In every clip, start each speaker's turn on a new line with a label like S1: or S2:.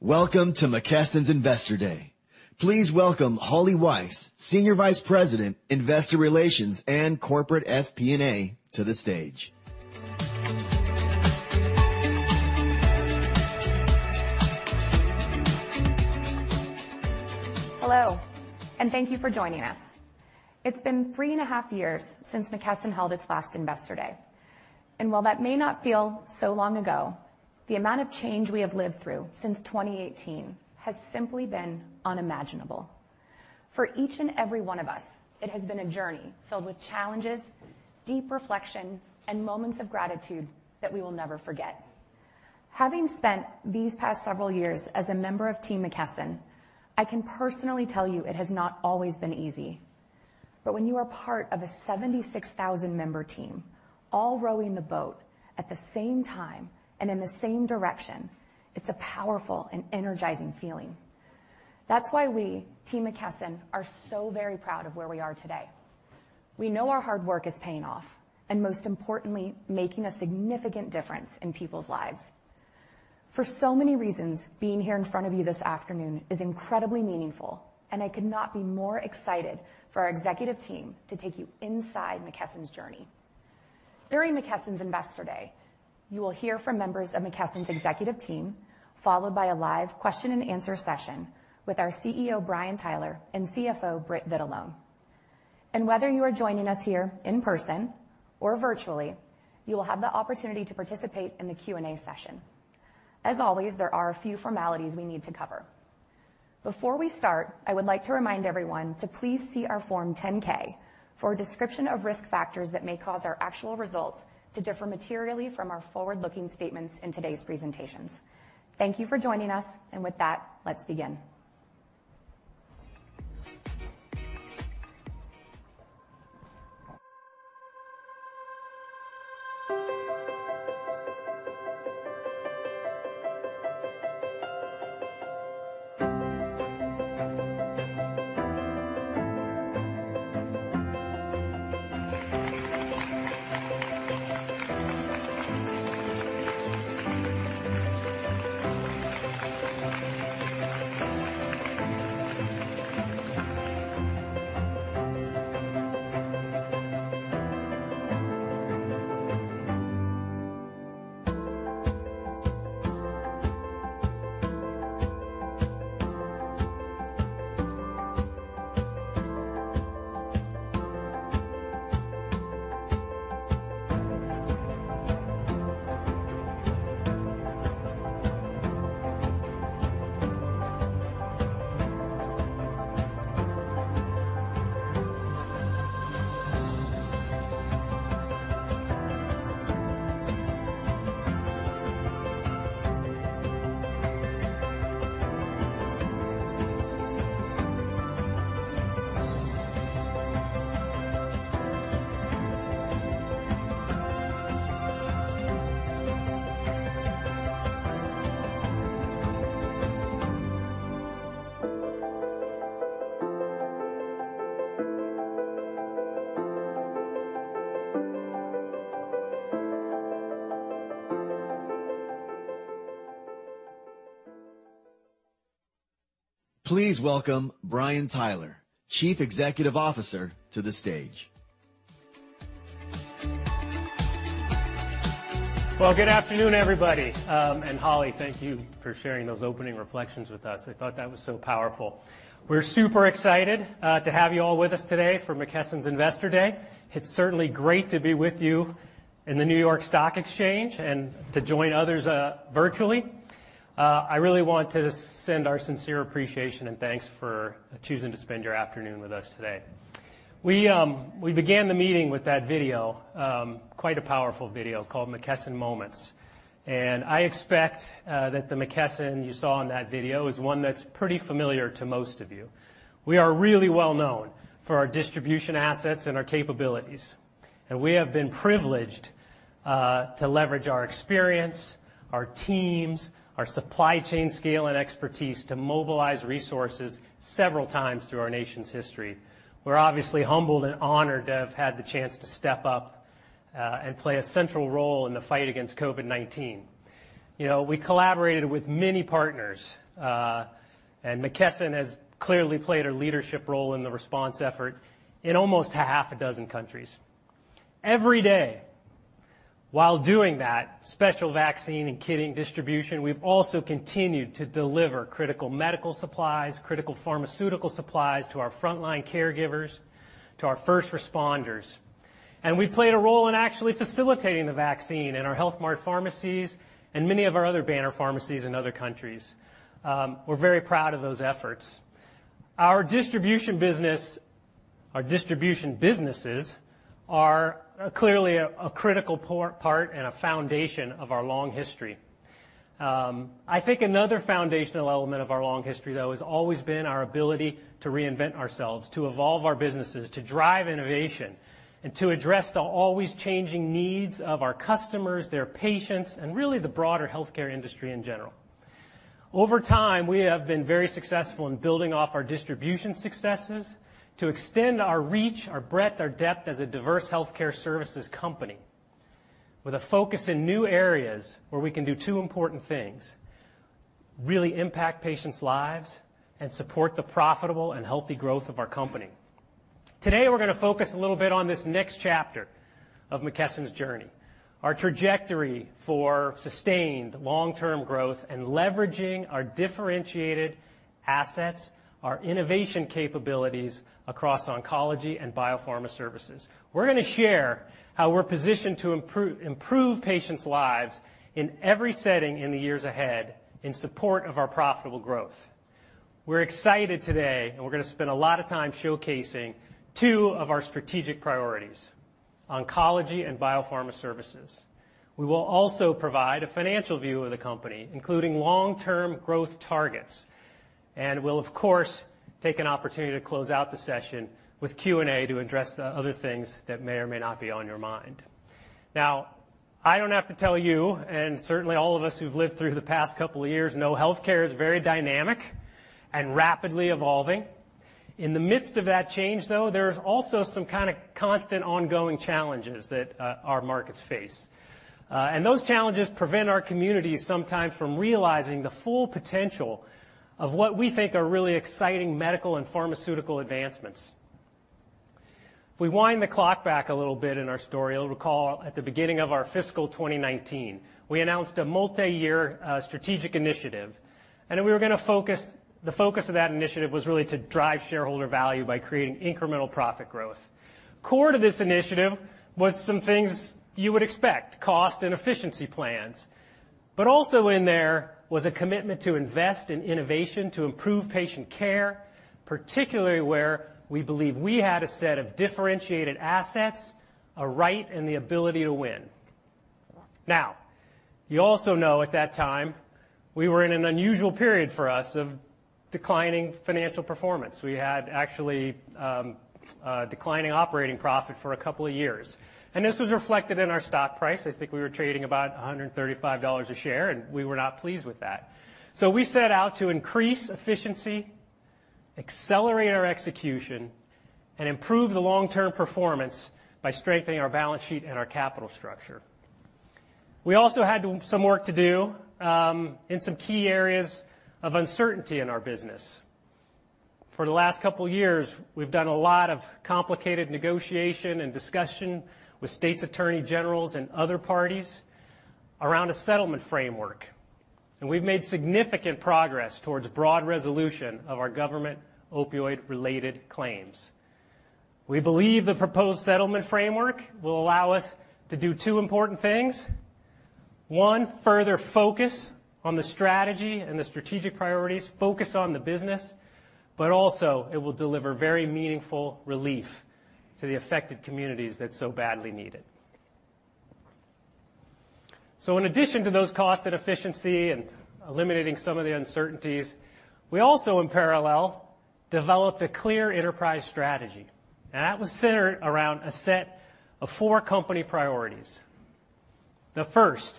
S1: Welcome to McKesson's Investor Day. Please welcome Holly Weiss, Senior Vice President, Investor Relations and Corporate FP&A to the stage.
S2: Hello, and thank you for joining us. It's been 3.5 years since McKesson held its last Investor Day. While that may not feel so long ago, the amount of change we have lived through since 2018 has simply been unimaginable. For each and every one of us, it has been a journey filled with challenges, deep reflection, and moments of gratitude that we will never forget. Having spent these past several years as a member of Team McKesson, I can personally tell you it has not always been easy. When you are part of a 76,000 member team, all rowing the boat at the same time and in the same direction, it's a powerful and energizing feeling. That's why we, Team McKesson, are so very proud of where we are today. We know our hard work is paying off, and most importantly, making a significant difference in people's lives. For so many reasons, being here in front of you this afternoon is incredibly meaningful, and I could not be more excited for our executive team to take you inside McKesson's journey. During McKesson's Investor Day, you will hear from members of McKesson's executive team, followed by a live question and answer session with our CEO, Brian Tyler, and CFO, Britt Vitalone. Whether you are joining us here in person or virtually, you will have the opportunity to participate in the Q&A session. As always, there are a few formalities we need to cover. Before we start, I would like to remind everyone to please see our Form 10-K for a description of risk factors that may cause our actual results to differ materially from our forward-looking statements in today's presentations. Thank you for joining us, and with that, let's begin.
S1: Please welcome Brian Tyler, Chief Executive Officer, to the stage.
S3: Well, good afternoon, everybody. And Holly, thank you for sharing those opening reflections with us. I thought that was so powerful. We're super excited to have you all with us today for McKesson's Investor Day. It's certainly great to be with you in the New York Stock Exchange and to join others virtually. I really want to send our sincere appreciation and thanks for choosing to spend your afternoon with us today. We began the meeting with that video, quite a powerful video called McKesson Moments. I expect that the McKesson you saw in that video is one that's pretty familiar to most of you. We are really well known for our distribution assets and our capabilities, and we have been privileged to leverage our experience, our teams, our supply chain scale and expertise to mobilize resources several times through our nation's history. We're obviously humbled and honored to have had the chance to step up and play a central role in the fight against COVID-19. You know, we collaborated with many partners, and McKesson has clearly played a leadership role in the response effort in almost half a dozen countries. Every day, while doing that special vaccine and kitting distribution, we've also continued to deliver critical medical supplies, critical pharmaceutical supplies to our frontline caregivers, to our first responders. We played a role in actually facilitating the vaccine in our Health Mart pharmacies and many of our other banner pharmacies in other countries. We're very proud of those efforts. Our distribution businesses are clearly a critical part and a foundation of our long history. I think another foundational element of our long history, though, has always been our ability to reinvent ourselves, to evolve our businesses, to drive innovation, and to address the always changing needs of our customers, their patients, and really the broader healthcare industry in general. Over time, we have been very successful in building off our distribution successes to extend our reach, our breadth, our depth as a diverse healthcare services company, with a focus in new areas where we can do two important things, really impact patients' lives and support the profitable and healthy growth of our company. Today, we're gonna focus a little bit on this next chapter of McKesson's journey, our trajectory for sustained long-term growth and leveraging our differentiated assets, our innovation capabilities across oncology and biopharma services. We're gonna share how we're positioned to improve patients' lives in every setting in the years ahead in support of our profitable growth. We're excited today, and we're gonna spend a lot of time showcasing two of our strategic priorities, oncology and biopharma services. We will also provide a financial view of the company, including long-term growth targets, and we'll of course take an opportunity to close out the session with Q&A to address the other things that may or may not be on your mind. Now, I don't have to tell you, and certainly all of us who've lived through the past couple of years know healthcare is very dynamic and rapidly evolving. In the midst of that change, though, there's also some kinda constant ongoing challenges that our markets face. Those challenges prevent our communities sometimes from realizing the full potential of what we think are really exciting medical and pharmaceutical advancements. If we wind the clock back a little bit in our story, you'll recall at the beginning of our fiscal 2019, we announced a multiyear strategic initiative, and the focus of that initiative was really to drive shareholder value by creating incremental profit growth. Core to this initiative was some things you would expect, cost and efficiency plans, but also in there was a commitment to invest in innovation to improve patient care, particularly where we believe we had a set of differentiated assets, a right and the ability to win. Now, you also know at that time, we were in an unusual period for us of declining financial performance. We had actually declining operating profit for a couple of years. This was reflected in our stock price. I think we were trading about $135 a share, and we were not pleased with that. We set out to increase efficiency, accelerate our execution, and improve the long-term performance by strengthening our balance sheet and our capital structure. We also had some work to do in some key areas of uncertainty in our business. For the last couple of years, we've done a lot of complicated negotiation and discussion with states' attorney generals and other parties around a settlement framework, and we've made significant progress towards broad resolution of our government opioid-related claims. We believe the proposed settlement framework will allow us to do two important things. One, further focus on the strategy and the strategic priorities, focus on the business, but also it will deliver very meaningful relief to the affected communities that so badly need it. In addition to those cost and efficiency and eliminating some of the uncertainties, we also, in parallel, developed a clear enterprise strategy, and that was centered around a set of four company priorities. The first,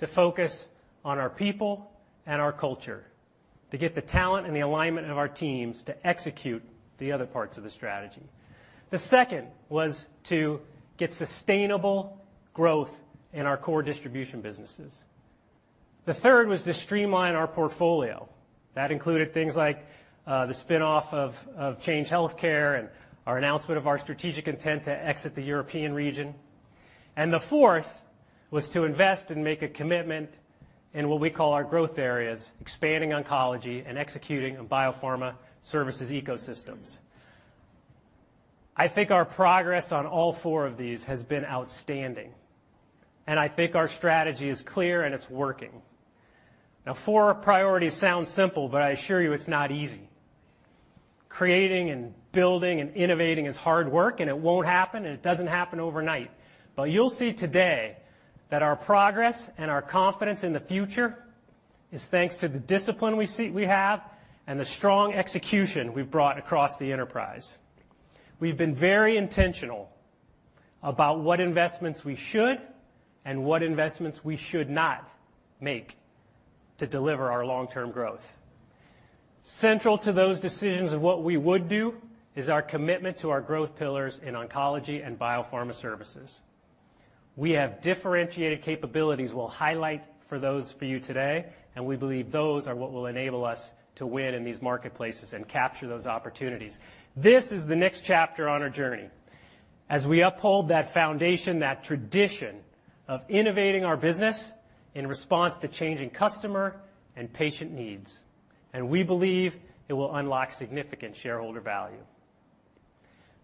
S3: to focus on our people and our culture, to get the talent and the alignment of our teams to execute the other parts of the strategy. The second was to get sustainable growth in our core distribution businesses. The third was to streamline our portfolio. That included things like the spin-off of Change Healthcare and our announcement of our strategic intent to exit the European region. The fourth was to invest and make a commitment in what we call our growth areas, expanding oncology and executing biopharma services ecosystems. I think our progress on all four of these has been outstanding, and I think our strategy is clear and it's working. Now, four priorities sound simple, but I assure you it's not easy. Creating and building and innovating is hard work, and it won't happen, and it doesn't happen overnight. You'll see today that our progress and our confidence in the future is thanks to the discipline we have and the strong execution we've brought across the enterprise. We've been very intentional about what investments we should and what investments we should not make to deliver our long-term growth. Central to those decisions of what we would do is our commitment to our growth pillars in oncology and biopharma services. We have differentiated capabilities we'll highlight for those of you today, and we believe those are what will enable us to win in these marketplaces and capture those opportunities. This is the next chapter on our journey as we uphold that foundation, that tradition of innovating our business in response to changing customer and patient needs, and we believe it will unlock significant shareholder value.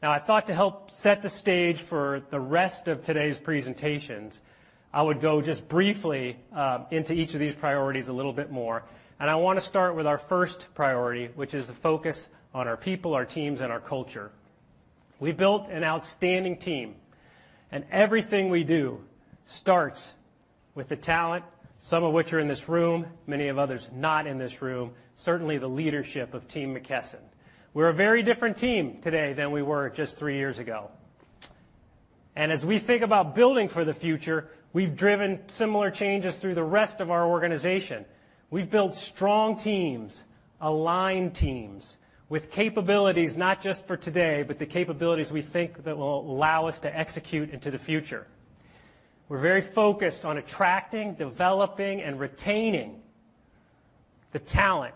S3: Now, I thought to help set the stage for the rest of today's presentations, I would go just briefly into each of these priorities a little bit more, and I wanna start with our first priority, which is the focus on our people, our teams, and our culture. We built an outstanding team, and everything we do starts with the talent, some of which are in this room, many others not in this room, certainly the leadership of Team McKesson. We're a very different team today than we were just three years ago. As we think about building for the future, we've driven similar changes through the rest of our organization. We've built strong teams, aligned teams with capabilities, not just for today, but the capabilities we think that will allow us to execute into the future. We're very focused on attracting, developing, and retaining the talent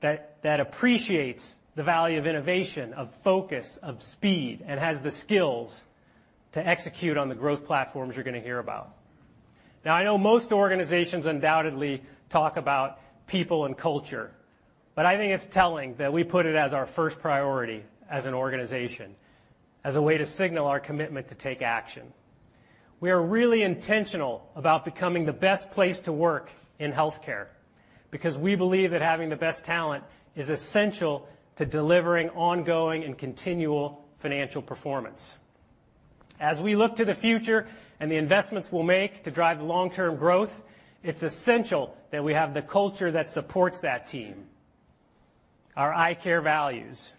S3: that appreciates the value of innovation, of focus, of speed, and has the skills to execute on the growth platforms you're gonna hear about. Now, I know most organizations undoubtedly talk about people and culture, but I think it's telling that we put it as our first priority as an organization, as a way to signal our commitment to take action. We are really intentional about becoming the best place to work in healthcare because we believe that having the best talent is essential to delivering ongoing and continual financial performance. As we look to the future and the investments we'll make to drive long-term growth, it's essential that we have the culture that supports that team. Our ICARE values,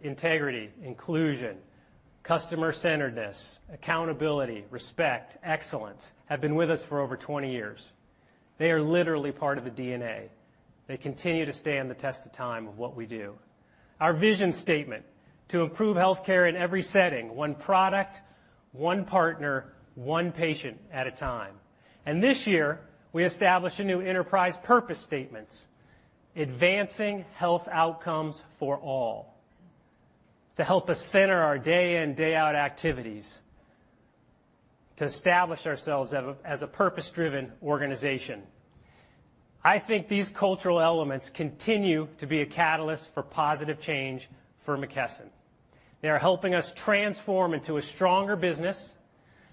S3: Integrity, Inclusion, Customer Centeredness, Accountability, Respect, Excellence, have been with us for over 20 years. They are literally part of the DNA. They continue to stand the test of time of what we do. Our vision statement. To improve healthcare in every setting, one product, one partner, one patient at a time. This year, we established a new enterprise purpose statement. Advancing health outcomes for all, to help us center our day in, day out activities, to establish ourselves as a purpose-driven organization. I think these cultural elements continue to be a catalyst for positive change for McKesson. They are helping us transform into a stronger business.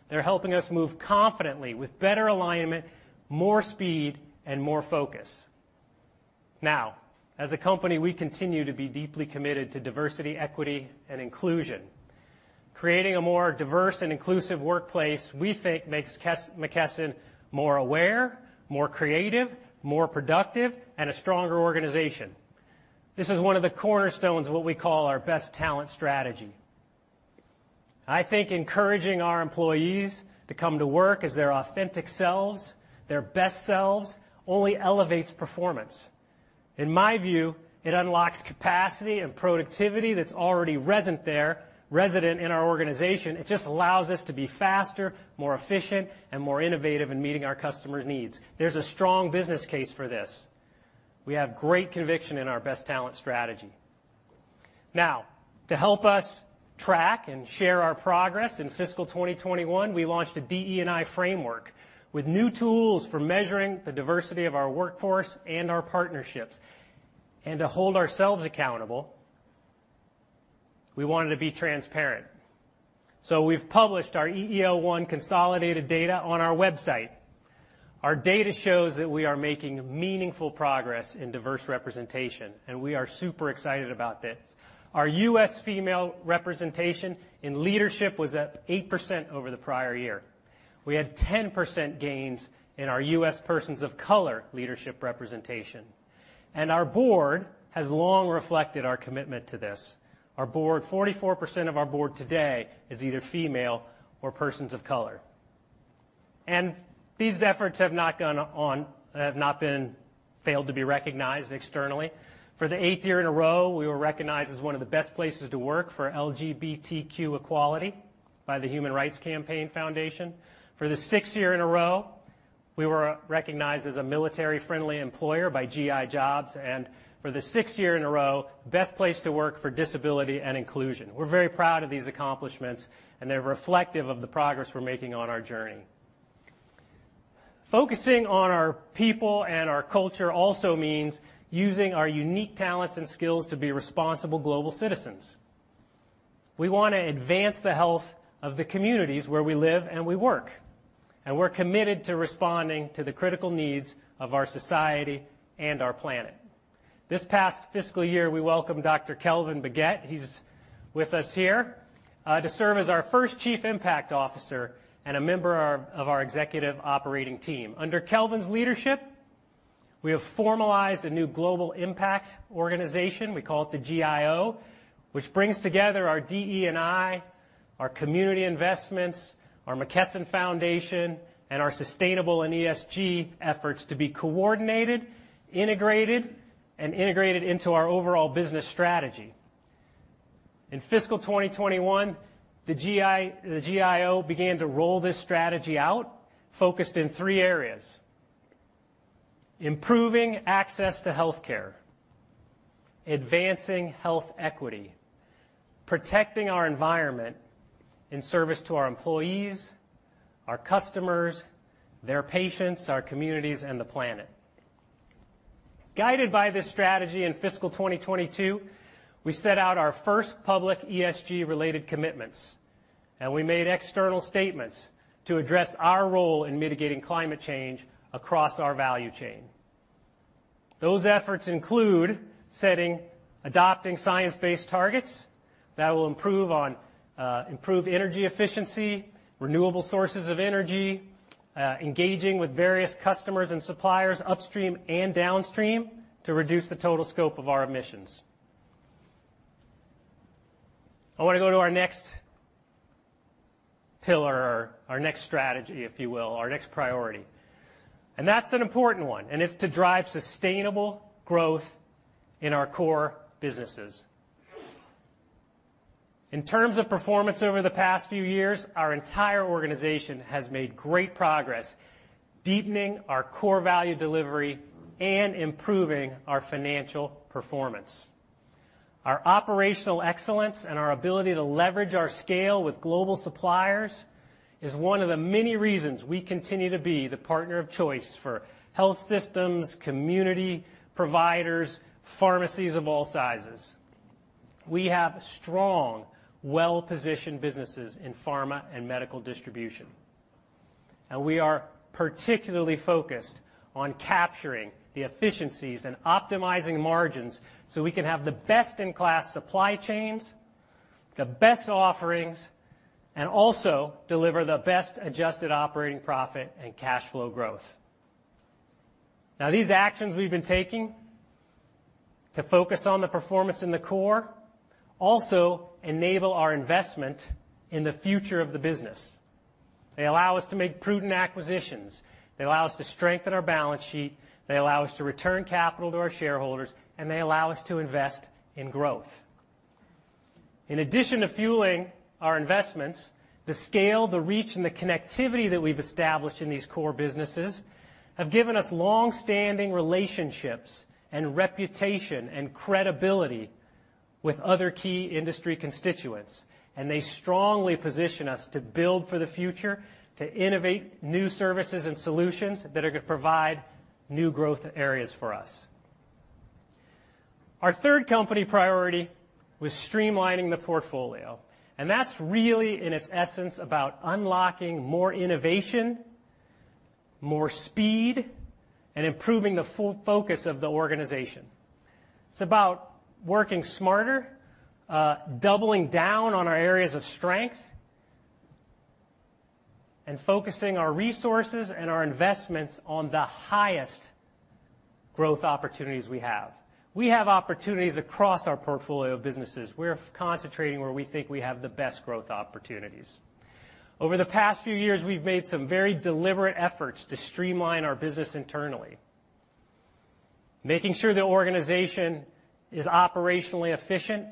S3: They're helping us move confidently with better alignment, more speed, and more focus. Now, as a company, we continue to be deeply committed to diversity, equity, and inclusion. Creating a more diverse and inclusive workplace, we think makes McKesson more aware, more creative, more productive, and a stronger organization. This is one of the cornerstones of what we call our best talent strategy. I think encouraging our employees to come to work as their authentic selves, their best selves, only elevates performance. In my view, it unlocks capacity and productivity that's already resident in our organization. It just allows us to be faster, more efficient, and more innovative in meeting our customers' needs. There's a strong business case for this. We have great conviction in our best talent strategy. Now, to help us track and share our progress, in fiscal 2021, we launched a DE&I framework with new tools for measuring the diversity of our workforce and our partnerships. To hold ourselves accountable, we wanted to be transparent. We've published our EEO-1 consolidated data on our website. Our data shows that we are making meaningful progress in diverse representation, and we are super excited about this. Our U.S. female representation in leadership was up 8% over the prior year. We had 10% gains in our U.S. persons of color leadership representation. Our board has long reflected our commitment to this. Our board, 44% of our board today is either female or persons of color. These efforts have not failed to be recognized externally. For the eighth year in a row, we were recognized as one of the best places to work for LGBTQ equality by the Human Rights Campaign Foundation. For the sixth year in a row, we were recognized as a military-friendly employer by G.I. Jobs, and for the sixth year in a row, best place to work for disability and inclusion. We're very proud of these accomplishments, and they're reflective of the progress we're making on our journey. Focusing on our people and our culture also means using our unique talents and skills to be responsible global citizens. We wanna advance the health of the communities where we live and we work, and we're committed to responding to the critical needs of our society and our planet. This past fiscal year, we welcomed Dr. Kelvin Baggett, he's with us here to serve as our first Chief Impact Officer and a member of our executive operating team. Under Kelvin's leadership, we have formalized a new global impact organization, we call it the GIO, which brings together our DE&I, our community investments, our McKesson Foundation, and our sustainable and ESG efforts to be coordinated, integrated into our overall business strategy. In fiscal 2021, the GIO began to roll this strategy out, focused in three areas: improving access to healthcare, advancing health equity, protecting our environment in service to our employees, our customers, their patients, our communities, and the planet. Guided by this strategy in fiscal 2022, we set out our first public ESG-related commitments, and we made external statements to address our role in mitigating climate change across our value chain. Those efforts include adopting science-based targets that will improve energy efficiency, renewable sources of energy, engaging with various customers and suppliers upstream and downstream to reduce the total scope of our emissions. I wanna go to our next pillar, our next strategy, if you will, our next priority. That's an important one, and it's to drive sustainable growth in our core businesses. In terms of performance over the past few years, our entire organization has made great progress deepening our core value delivery and improving our financial performance. Our operational excellence and our ability to leverage our scale with global suppliers is one of the many reasons we continue to be the partner of choice for health systems, community providers, pharmacies of all sizes. We have strong, well-positioned businesses in pharma and medical distribution. We are particularly focused on capturing the efficiencies and optimizing margins, so we can have the best-in-class supply chains, the best offerings, and also deliver the best adjusted operating profit and cash flow growth. Now, these actions we've been taking to focus on the performance in the core also enable our investment in the future of the business. They allow us to make prudent acquisitions. They allow us to strengthen our balance sheet. They allow us to return capital to our shareholders, and they allow us to invest in growth. In addition to fueling our investments, the scale, the reach, and the connectivity that we've established in these core businesses have given us long-standing relationships and reputation and credibility with other key industry constituents, and they strongly position us to build for the future, to innovate new services and solutions that are gonna provide new growth areas for us. Our third company priority was streamlining the portfolio, and that's really, in its essence, about unlocking more innovation, more speed, and improving the full focus of the organization. It's about working smarter, doubling down on our areas of strength, and focusing our resources and our investments on the highest growth opportunities we have. We have opportunities across our portfolio of businesses. We're concentrating where we think we have the best growth opportunities. Over the past few years, we've made some very deliberate efforts to streamline our business internally, making sure the organization is operationally efficient,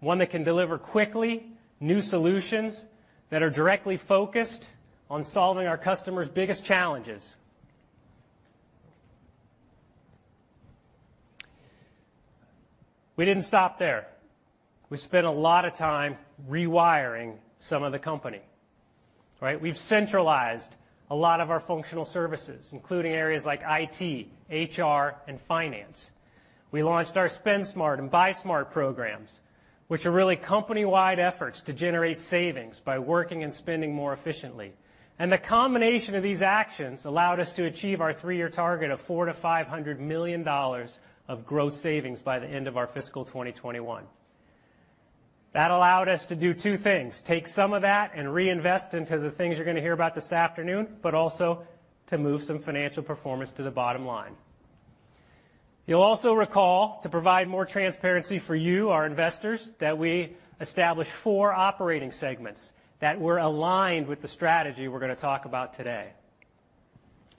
S3: one that can deliver quickly new solutions that are directly focused on solving our customers' biggest challenges. We didn't stop there. We spent a lot of time rewiring some of the company, right? We've centralized a lot of our functional services, including areas like IT, HR, and finance. We launched our Spend Smart and Buy Smart programs, which are really company-wide efforts to generate savings by working and spending more efficiently. The combination of these actions allowed us to achieve our three-year target of $400 million-$500 million of growth savings by the end of our fiscal 2022. That allowed us to do two things, take some of that and reinvest into the things you're gonna hear about this afternoon, but also to move some financial performance to the bottom line. You'll also recall, to provide more transparency for you, our investors, that we established four operating segments that were aligned with the strategy we're gonna talk about today.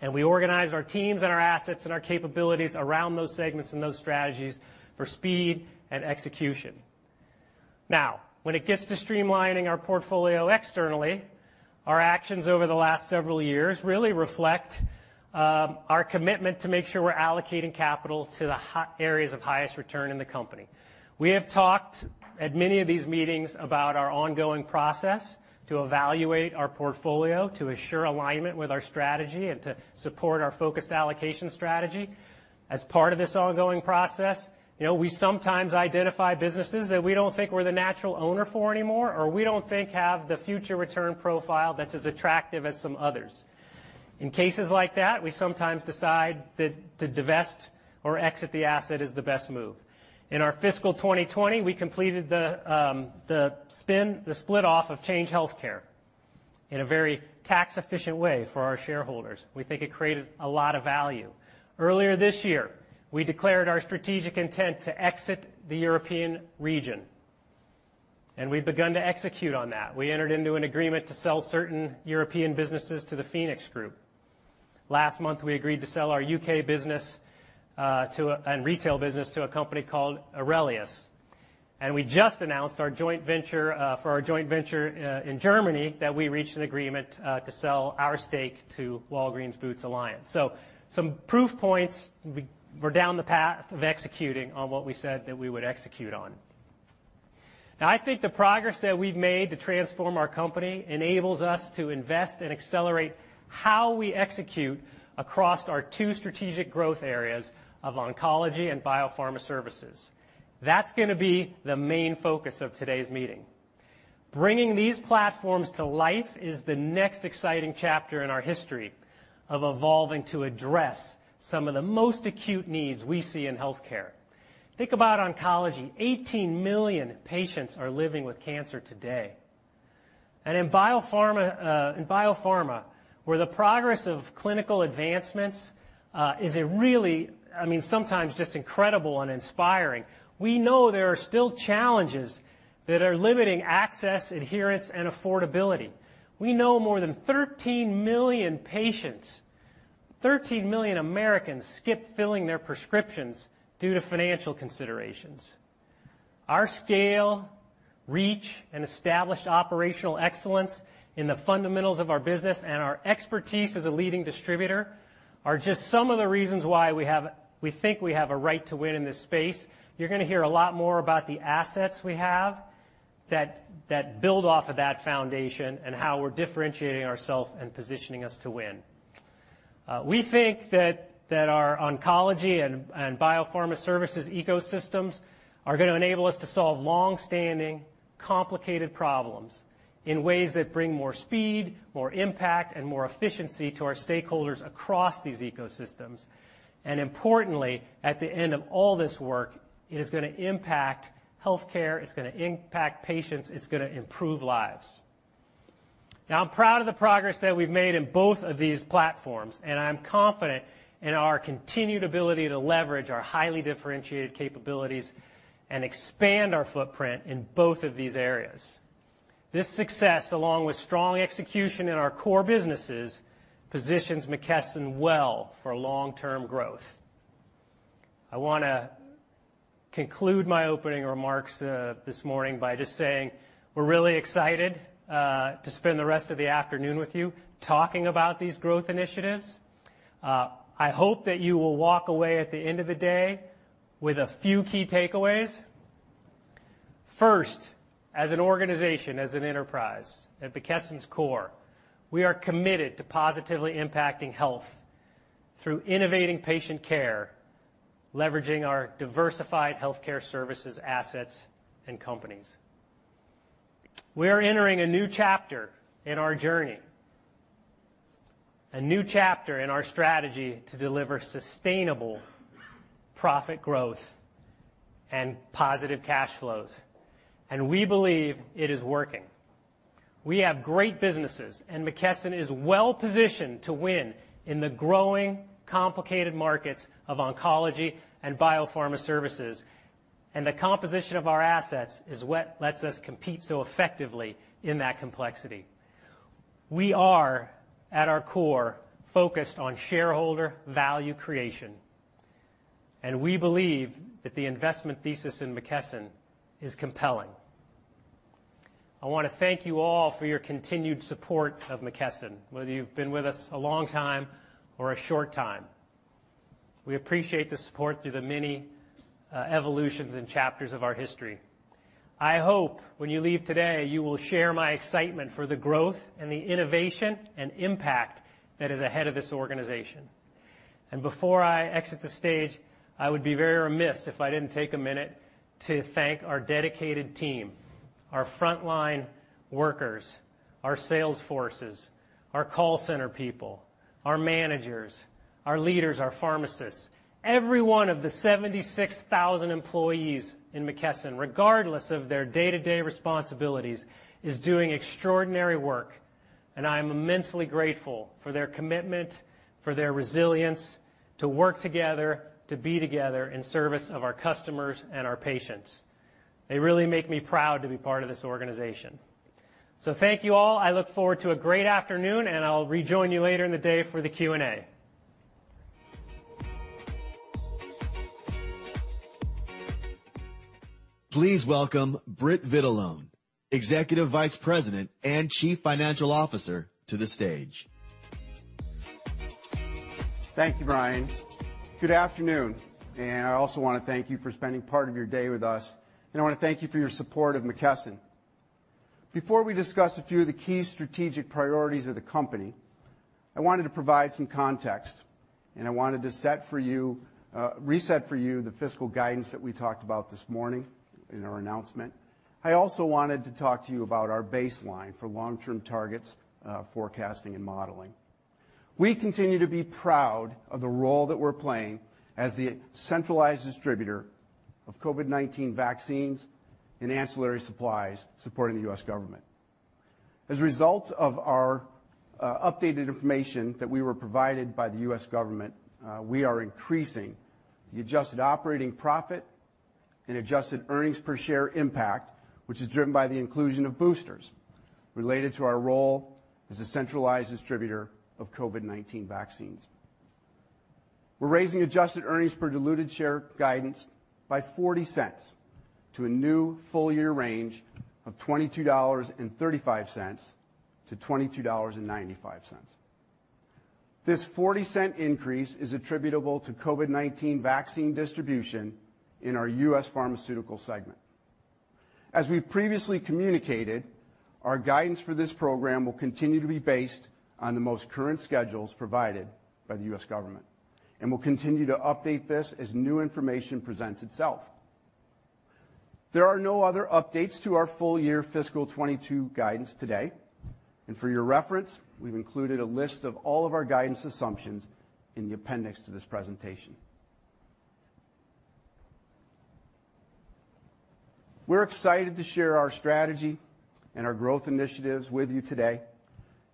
S3: We organized our teams and our assets and our capabilities around those segments and those strategies for speed and execution. Now, when it gets to streamlining our portfolio externally, our actions over the last several years really reflect our commitment to make sure we're allocating capital to the areas of highest return in the company. We have talked at many of these meetings about our ongoing process to evaluate our portfolio, to assure alignment with our strategy and to support our focused allocation strategy. As part of this ongoing process, you know, we sometimes identify businesses that we don't think we're the natural owner for anymore or we don't think have the future return profile that's as attractive as some others. In cases like that, we sometimes decide that to divest or exit the asset is the best move. In our fiscal 2020, we completed the split-off of Change Healthcare in a very tax-efficient way for our shareholders. We think it created a lot of value. Earlier this year, we declared our strategic intent to exit the European region, and we've begun to execute on that. We entered into an agreement to sell certain European businesses to the PHOENIX group. Last month, we agreed to sell our U.K. business and retail business to a company called AURELIUS. We just announced our joint venture in Germany that we reached an agreement to sell our stake to Walgreens Boots Alliance. Some proof points we're down the path of executing on what we said that we would execute on. Now, I think the progress that we've made to transform our company enables us to invest and accelerate how we execute across our two strategic growth areas of oncology and biopharma services. That's gonna be the main focus of today's meeting. Bringing these platforms to life is the next exciting chapter in our history of evolving to address some of the most acute needs we see in healthcare. Think about oncology. 18 million patients are living with cancer today. In biopharma, where the progress of clinical advancements is a really, I mean, sometimes just incredible and inspiring, we know there are still challenges that are limiting access, adherence, and affordability. We know more than 13 million patients, 13 million Americans skip filling their prescriptions due to financial considerations. Our scale, reach, and established operational excellence in the fundamentals of our business and our expertise as a leading distributor are just some of the reasons why we think we have a right to win in this space. You're gonna hear a lot more about the assets we have that build off of that foundation and how we're differentiating ourself and positioning us to win. We think that our oncology and biopharma services ecosystems are gonna enable us to solve long-standing, complicated problems in ways that bring more speed, more impact, and more efficiency to our stakeholders across these ecosystems. Importantly, at the end of all this work, it is gonna impact healthcare, it's gonna impact patients, it's gonna improve lives. Now, I'm proud of the progress that we've made in both of these platforms, and I'm confident in our continued ability to leverage our highly differentiated capabilities and expand our footprint in both of these areas. This success, along with strong execution in our core businesses, positions McKesson well for long-term growth. I wanna conclude my opening remarks this morning by just saying we're really excited to spend the rest of the afternoon with you talking about these growth initiatives. I hope that you will walk away at the end of the day with a few key takeaways. First, as an organization, as an enterprise, at McKesson's core, we are committed to positively impacting health through innovating patient care, leveraging our diversified healthcare services, assets, and companies. We are entering a new chapter in our journey, a new chapter in our strategy to deliver sustainable profit growth and positive cash flows, and we believe it is working. We have great businesses, and McKesson is well-positioned to win in the growing, complicated markets of oncology and biopharma services, and the composition of our assets is what lets us compete so effectively in that complexity. We are, at our core, focused on shareholder value creation, and we believe that the investment thesis in McKesson is compelling. I wanna thank you all for your continued support of McKesson, whether you've been with us a long time or a short time. We appreciate the support through the many, evolutions and chapters of our history. I hope when you leave today, you will share my excitement for the growth and the innovation and impact that is ahead of this organization. Before I exit the stage, I would be very remiss if I didn't take a minute to thank our dedicated team, our frontline workers, our sales forces, our call center people, our managers, our leaders, our pharmacists. Every one of the 76,000 employees in McKesson, regardless of their day-to-day responsibilities, is doing extraordinary work, and I am immensely grateful for their commitment, for their resilience to work together, to be together in service of our customers and our patients. They really make me proud to be part of this organization. Thank you all. I look forward to a great afternoon, and I'll rejoin you later in the day for the Q&A.
S1: Please welcome Britt Vitalone, Executive Vice President and Chief Financial Officer to the stage.
S4: Thank you, Brian. Good afternoon, and I also wanna thank you for spending part of your day with us, and I wanna thank you for your support of McKesson. Before we discuss a few of the key strategic priorities of the company, I wanted to provide some context, and I wanted to set for you, reset for you the fiscal guidance that we talked about this morning in our announcement. I also wanted to talk to you about our baseline for long-term targets, forecasting, and modeling. We continue to be proud of the role that we're playing as the centralized distributor of COVID-19 vaccines and ancillary supplies supporting the U.S. government. As a result of our updated information that we were provided by the U.S. government, we are increasing the adjusted operating profit and adjusted earnings per share impact, which is driven by the inclusion of boosters related to our role as a centralized distributor of COVID-19 vaccines. We're raising adjusted earnings per diluted share guidance by $0.40 to a new full-year range of $22.35-$22.95. This $0.40 increase is attributable to COVID-19 vaccine distribution in our U.S. pharmaceutical segment. As we previously communicated, our guidance for this program will continue to be based on the most current schedules provided by the U.S. government, and we'll continue to update this as new information presents itself. There are no other updates to our full year fiscal 2022 guidance today. For your reference, we've included a list of all of our guidance assumptions in the appendix to this presentation. We're excited to share our strategy and our growth initiatives with you today,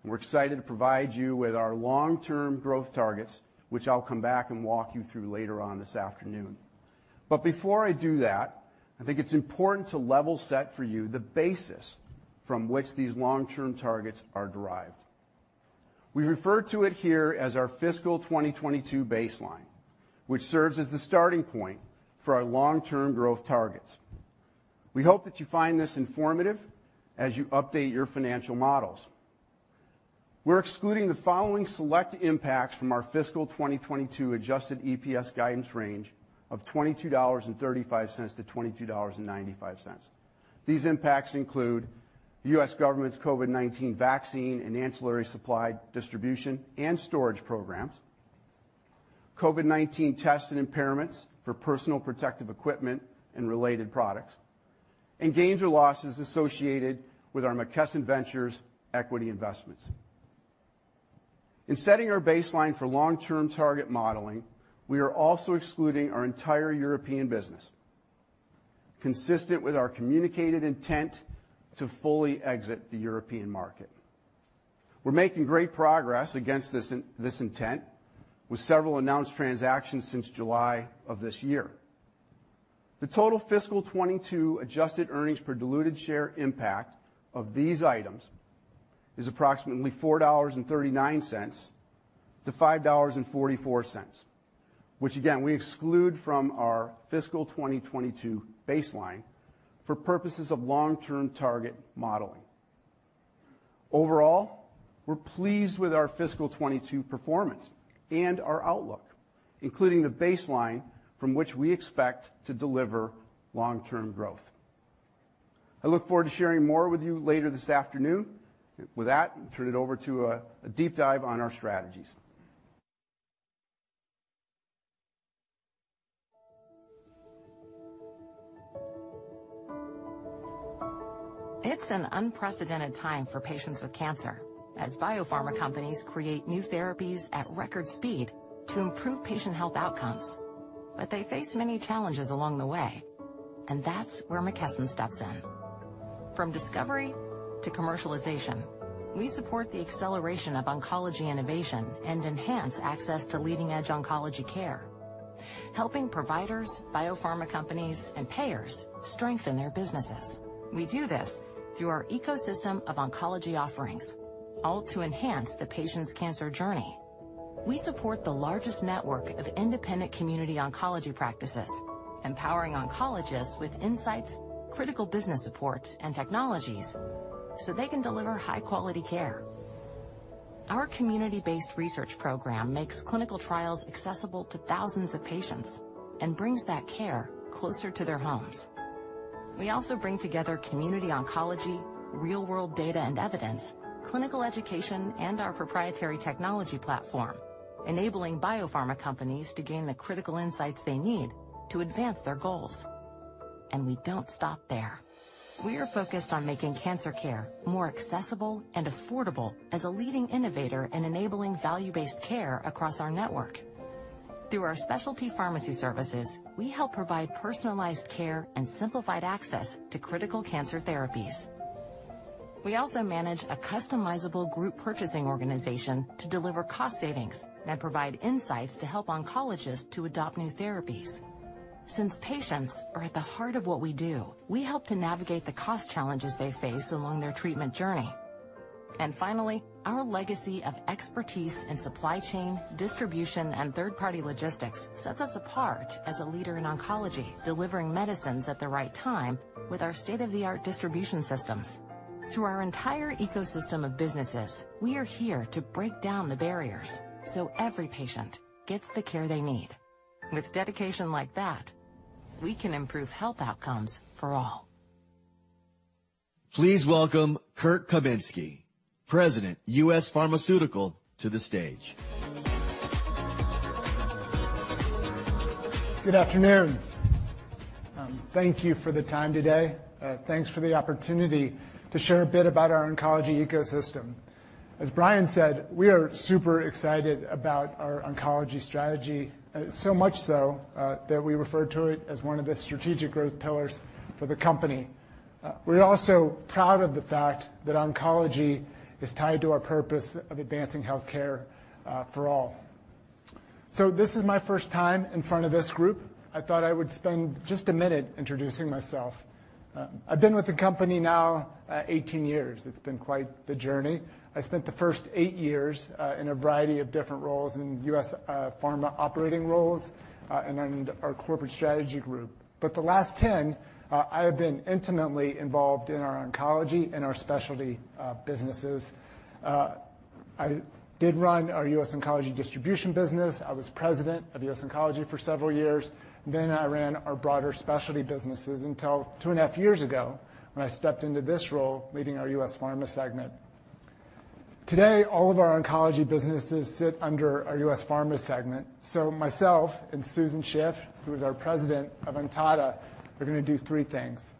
S4: and we're excited to provide you with our long-term growth targets, which I'll come back and walk you through later on this afternoon. Before I do that, I think it's important to level set for you the basis from which these long-term targets are derived. We refer to it here as our fiscal 2022 baseline, which serves as the starting point for our long-term growth targets. We hope that you find this informative as you update your financial models. We're excluding the following select impacts from our fiscal 2022 adjusted EPS guidance range of $22.35-$22.95. These impacts include the U.S. government's COVID-19 vaccine and ancillary supply distribution and storage programs, COVID-19 tests and impairments for personal protective equipment and related products, and gains or losses associated with our McKesson Ventures equity investments. In setting our baseline for long-term target modeling, we are also excluding our entire European business, consistent with our communicated intent to fully exit the European market. We're making great progress against this intent with several announced transactions since July of this year. The total fiscal 2022 adjusted earnings per diluted share impact of these items is approximately $4.39-$5.44, which again, we exclude from our fiscal 2022 baseline for purposes of long-term target modeling. Overall, we're pleased with our fiscal 2022 performance and our outlook, including the baseline from which we expect to deliver long-term growth. I look forward to sharing more with you later this afternoon. With that, turn it over to a deep dive on our strategies.
S5: It's an unprecedented time for patients with cancer as biopharma companies create new therapies at record speed to improve patient health outcomes. They face many challenges along the way, and that's where McKesson steps in. From discovery to commercialization, we support the acceleration of oncology innovation and enhance access to leading-edge oncology care, helping providers, biopharma companies, and payers strengthen their businesses. We do this through our ecosystem of oncology offerings, all to enhance the patient's cancer journey. We support the largest network of independent community oncology practices, empowering oncologists with insights, critical business support, and technologies so they can deliver high-quality care. Our community-based research program makes clinical trials accessible to thousands of patients and brings that care closer to their homes. We also bring together community oncology, real-world data and evidence, clinical education, and our proprietary technology platform, enabling biopharma companies to gain the critical insights they need to advance their goals. We don't stop there. We are focused on making cancer care more accessible and affordable as a leading innovator in enabling value-based care across our network. Through our specialty pharmacy services, we help provide personalized care and simplified access to critical cancer therapies. We also manage a customizable group purchasing organization to deliver cost savings and provide insights to help oncologists to adopt new therapies. Since patients are at the heart of what we do, we help to navigate the cost challenges they face along their treatment journey. Finally, our legacy of expertise in supply chain, distribution, and third-party logistics sets us apart as a leader in oncology, delivering medicines at the right time with our state-of-the-art distribution systems. Through our entire ecosystem of businesses, we are here to break down the barriers so every patient gets the care they need. With dedication like that, we can improve health outcomes for all.
S1: Please welcome Kirk Kaminsky, President, U.S. Pharmaceutical, to the stage.
S6: Good afternoon. Thank you for the time today. Thanks for the opportunity to share a bit about our oncology ecosystem. As Brian said, we are super excited about our oncology strategy, so much so, that we refer to it as one of the strategic growth pillars for the company. We're also proud of the fact that oncology is tied to our purpose of advancing healthcare, for all. This is my first time in front of this group. I thought I would spend just a minute introducing myself. I've been with the company now, 18 years. It's been quite the journey. I spent the first eight years, in a variety of different roles in U.S. pharma operating roles, and then our corporate strategy group. The last 10, I have been intimately involved in our oncology and our specialty businesses. I did run our U.S. oncology distribution business. I was president of U.S. Oncology for several years. Then I ran our broader specialty businesses until two and a half years ago when I stepped into this role leading our U.S. Pharma segment. Today, all of our oncology businesses sit under our U.S. pharma segment. Myself and Susan Shiff, who is our President of Ontada, are going to do three things.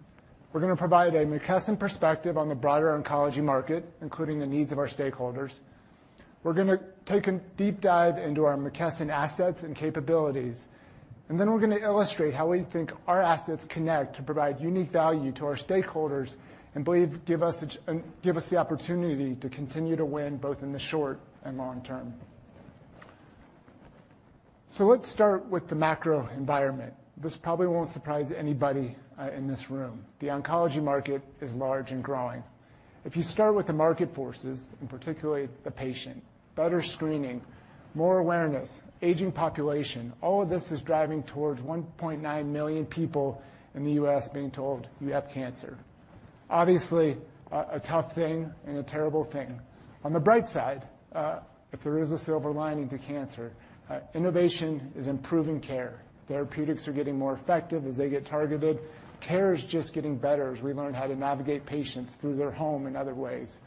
S6: We're going to provide a McKesson perspective on the broader oncology market, including the needs of our stakeholders. We're gonna take a deep dive into our McKesson assets and capabilities, and then we're going to illustrate how we think our assets connect to provide unique value to our stakeholders and believe give us the opportunity to continue to win, both in the short and long term. Let's start with the macro environment. This probably won't surprise anybody in this room. The oncology market is large and growing. If you start with the market forces, and particularly the patient, better screening, more awareness, aging population, all of this is driving towards 1.9 million people in the U.S. being told, "You have cancer." Obviously, a tough thing and a terrible thing. On the bright side, if there is a silver lining to cancer, innovation is improving care. Therapeutics are getting more effective as they get targeted. Care is just getting better as we learn how to navigate patients through their home in other ways.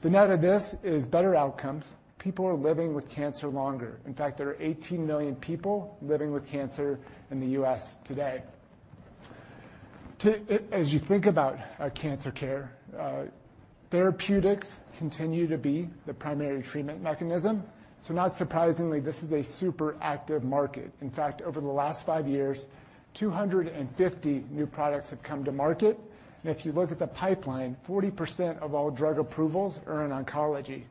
S6: The net of this is better outcomes. People are living with cancer longer. In fact, there are 18 million people living with cancer in the U.S. today. As you think about cancer care, therapeutics continue to be the primary treatment mechanism. So not surprisingly, this is a super active market. In fact, over the last five years, 250 new products have come to market. If you look at the pipeline, 40% of all drug approvals are in oncology.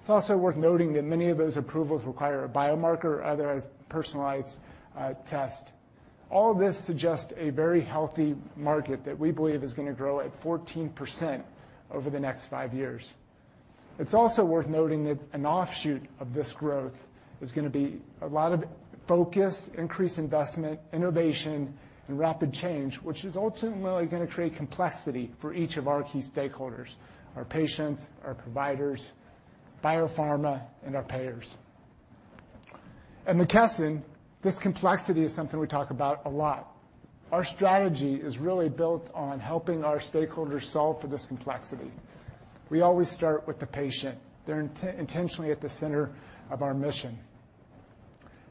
S6: It's also worth noting that many of those approvals require a biomarker or other personalized test. All this suggests a very healthy market that we believe is going to grow at 14% over the next five years. It's also worth noting that an offshoot of this growth is going to be a lot of focus, increased investment, innovation, and rapid change, which is ultimately going to create complexity for each of our key stakeholders, our patients, our providers, biopharma, and our payers. At McKesson, this complexity is something we talk about a lot. Our strategy is really built on helping our stakeholders solve for this complexity. We always start with the patient. They're intentionally at the center of our mission.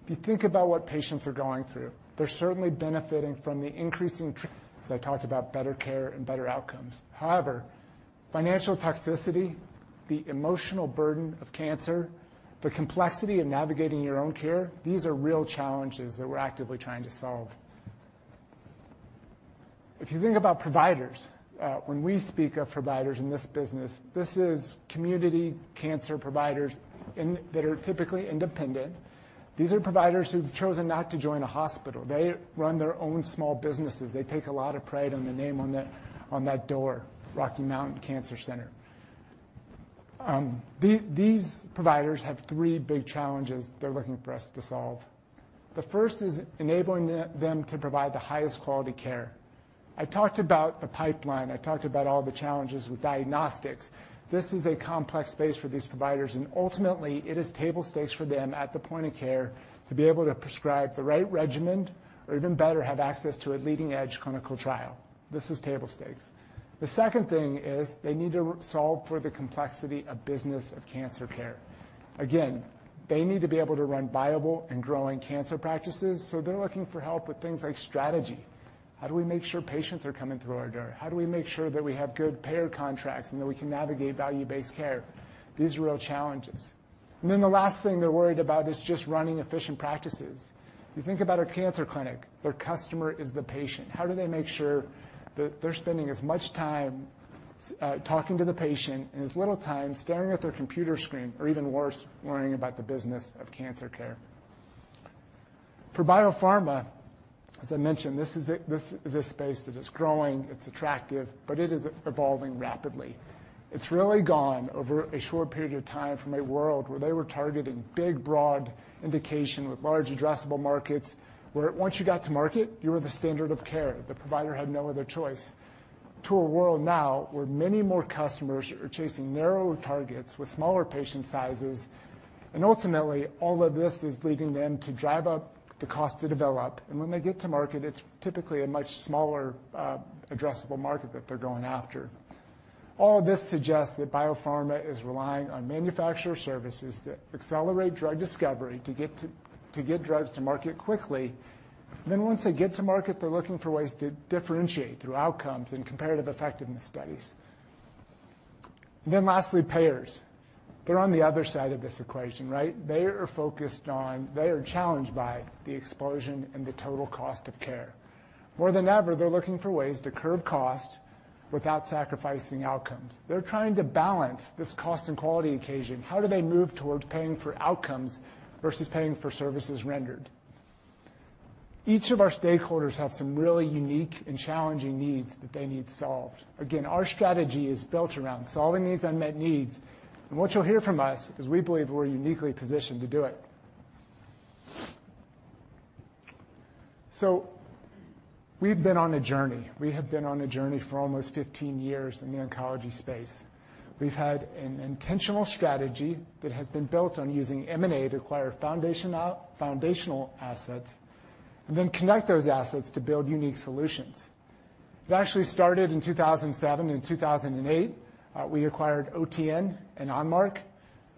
S6: If you think about what patients are going through, they're certainly benefiting from the increasing treatments. As I talked about better care and better outcomes. However, financial toxicity, the emotional burden of cancer, the complexity of navigating your own care, these are real challenges that we're actively trying to solve. If you think about providers, when we speak of providers in this business, this is community cancer providers that are typically independent. These are providers who've chosen not to join a hospital. They run their own small businesses. They take a lot of pride in the name on that door, Rocky Mountain Cancer Centers. These providers have three big challenges they're looking for us to solve. The first is enabling them to provide the highest quality care. I talked about the pipeline. I talked about all the challenges with diagnostics. This is a complex space for these providers, and ultimately, it is table stakes for them at the point of care to be able to prescribe the right regimen or even better, have access to a leading-edge clinical trial. This is table stakes. The second thing is they need to solve for the complexity of business of cancer care. Again, they need to be able to run viable and growing cancer practices, so they're looking for help with things like strategy. How do we make sure patients are coming through our door? How do we make sure that we have good payer contracts, and that we can navigate value-based care? These are real challenges. The last thing they're worried about is just running efficient practices. You think about a cancer clinic, their customer is the patient. How do they make sure that they're spending as much time talking to the patient and as little time staring at their computer screen, or even worse, worrying about the business of cancer care? For biopharma, as I mentioned, this is a space that is growing, it's attractive, but it is evolving rapidly. It's really gone over a short period of time from a world where they were targeting big, broad indication with large addressable markets, where once you got to market, you were the standard of care, the provider had no other choice, to a world now where many more customers are chasing narrower targets with smaller patient sizes. Ultimately, all of this is leading them to drive up the cost to develop. When they get to market, it's typically a much smaller addressable market that they're going after. All this suggests that biopharma is relying on manufacturer services to accelerate drug discovery, to get drugs to market quickly. Once they get to market, they're looking for ways to differentiate through outcomes and comparative effectiveness studies. Lastly, payers. They're on the other side of this equation, right? They are focused on. They are challenged by the explosion in the total cost of care. More than ever, they're looking for ways to curb costs without sacrificing outcomes. They're trying to balance this cost and quality equation. How do they move towards paying for outcomes versus paying for services rendered? Each of our stakeholders have some really unique and challenging needs that they need solved. Again, our strategy is built around solving these unmet needs, and what you'll hear from us is we believe we're uniquely positioned to do it. We've been on a journey. We have been on a journey for almost 15 years in the oncology space. We've had an intentional strategy that has been built on using M&A to acquire foundational assets and then connect those assets to build unique solutions. It actually started in 2007 and 2008, we acquired OTN and Onmark.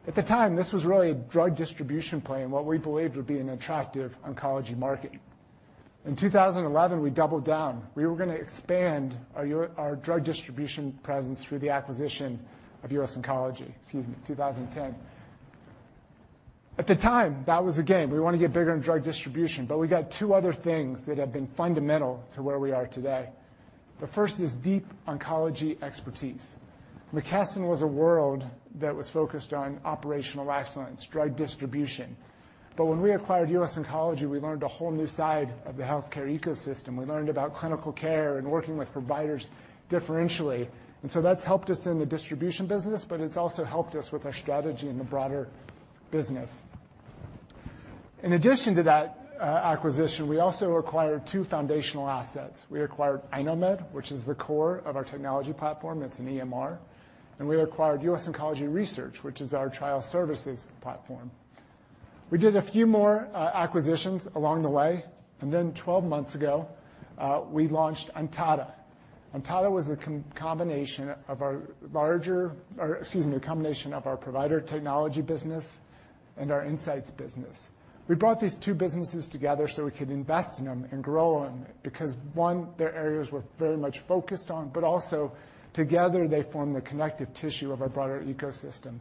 S6: At the time, this was really a drug distribution play in what we believed would be an attractive oncology market. In 2011, we doubled down. We were gonna expand our our drug distribution presence through the acquisition of US Oncology. Excuse me, 2010. At the time, that was the game. We wanna get bigger in drug distribution, but we got two other things that have been fundamental to where we are today. The first is deep oncology expertise. McKesson was a world that was focused on operational excellence, drug distribution. When we acquired US Oncology, we learned a whole new side of the healthcare ecosystem. We learned about clinical care and working with providers differentially. That's helped us in the distribution business, but it's also helped us with our strategy in the broader business. In addition to that acquisition, we also acquired two foundational assets. We acquired iKnowMed, which is the core of our technology platform. It's an EMR. We acquired US Oncology Research, which is our trial services platform. We did a few more acquisitions along the way, and then 12 months ago, we launched Ontada. Ontada was a combination of our provider technology business and our insights business. We brought these two businesses together so we could invest in them and grow them because, one, their areas were very much focused on, but also together, they form the connective tissue of our broader ecosystem.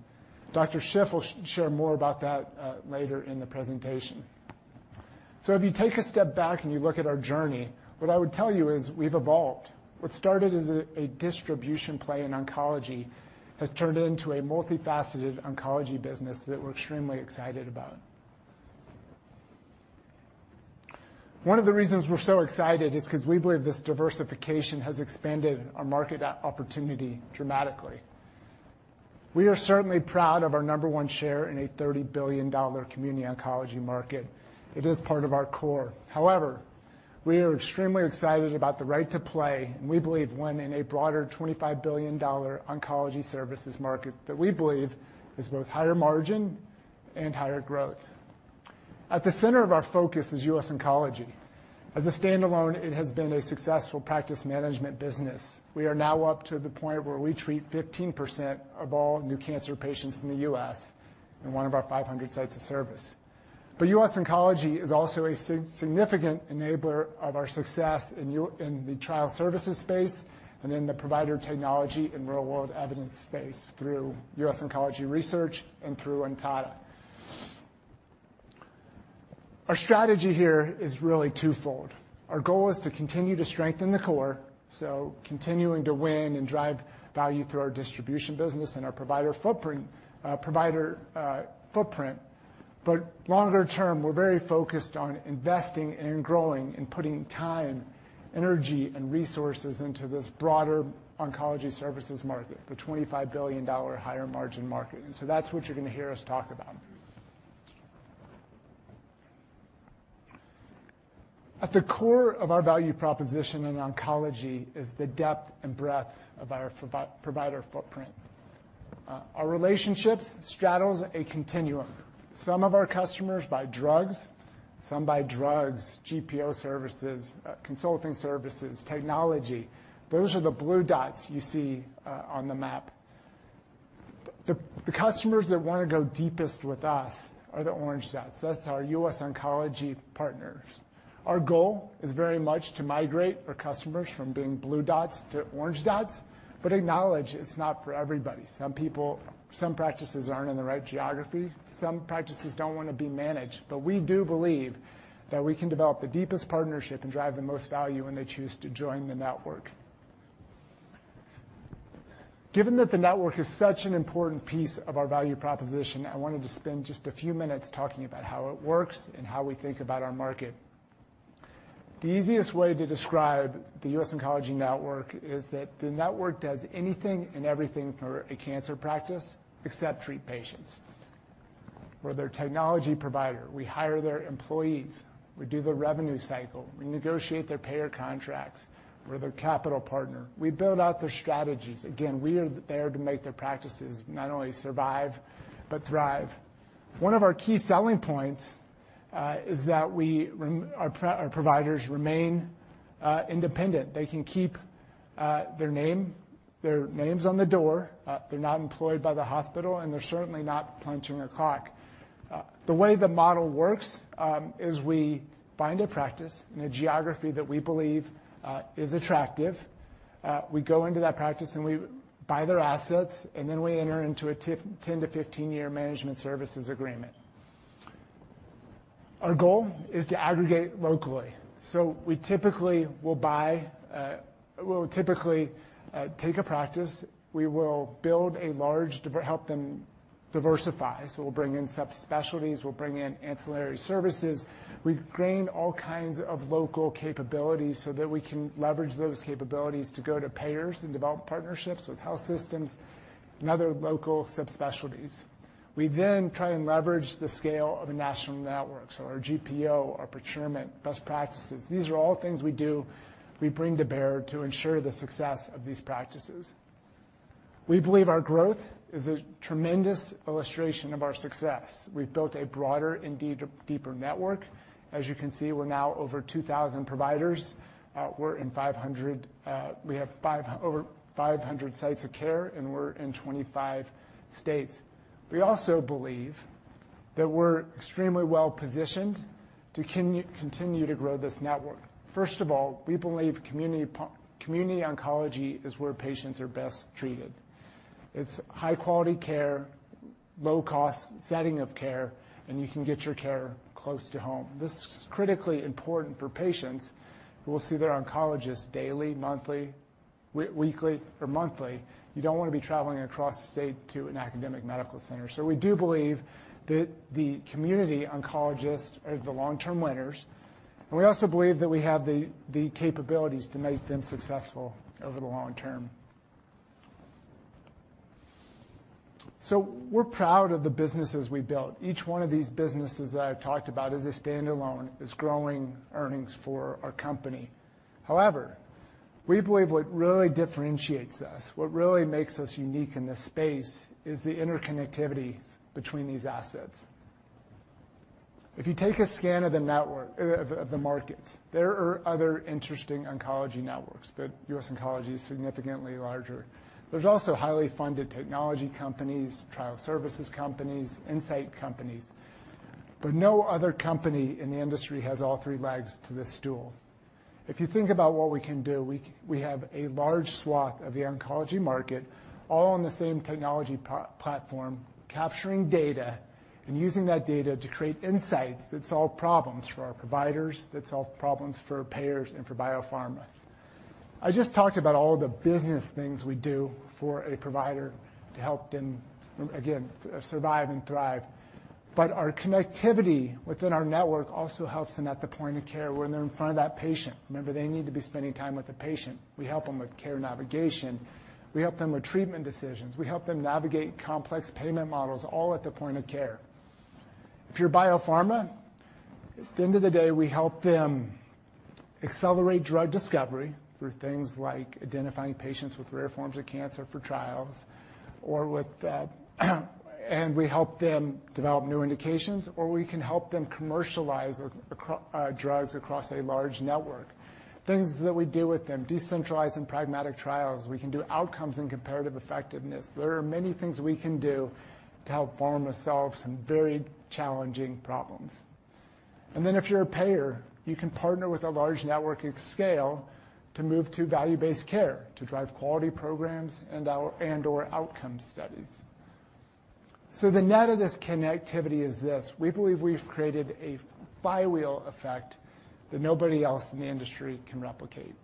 S6: Dr. Shiff will share more about that later in the presentation. If you take a step back, and you look at our journey, what I would tell you is we've evolved. What started as a distribution play in oncology has turned into a multifaceted oncology business that we're extremely excited about. One of the reasons we're so excited is 'cause we believe this diversification has expanded our market opportunity dramatically. We are certainly proud of our number one share in a $30 billion community oncology market. It is part of our core. However, we are extremely excited about the right to play, and we believe win in a broader $25 billion oncology services market that we believe is both higher margin and higher growth. At the center of our focus is US Oncology. As a standalone, it has been a successful practice management business. We are now up to the point where we treat 15% of all new cancer patients in the U.S. in one of our 500 sites of service. US Oncology is also a significant enabler of our success in the trial services space and in the provider technology and real world evidence space through US Oncology Research and through Ontada. Our strategy here is really twofold. Our goal is to continue to strengthen the core, so continuing to win and drive value through our distribution business and our provider footprint. Longer term, we're very focused on investing and growing and putting time, energy, and resources into this broader oncology services market, the $25 billion higher margin market. That's what you're gonna hear us talk about. At the core of our value proposition in oncology is the depth and breadth of our provider footprint. Our relationships straddles a continuum. Some of our customers buy drugs, GPO services, consulting services, technology. Those are the blue dots you see on the map. The customers that wanna go deepest with us are the orange dots. That's our U.S. Oncology partners. Our goal is very much to migrate our customers from being blue dots to orange dots, but acknowledge it's not for everybody. Some people, some practices aren't in the right geography, some practices don't wanna be managed. We do believe that we can develop the deepest partnership and drive the most value when they choose to join the network. Given that the network is such an important piece of our value proposition, I wanted to spend just a few minutes talking about how it works and how we think about our market. The easiest way to describe the US Oncology Network is that the network does anything and everything for a cancer practice except treat patients. We're their technology provider. We hire their employees. We do the revenue cycle. We negotiate their payer contracts. We're their capital partner. We build out their strategies. Again, we are there to make their practices not only survive but thrive. One of our key selling points is that our providers remain independent. They can keep their names on the door. They're not employed by the hospital, and they're certainly not punching a clock. The way the model works is we find a practice in a geography that we believe is attractive. We go into that practice, and we buy their assets, and then we enter into a 10- to 15-year management services agreement. Our goal is to aggregate locally. We'll typically take a practice, we will help them diversify. We'll bring in subspecialties, we'll bring in ancillary services. We've gained all kinds of local capabilities so that we can leverage those capabilities to go to payers and develop partnerships with health systems and other local subspecialties. We then try and leverage the scale of a national network. Our GPO, our procurement, best practices, these are all things we do, we bring to bear to ensure the success of these practices. We believe our growth is a tremendous illustration of our success. We've built a broader and deeper network. As you can see, we're now over 2,000 providers. We're over 500 sites of care, and we're in 25 states. We also believe that we're extremely well-positioned to continue to grow this network. First of all, we believe community oncology is where patients are best treated. It's high-quality care, low-cost setting of care, and you can get your care close to home. This is critically important for patients who will see their oncologist daily, weekly, or monthly. You don't wanna be traveling across the state to an academic medical center. We do believe that the community oncologists are the long-term winners, and we also believe that we have the capabilities to make them successful over the long term. We're proud of the businesses we built. Each one of these businesses that I've talked about as a standalone is growing earnings for our company. However, we believe what really differentiates us, what really makes us unique in this space is the interconnectivity between these assets. If you take a scan of the markets, there are other interesting oncology networks, but US Oncology is significantly larger. There's also highly funded technology companies, trial services companies, insight companies, but no other company in the industry has all three legs to this stool. If you think about what we can do, we have a large swath of the oncology market all on the same technology platform, capturing data, and using that data to create insights that solve problems for our providers, that solve problems for payers and for biopharmas. I just talked about all the business things we do for a provider to help them, again, survive and thrive. Our connectivity within our network also helps them at the point of care when they're in front of that patient. Remember, they need to be spending time with the patient. We help them with care navigation, we help them with treatment decisions, we help them navigate complex payment models all at the point of care. If you're a biopharma, at the end of the day, we help them accelerate drug discovery through things like identifying patients with rare forms of cancer for trials or with, and we help them develop new indications, or we can help them commercialize drugs across a large network. Things that we do with them, decentralized and pragmatic trials. We can do outcomes and comparative effectiveness. There are many things we can do to help pharma solve some very challenging problems. If you're a payer, you can partner with a large network scale to move to value-based care to drive quality programs and/or outcome studies. The net of this connectivity is this. We believe we've created a flywheel effect that nobody else in the industry can replicate.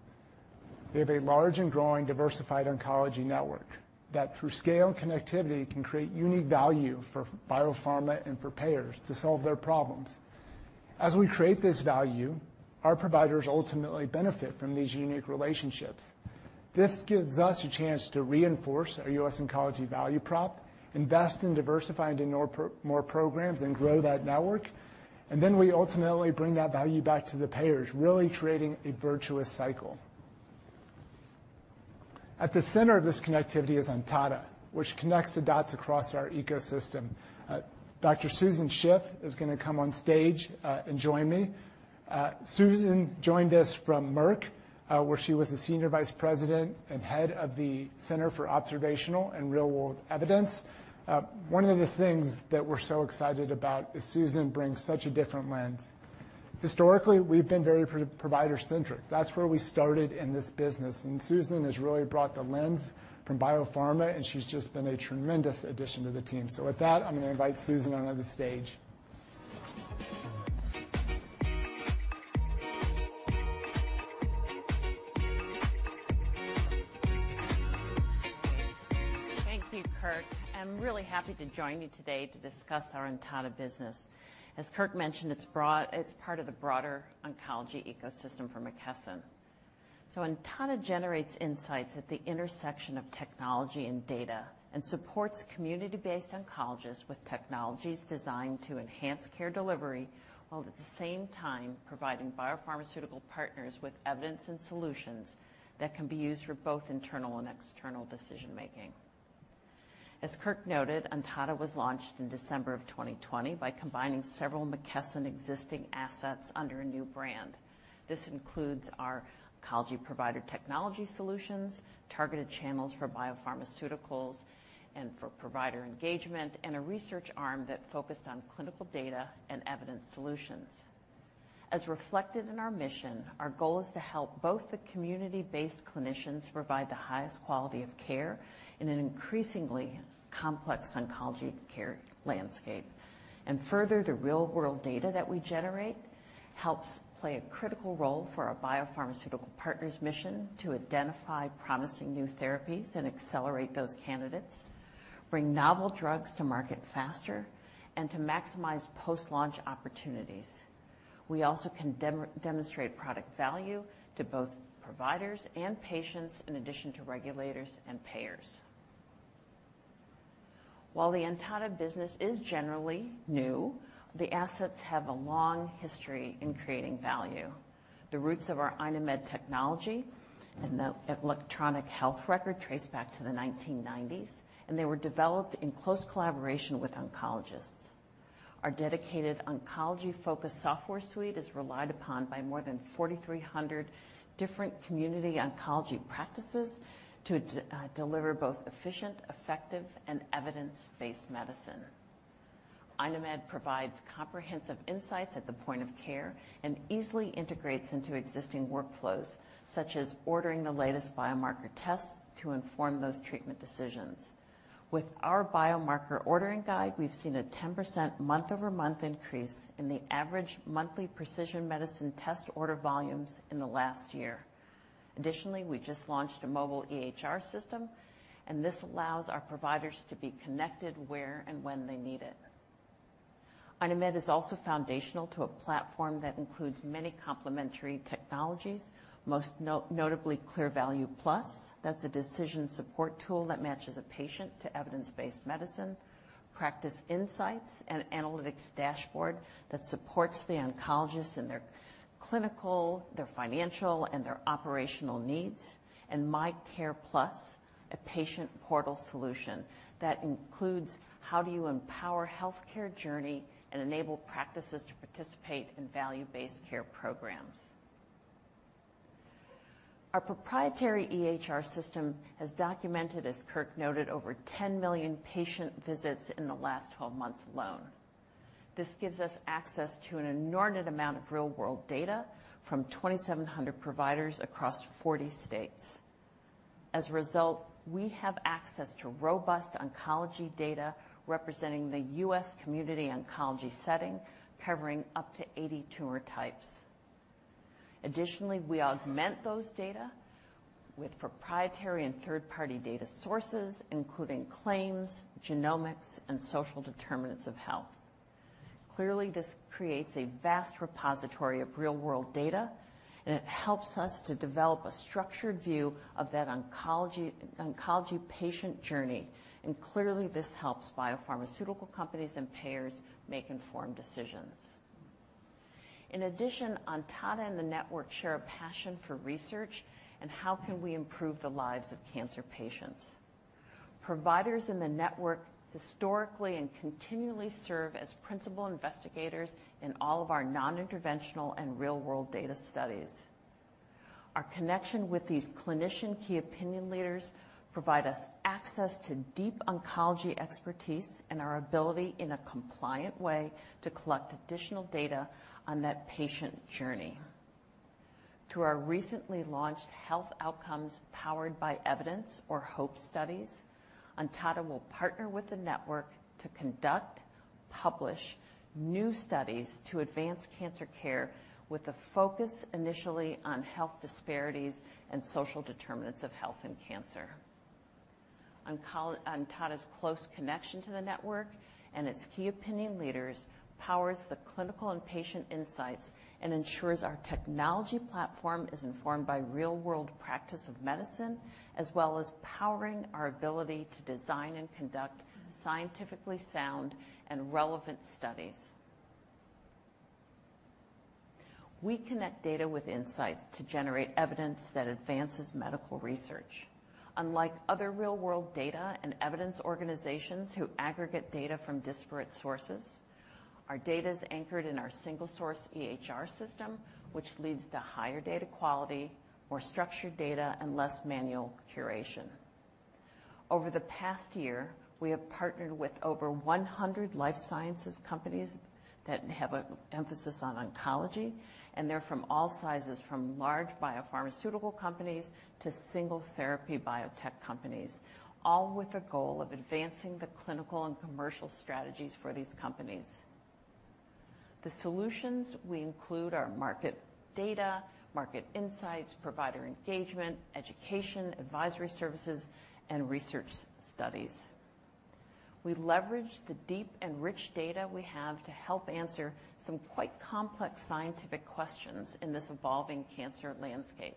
S6: We have a large and growing diversified oncology network that through scale and connectivity, can create unique value for biopharma and for payers to solve their problems. As we create this value, our providers ultimately benefit from these unique relationships. This gives us a chance to reinforce our US Oncology value prop, invest in diversifying to more programs, and grow that network, and then we ultimately bring that value back to the payers, really creating a virtuous cycle. At the center of this connectivity is Ontada, which connects the dots across our ecosystem. Dr. Susan Shiff is gonna come on stage and join me. Susan joined us from Merck, where she was the Senior Vice President and Head of the Center for Observational and Real-World Evidence. One of the things that we're so excited about is Susan brings such a different lens. Historically, we've been very pro-provider-centric. That's where we started in this business, and Susan Shiff has really brought the lens from biopharma, and she's just been a tremendous addition to the team. With that, I'm gonna invite Susan Shiff onto the stage.
S7: Thank you, Kirk. I'm really happy to join you today to discuss our Ontada business. As Kirk mentioned, it's broad, it's part of the broader oncology ecosystem for McKesson. Ontada generates insights at the intersection of technology and data, and supports community-based oncologists with technologies designed to enhance care delivery, while at the same time providing biopharmaceutical partners with evidence and solutions that can be used for both internal and external decision-making. As Kirk noted, Ontada was launched in December 2020 by combining several McKesson existing assets under a new brand. This includes our oncology provider technology solutions, targeted channels for biopharmaceuticals and for provider engagement, and a research arm that focused on clinical data and evidence solutions. As reflected in our mission, our goal is to help both the community-based clinicians provide the highest quality of care in an increasingly complex oncology care landscape. Further, the real-world data that we generate helps play a critical role for our biopharmaceutical partners' mission to identify promising new therapies and accelerate those candidates, bring novel drugs to market faster, and to maximize post-launch opportunities. We also can demonstrate product value to both providers and patients in addition to regulators and payers. While the Ontada business is generally new, the assets have a long history in creating value. The roots of our iKnowMed technology and the electronic health record trace back to the 1990s, and they were developed in close collaboration with oncologists. Our dedicated oncology-focused software suite is relied upon by more than 4,300 different community oncology practices to deliver both efficient, effective, and evidence-based medicine. iKnowMed provides comprehensive insights at the point of care and easily integrates into existing workflows, such as ordering the latest biomarker tests to inform those treatment decisions. With our biomarker ordering guide, we've seen a 10% month-over-month increase in the average monthly precision medicine test order volumes in the last year. Additionally, we just launched a mobile EHR system, and this allows our providers to be connected where and when they need it. iKnowMed is also foundational to a platform that includes many complementary technologies, most notably Clear Value Plus, that's a decision support tool that matches a patient to evidence-based medicine, Practice Insights, an analytics dashboard that supports the oncologists in their clinical, their financial, and their operational needs, and My Care Plus, a patient portal solution that empowers the healthcare journey and enables practices to participate in value-based care programs. Our proprietary EHR system has documented, as Kirk noted, over 10 million patient visits in the last 12 months alone. This gives us access to an inordinate amount of real-world data from 2,700 providers across 40 states. As a result, we have access to robust oncology data representing the U.S. community oncology setting, covering up to 80 tumor types. Additionally, we augment those data with proprietary and third-party data sources, including claims, genomics, and social determinants of health. Clearly, this creates a vast repository of real-world data, and it helps us to develop a structured view of that oncology patient journey, and clearly this helps biopharmaceutical companies and payers make informed decisions. In addition, Ontada and the network share a passion for research and how can we improve the lives of cancer patients. Providers in the network historically and continually serve as principal investigators in all of our non-interventional and real-world data studies. Our connection with these clinician key opinion leaders provide us access to deep oncology expertise and our ability, in a compliant way, to collect additional data on that patient journey. Through our recently launched Health Outcomes Powered by Evidence or HOPE studies, Ontada will partner with the network to conduct, publish new studies to advance cancer care with a focus initially on health disparities and social determinants of health and cancer. Ontada's close connection to the network and its key opinion leaders powers the clinical and patient insights and ensures our technology platform is informed by real-world practice of medicine, as well as powering our ability to design and conduct scientifically sound and relevant studies. We connect data with insights to generate evidence that advances medical research. Unlike other real-world data and evidence organizations who aggregate data from disparate sources, our data is anchored in our single source EHR system, which leads to higher data quality, more structured data, and less manual curation. Over the past year, we have partnered with over 100 life sciences companies that have an emphasis on oncology, and they're from all sizes, from large biopharmaceutical companies to single therapy biotech companies, all with the goal of advancing the clinical and commercial strategies for these companies. The solutions we include are market data, market insights, provider engagement, education, advisory services, and research studies. We leverage the deep and rich data we have to help answer some quite complex scientific questions in this evolving cancer landscape.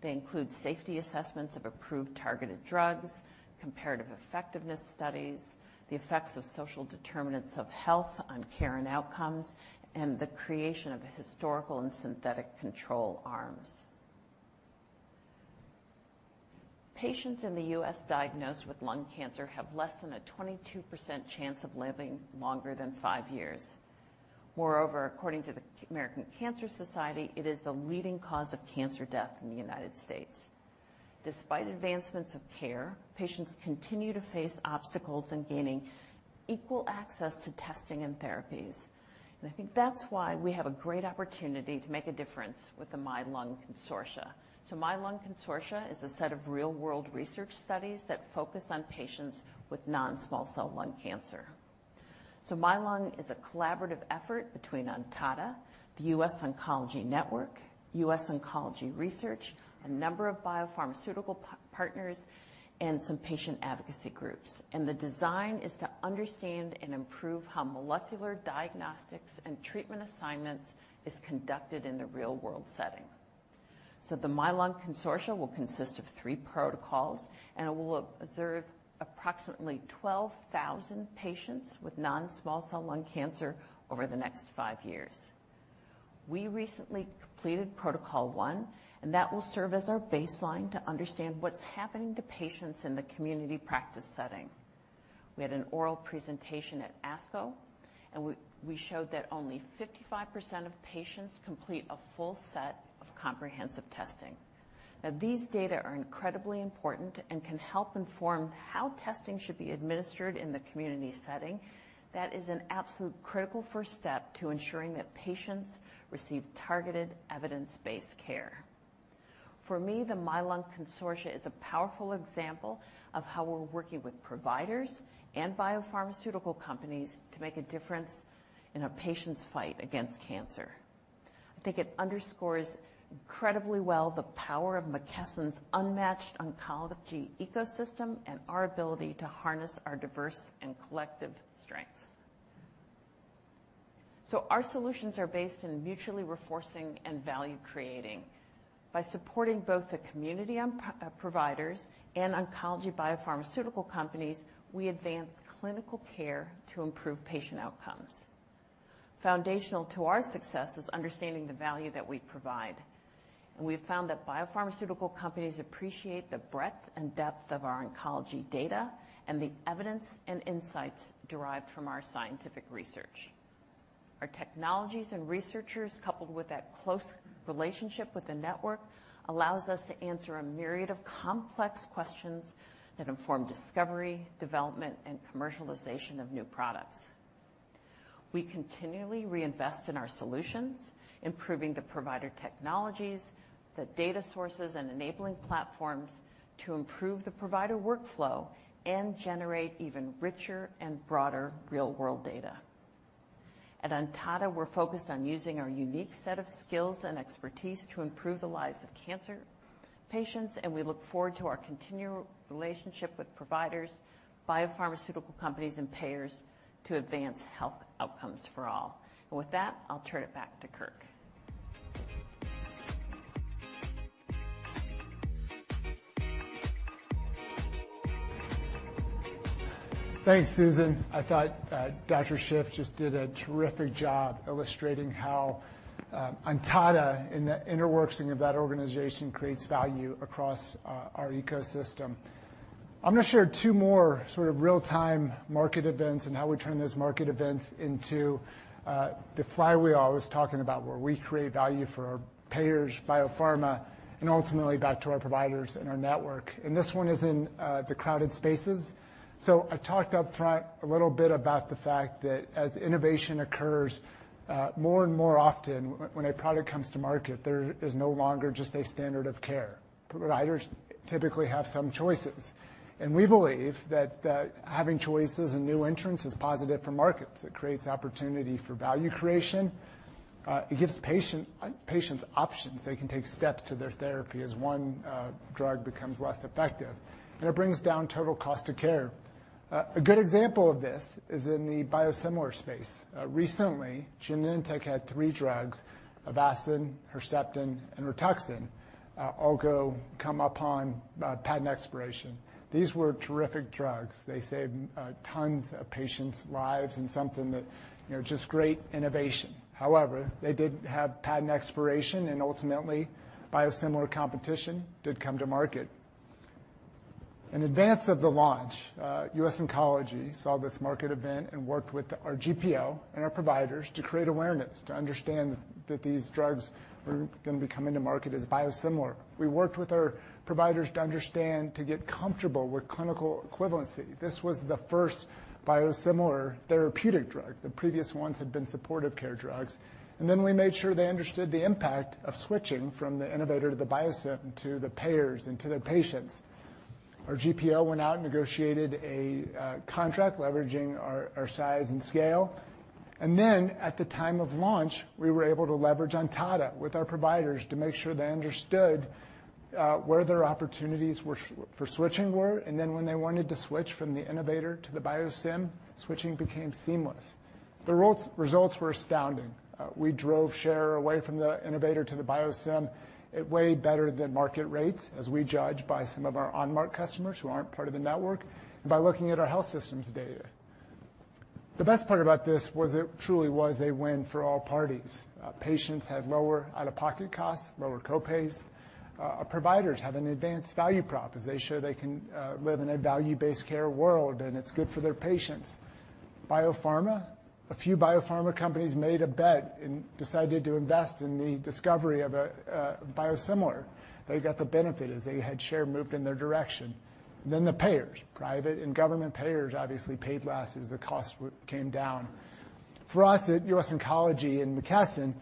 S7: They include safety assessments of approved targeted drugs, comparative effectiveness studies, the effects of social determinants of health on care and outcomes, and the creation of historical and synthetic control arms. Patients in the U.S. diagnosed with lung cancer have less than a 22% chance of living longer than five years. Moreover, according to the American Cancer Society, it is the leading cause of cancer death in the United States. Despite advancements of care, patients continue to face obstacles in gaining equal access to testing and therapies, and I think that's why we have a great opportunity to make a difference with the MYLUNG Consortium. MYLUNG Consortium is a set of real-world research studies that focus on patients with non-small cell lung cancer. MYLUNG is a collaborative effort between Ontada, the US Oncology Network, US Oncology Research, a number of biopharmaceutical partners, and some patient advocacy groups. The design is to understand and improve how molecular diagnostics and treatment assignments is conducted in the real-world setting. The MYLUNG Consortium will consist of three protocols, and it will observe approximately 12,000 patients with non-small cell lung cancer over the next five years. We recently completed Protocol 1, and that will serve as our baseline to understand what's happening to patients in the community practice setting. We had an oral presentation at ASCO, and we showed that only 55% of patients complete a full set of comprehensive testing. Now, these data are incredibly important and can help inform how testing should be administered in the community setting. That is an absolute critical first step to ensuring that patients receive targeted evidence-based care. For me, the MYLUNG Consortium is a powerful example of how we're working with providers and biopharmaceutical companies to make a difference in our patients' fight against cancer. I think it underscores incredibly well the power of McKesson's unmatched oncology ecosystem and our ability to harness our diverse and collective strengths. Our solutions are based in mutually reinforcing and value creating. By supporting both the community oncology providers and oncology biopharmaceutical companies, we advance clinical care to improve patient outcomes. Foundational to our success is understanding the value that we provide, and we've found that biopharmaceutical companies appreciate the breadth and depth of our oncology data and the evidence and insights derived from our scientific research. Our technologies and researchers, coupled with that close relationship with the network, allows us to answer a myriad of complex questions that inform discovery, development, and commercialization of new products. We continually reinvest in our solutions, improving the provider technologies, the data sources, and enabling platforms to improve the provider workflow and generate even richer and broader real-world data. At Ontada, we're focused on using our unique set of skills and expertise to improve the lives of cancer patients, and we look forward to our continued relationship with providers, biopharmaceutical companies, and payers to advance health outcomes for all. With that, I'll turn it back to Kirk.
S6: Thanks, Susan. I thought Dr. Shiff just did a terrific job illustrating how Ontada in the inner workings of that organization creates value across our ecosystem. I'm going to share two more sort of real-time market events and how we turn those market events into the flywheel I was talking about, where we create value for our payers, biopharma, and ultimately back to our providers and our network. This one is in the crowded spaces. I talked up front a little bit about the fact that as innovation occurs more and more often when a product comes to market, there is no longer just a standard of care. Providers typically have some choices, and we believe that having choices and new entrants is positive for markets. It creates opportunity for value creation. It gives patients options. They can take steps to their therapy as one drug becomes less effective, and it brings down total cost of care. A good example of this is in the biosimilar space. Recently, Genentech had three drugs, Avastin, Herceptin, and Rituxan, all come up on patent expiration. These were terrific drugs. They saved tons of patients' lives and something that, you know, just great innovation. However, they did have patent expiration, and ultimately, biosimilar competition did come to market. In advance of the launch, US Oncology saw this market event and worked with our GPO and our providers to create awareness to understand that these drugs were gonna be coming to market as biosimilar. We worked with our providers to understand, to get comfortable with clinical equivalency. This was the first biosimilar therapeutic drug. The previous ones had been supportive care drugs. We made sure they understood the impact of switching from the innovator to the biosim to the payers and to their patients. Our GPO went out and negotiated a contract leveraging our size and scale. At the time of launch, we were able to leverage Ontada with our providers to make sure they understood where their opportunities for switching were. When they wanted to switch from the innovator to the biosim, switching became seamless. The results were astounding. We drove share away from the innovator to the biosim. It fared better than market rates as we judge by some of our Onmark customers who aren't part of the network and by looking at our health systems data. The best part about this was it truly was a win for all parties. Patients had lower out-of-pocket costs, lower co-pays. Providers have an advanced value prop as they show they can live in a value-based care world, and it's good for their patients. Biopharma, a few biopharma companies made a bet and decided to invest in the discovery of a biosimilar. They got the benefit as they had share moved in their direction. The payers, private and government payers obviously paid less as the cost came down. For us at US Oncology and McKesson,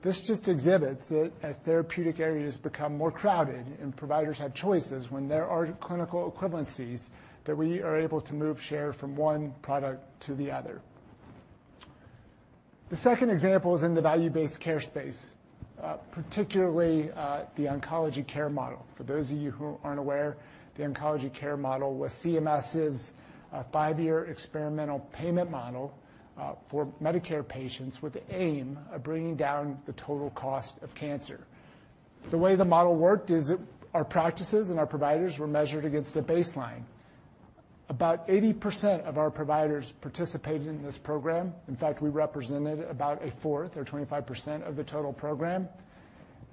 S6: this just exhibits that as therapeutic areas become more crowded and providers have choices when there are clinical equivalencies that we are able to move share from one product to the other. The second example is in the value-based care space, particularly, the Oncology Care Model. For those of you who aren't aware, the Oncology Care Model was CMS's five-year experimental payment model for Medicare patients with the aim of bringing down the total cost of cancer. The way the model worked is our practices and our providers were measured against a baseline. About 80% of our providers participated in this program. In fact, we represented about a fourth or 25% of the total program.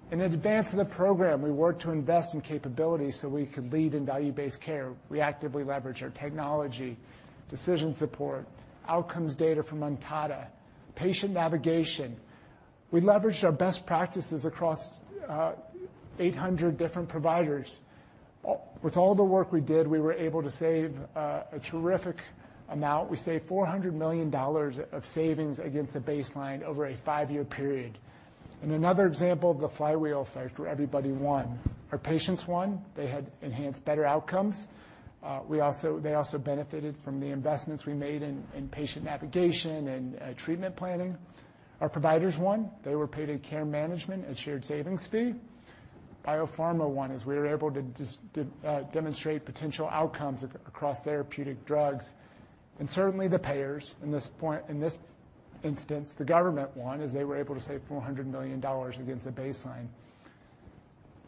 S6: In advance of the program, we worked to invest in capabilities so we could lead in value-based care. We actively leveraged our technology, decision support, outcomes data from Ontada, patient navigation. We leveraged our best practices across 800 different providers. With all the work we did, we were able to save a terrific amount. We saved $400 million of savings against the baseline over a five-year period. Another example of the flywheel effect where everybody won. Our patients won. They had enhanced better outcomes. We also—they also benefited from the investments we made in patient navigation and treatment planning. Our providers won. They were paid in care management and shared savings fee. Biopharma won as we were able to demonstrate potential outcomes across therapeutic drugs. Certainly the payers in this instance, the government won as they were able to save $400 million against the baseline.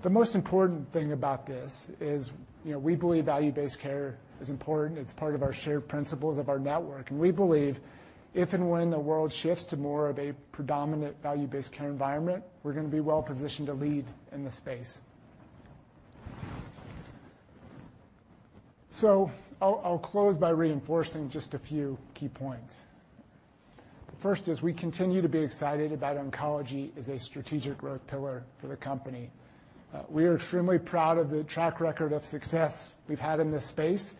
S6: The most important thing about this is, you know, we believe value-based care is important. It's part of our shared principles of our network. We believe if and when the world shifts to more of a predominant value-based care environment, we're gonna be well-positioned to lead in the space. I'll close by reinforcing just a few key points. The first is we continue to be excited about oncology as a strategic growth pillar for the company. We are extremely proud of the track record of success we've had in this space.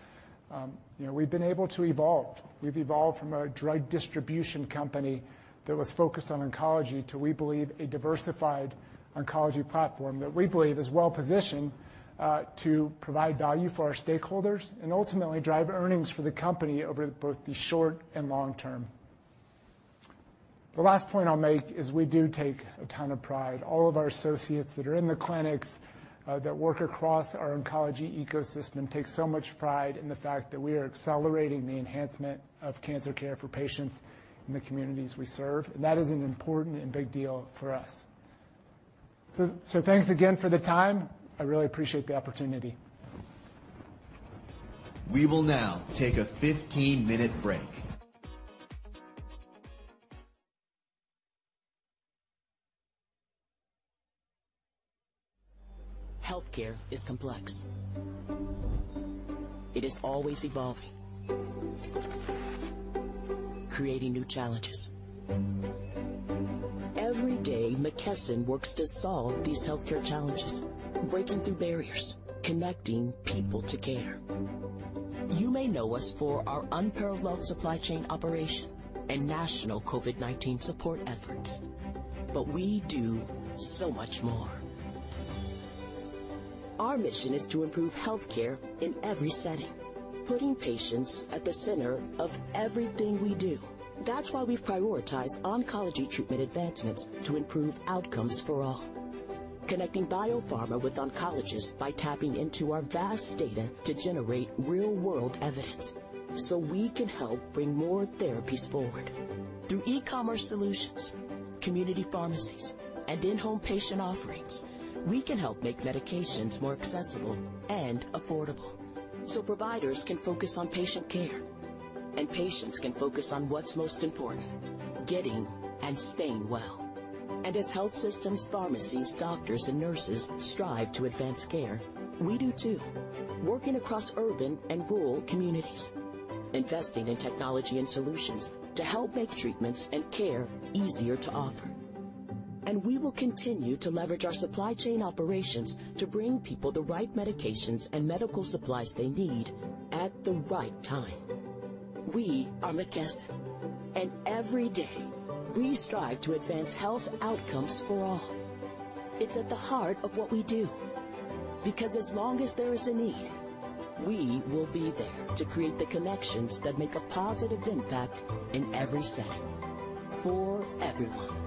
S6: You know, we've been able to evolve. We've evolved from a drug distribution company that was focused on oncology to, we believe, a diversified oncology platform that we believe is well-positioned to provide value for our stakeholders and ultimately drive earnings for the company over both the short and long term. The last point I'll make is we do take a ton of pride. All of our associates that are in the clinics that work across our oncology ecosystem take so much pride in the fact that we are accelerating the enhancement of cancer care for patients in the communities we serve. That is an important and big deal for us. Thanks again for the time. I really appreciate the opportunity.
S1: We will now take a 15-minute break.
S5: Healthcare is complex. It is always evolving, creating new challenges. Every day, McKesson works to solve these healthcare challenges, breaking through barriers, connecting people to care. You may know us for our unparalleled supply chain operation and national COVID-19 support efforts, but we do so much more. Our mission is to improve healthcare in every setting, putting patients at the center of everything we do. That's why we've prioritized oncology treatment advancements to improve outcomes for all, connecting biopharma with oncologists by tapping into our vast data to generate real-world evidence, so we can help bring more therapies forward. Through e-commerce solutions, community pharmacies, and in-home patient offerings, we can help make medications more accessible and affordable, so providers can focus on patient care and patients can focus on what's most important, getting and staying well. As health systems, pharmacies, doctors, and nurses strive to advance care, we do too, working across urban and rural communities, investing in technology and solutions to help make treatments and care easier to offer. We will continue to leverage our supply chain operations to bring people the right medications and medical supplies they need at the right time. We are McKesson, and every day, we strive to advance health outcomes for all. It's at the heart of what we do. Because as long as there is a need, we will be there to create the connections that make a positive impact in every setting for everyone.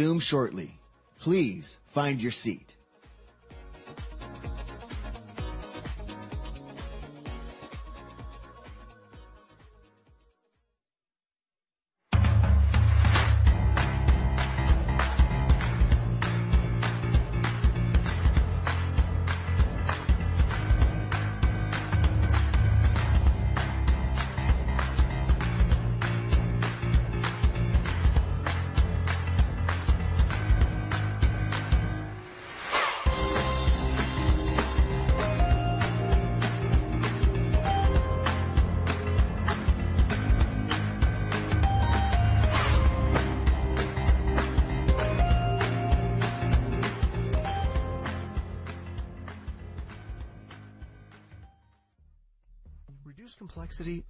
S5: Reduce complexity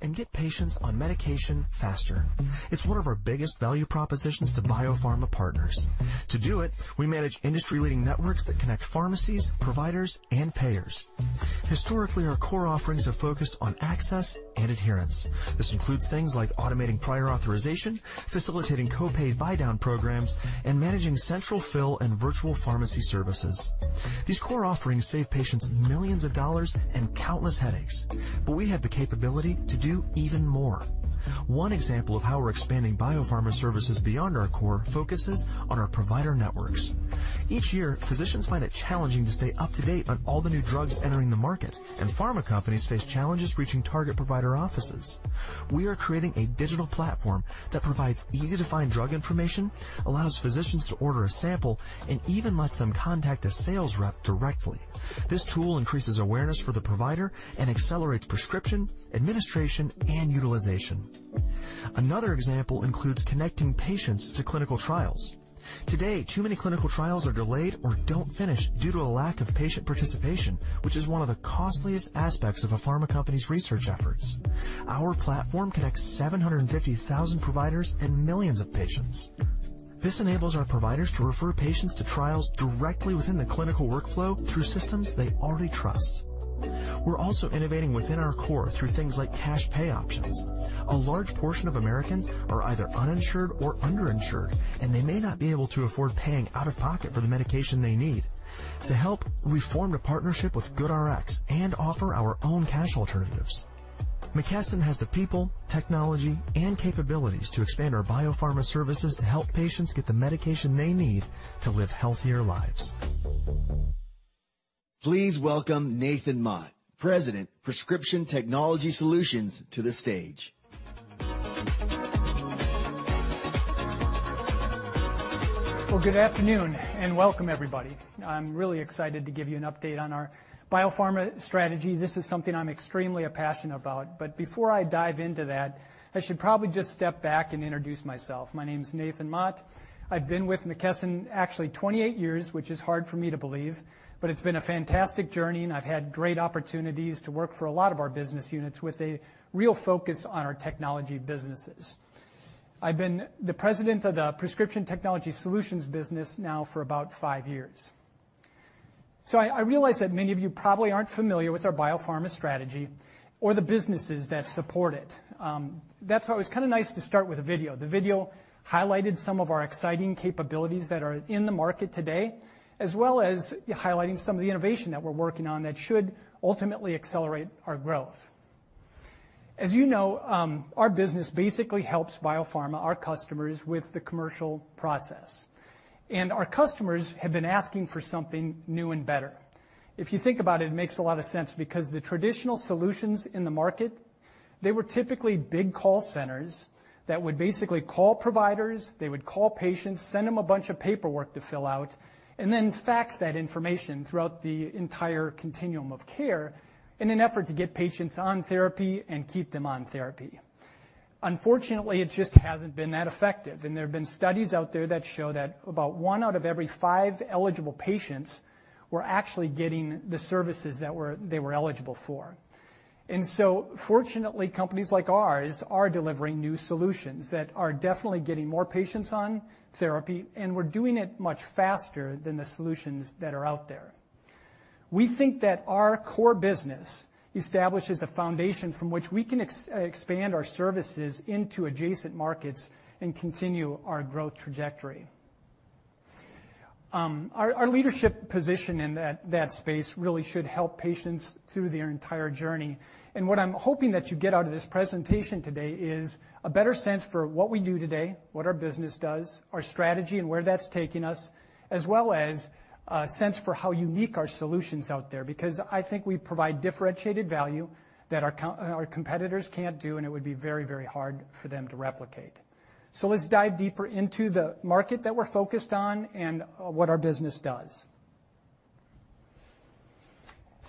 S5: and get patients on medication faster. It's one of our biggest value propositions to biopharma partners. To do it, we manage industry-leading networks that connect pharmacies, providers, and payers. Historically, our core offerings have focused on access and adherence. This includes things like automating prior authorization, facilitating co-pay buy-down programs, and managing central fill and virtual pharmacy services. These core offerings save patients millions of dollars and countless headaches, but we have the capability to do even more. One example of how we're expanding biopharma services beyond our core focuses on our provider networks. Each year, physicians find it challenging to stay up to date on all the new drugs entering the market, and pharma companies face challenges reaching target provider offices. We are creating a digital platform that provides easy-to-find drug information, allows physicians to order a sample, and even lets them contact a sales rep directly. This tool increases awareness for the provider and accelerates prescription, administration, and utilization. Another example includes connecting patients to clinical trials. Today, too many clinical trials are delayed or don't finish due to a lack of patient participation, which is one of the costliest aspects of a pharma company's research efforts. Our platform connects 750,000 providers and millions of patients. This enables our providers to refer patients to trials directly within the clinical workflow through systems they already trust. We're also innovating within our core through things like cash pay options. A large portion of Americans are either uninsured or underinsured, and they may not be able to afford paying out-of-pocket for the medication they need. To help, we formed a partnership with GoodRx and offer our own cash alternatives. McKesson has the people, technology, and capabilities to expand our biopharma services to help patients get the medication they need to live healthier lives.
S1: Please welcome Nathan Mott, President, Prescription Technology Solutions, to the stage.
S8: Well, good afternoon, and welcome everybody. I'm really excited to give you an update on our biopharma strategy. This is something I'm extremely passionate about. Before I dive into that, I should probably just step back and introduce myself. My name is Nathan Mott. I've been with McKesson actually 28 years, which is hard for me to believe, but it's been a fantastic journey, and I've had great opportunities to work for a lot of our business units with a real focus on our technology businesses. I've been the president of the Prescription Technology Solutions business now for about five years. I realize that many of you probably aren't familiar with our biopharma strategy or the businesses that support it. That's why it was kinda nice to start with a video. The video highlighted some of our exciting capabilities that are in the market today, as well as highlighting some of the innovation that we're working on that should ultimately accelerate our growth. As you know, our business basically helps biopharma, our customers, with the commercial process. Our customers have been asking for something new and better. If you think about it makes a lot of sense because the traditional solutions in the market, they were typically big call centers that would basically call providers, they would call patients, send them a bunch of paperwork to fill out, and then fax that information throughout the entire continuum of care in an effort to get patients on therapy and keep them on therapy. Unfortunately, it just hasn't been that effective, and there have been studies out there that show that about one out of every five eligible patients were actually getting the services that they were eligible for. Fortunately, companies like ours are delivering new solutions that are definitely getting more patients on therapy, and we're doing it much faster than the solutions that are out there. We think that our core business establishes a foundation from which we can expand our services into adjacent markets and continue our growth trajectory. Our leadership position in that space really should help patients through their entire journey. What I'm hoping that you get out of this presentation today is a better sense for what we do today, what our business does, our strategy and where that's taking us, as well as a sense for how unique our solution's out there, because I think we provide differentiated value that our competitors can't do, and it would be very, very hard for them to replicate. Let's dive deeper into the market that we're focused on and what our business does.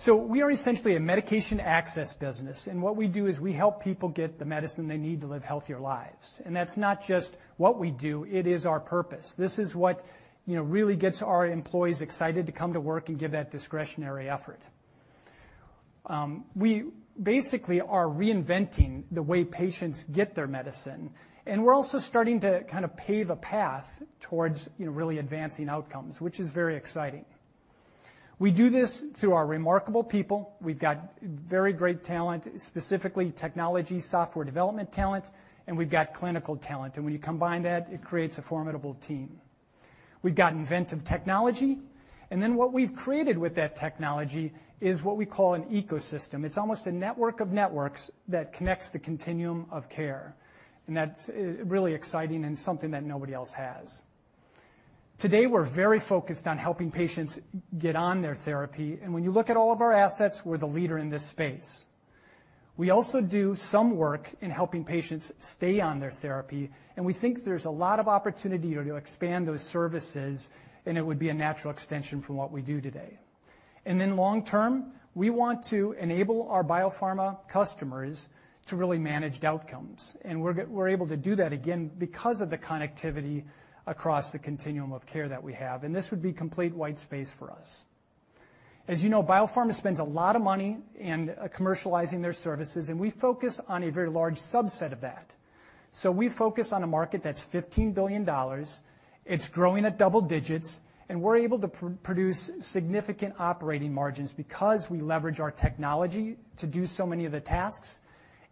S8: We are essentially a medication access business, and what we do is we help people get the medicine they need to live healthier lives. That's not just what we do, it is our purpose. This is what, you know, really gets our employees excited to come to work and give that discretionary effort. We basically are reinventing the way patients get their medicine, and we're also starting to kinda pave a path towards, you know, really advancing outcomes, which is very exciting. We do this through our remarkable people. We've got very great talent, specifically technology software development talent, and we've got clinical talent. When you combine that, it creates a formidable team. We've got inventive technology, and then what we've created with that technology is what we call an ecosystem. It's almost a network of networks that connects the continuum of care, and that's really exciting and something that nobody else has. Today, we're very focused on helping patients get on their therapy, and when you look at all of our assets, we're the leader in this space. We also do some work in helping patients stay on their therapy, and we think there's a lot of opportunity to expand those services, and it would be a natural extension from what we do today. Long-term, we want to enable our biopharma customers to really manage the outcomes. We're able to do that, again, because of the connectivity across the continuum of care that we have. This would be complete white space for us. As you know, biopharma spends a lot of money in commercializing their services, and we focus on a very large subset of that. We focus on a market that's $15 billion. It's growing at double digits, and we're able to produce significant operating margins because we leverage our technology to do so many of the tasks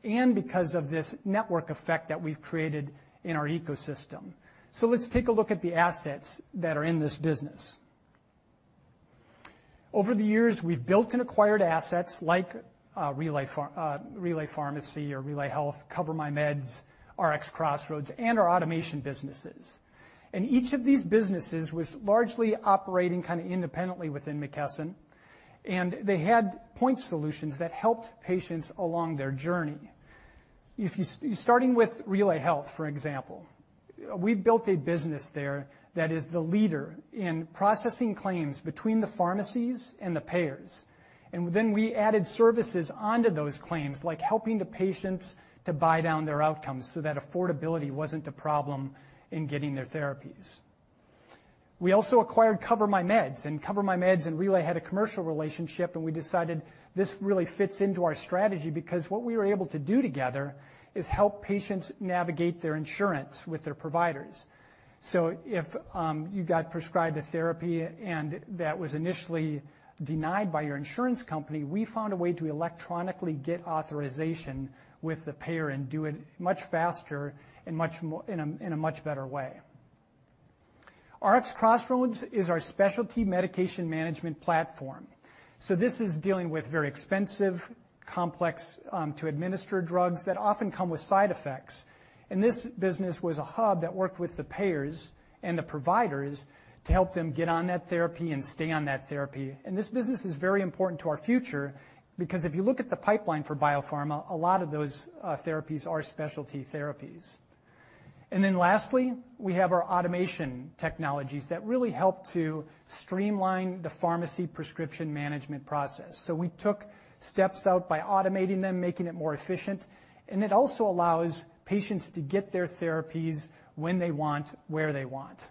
S8: and because of this network effect that we've created in our ecosystem. Let's take a look at the assets that are in this business. Over the years, we've built and acquired assets like RelayHealth, CoverMyMeds, RxCrossroads, and our automation businesses. Each of these businesses was largely operating kinda independently within McKesson, and they had point solutions that helped patients along their journey. Starting with RelayHealth, for example, we built a business there that is the leader in processing claims between the pharmacies and the payers. Then we added services onto those claims, like helping the patients to buy down their outcomes so that affordability wasn't a problem in getting their therapies. We also acquired CoverMyMeds, and CoverMyMeds and Relay had a commercial relationship, and we decided this really fits into our strategy because what we were able to do together is help patients navigate their insurance with their providers. If you got prescribed a therapy and that was initially denied by your insurance company, we found a way to electronically get authorization with the payer and do it much faster and in a much better way. RxCrossroads is our specialty medication management platform. This is dealing with very expensive, complex, to administer drugs that often come with side effects. This business was a hub that worked with the payers and the providers to help them get on that therapy and stay on that therapy. This business is very important to our future because if you look at the pipeline for biopharma, a lot of those therapies are specialty therapies. Then lastly, we have our automation technologies that really help to streamline the pharmacy prescription management process. We took steps out by automating them, making it more efficient, and it also allows patients to get their therapies when they want, where they want.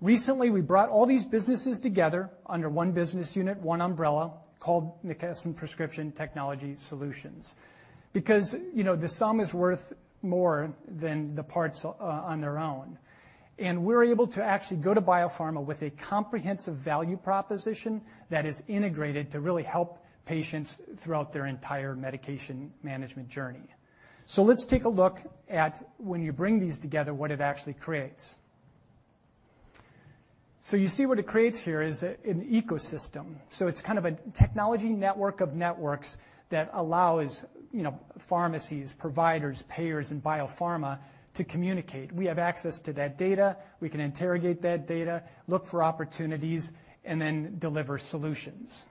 S8: Recently, we brought all these businesses together under one business unit, one umbrella, called McKesson Prescription Technology Solutions. Because, you know, the sum is worth more than the parts on their own. We're able to actually go to biopharma with a comprehensive value proposition that is integrated to really help patients throughout their entire medication management journey. Let's take a look at when you bring these together, what it actually creates. You see what it creates here is an ecosystem. It's kind of a technology network of networks that allows, you know, pharmacies, providers, payers, and biopharma to communicate. We have access to that data, we can interrogate that data, look for opportunities, and then deliver solutions.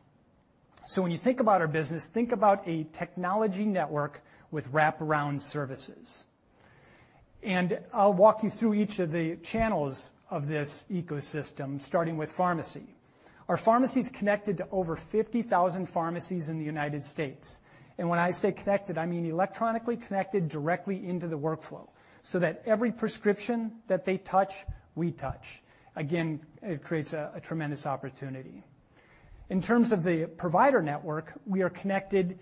S8: When you think about our business, think about a technology network with wraparound services. I'll walk you through each of the channels of this ecosystem, starting with pharmacy. Our pharmacy is connected to over 50,000 pharmacies in the United States. When I say connected, I mean electronically connected directly into the workflow, so that every prescription that they touch, we touch. Again, it creates a tremendous opportunity. In terms of the provider network, we are connected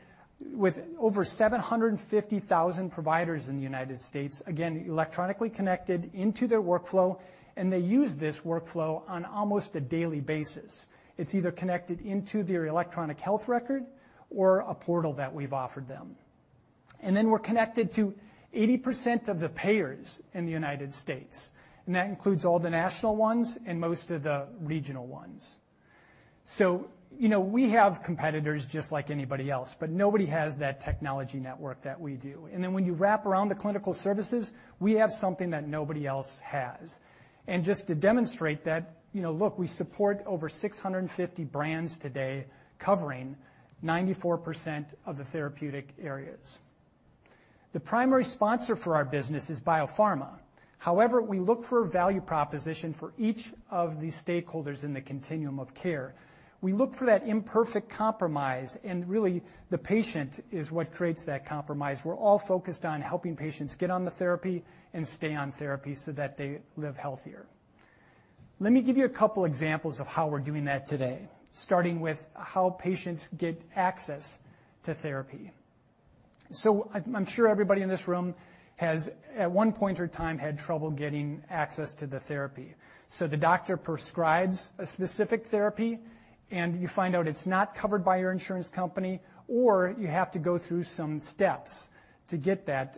S8: with over 750,000 providers in the United States, again, electronically connected into their workflow, and they use this workflow on almost a daily basis. It's either connected into their electronic health record or a portal that we've offered them. We're connected to 80% of the payers in the United States, and that includes all the national ones and most of the regional ones. You know, we have competitors just like anybody else, but nobody has that technology network that we do. When you wrap around the clinical services, we have something that nobody else has. Just to demonstrate that, you know, look, we support over 650 brands today covering 94% of the therapeutic areas. The primary sponsor for our business is biopharma. However, we look for a value proposition for each of the stakeholders in the continuum of care. We look for that imperfect compromise, and really the patient is what creates that compromise. We're all focused on helping patients get on the therapy and stay on therapy so that they live healthier. Let me give you a couple examples of how we're doing that today, starting with how patients get access to therapy. I'm sure everybody in this room has at one point or time had trouble getting access to the therapy. The doctor prescribes a specific therapy, and you find out it's not covered by your insurance company, or you have to go through some steps to get that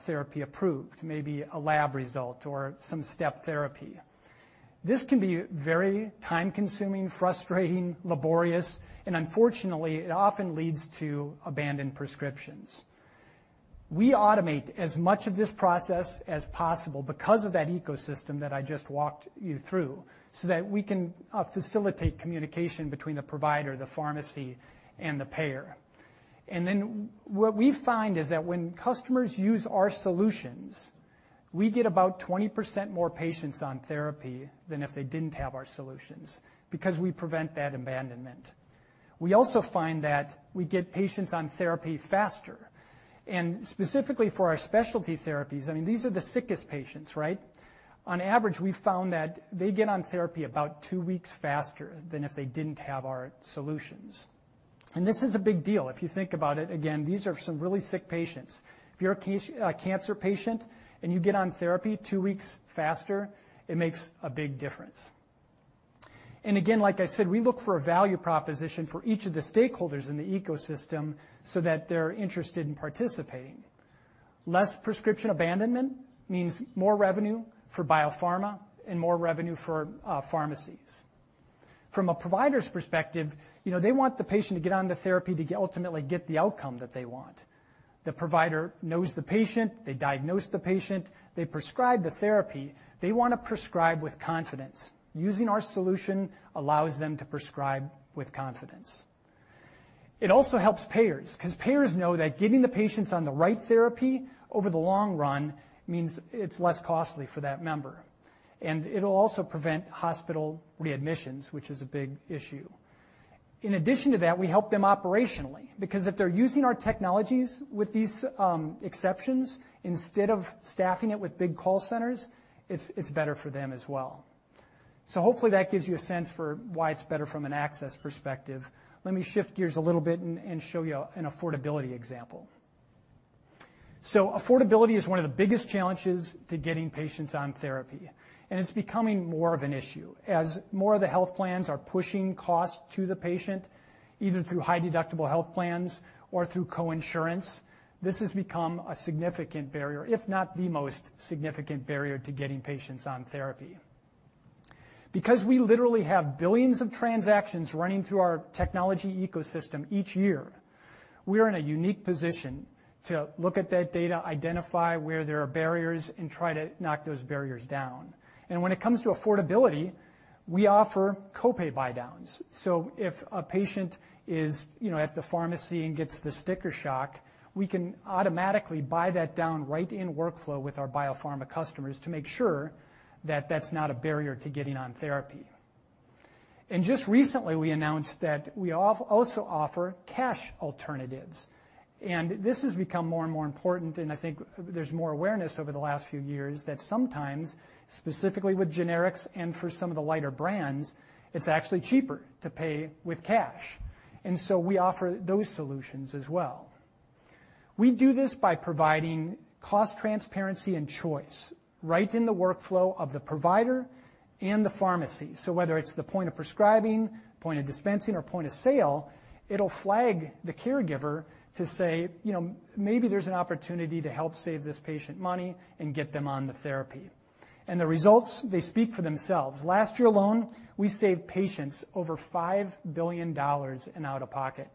S8: therapy approved, maybe a lab result or some step therapy. This can be very time-consuming, frustrating, laborious, and unfortunately, it often leads to abandoned prescriptions. We automate as much of this process as possible because of that ecosystem that I just walked you through, so that we can facilitate communication between the provider, the pharmacy, and the payer. What we find is that when customers use our solutions, we get about 20% more patients on therapy than if they didn't have our solutions because we prevent that abandonment. We also find that we get patients on therapy faster. Specifically for our specialty therapies, I mean, these are the sickest patients, right? On average, we found that they get on therapy about two weeks faster than if they didn't have our solutions. This is a big deal. If you think about it, again, these are some really sick patients. If you're a cancer patient and you get on therapy two weeks faster, it makes a big difference. Again, like I said, we look for a value proposition for each of the stakeholders in the ecosystem so that they're interested in participating. Less prescription abandonment means more revenue for biopharma and more revenue for pharmacies. From a provider's perspective, you know, they want the patient to get on the therapy to ultimately get the outcome that they want. The provider knows the patient, they diagnose the patient, they prescribe the therapy. They wanna prescribe with confidence. Using our solution allows them to prescribe with confidence. It also helps payers because payers know that getting the patients on the right therapy over the long run means it's less costly for that member. It'll also prevent hospital readmissions, which is a big issue. In addition to that, we help them operationally because if they're using our technologies with these, exceptions instead of staffing it with big call centers, it's better for them as well. Hopefully that gives you a sense for why it's better from an access perspective. Let me shift gears a little bit and show you an affordability example. Affordability is one of the biggest challenges to getting patients on therapy, and it's becoming more of an issue. As more of the health plans are pushing costs to the patient, either through high deductible health plans or through co-insurance, this has become a significant barrier, if not the most significant barrier to getting patients on therapy. Because we literally have billions of transactions running through our technology ecosystem each year, we are in a unique position to look at that data, identify where there are barriers, and try to knock those barriers down. When it comes to affordability, we offer co-pay buydowns. If a patient is, you know, at the pharmacy and gets the sticker shock, we can automatically buy that down right in workflow with our biopharma customers to make sure that that's not a barrier to getting on therapy. Just recently we announced that we also offer cash alternatives. This has become more and more important, and I think there's more awareness over the last few years that sometimes specifically with generics and for some of the lighter brands, it's actually cheaper to pay with cash. We offer those solutions as well. We do this by providing cost transparency and choice right in the workflow of the provider and the pharmacy. Whether it's the point of prescribing, point of dispensing or point of sale, it'll flag the caregiver to say, you know, "Maybe there's an opportunity to help save this patient money and get them on the therapy." The results, they speak for themselves. Last year alone, we saved patients over $5 billion in out-of-pocket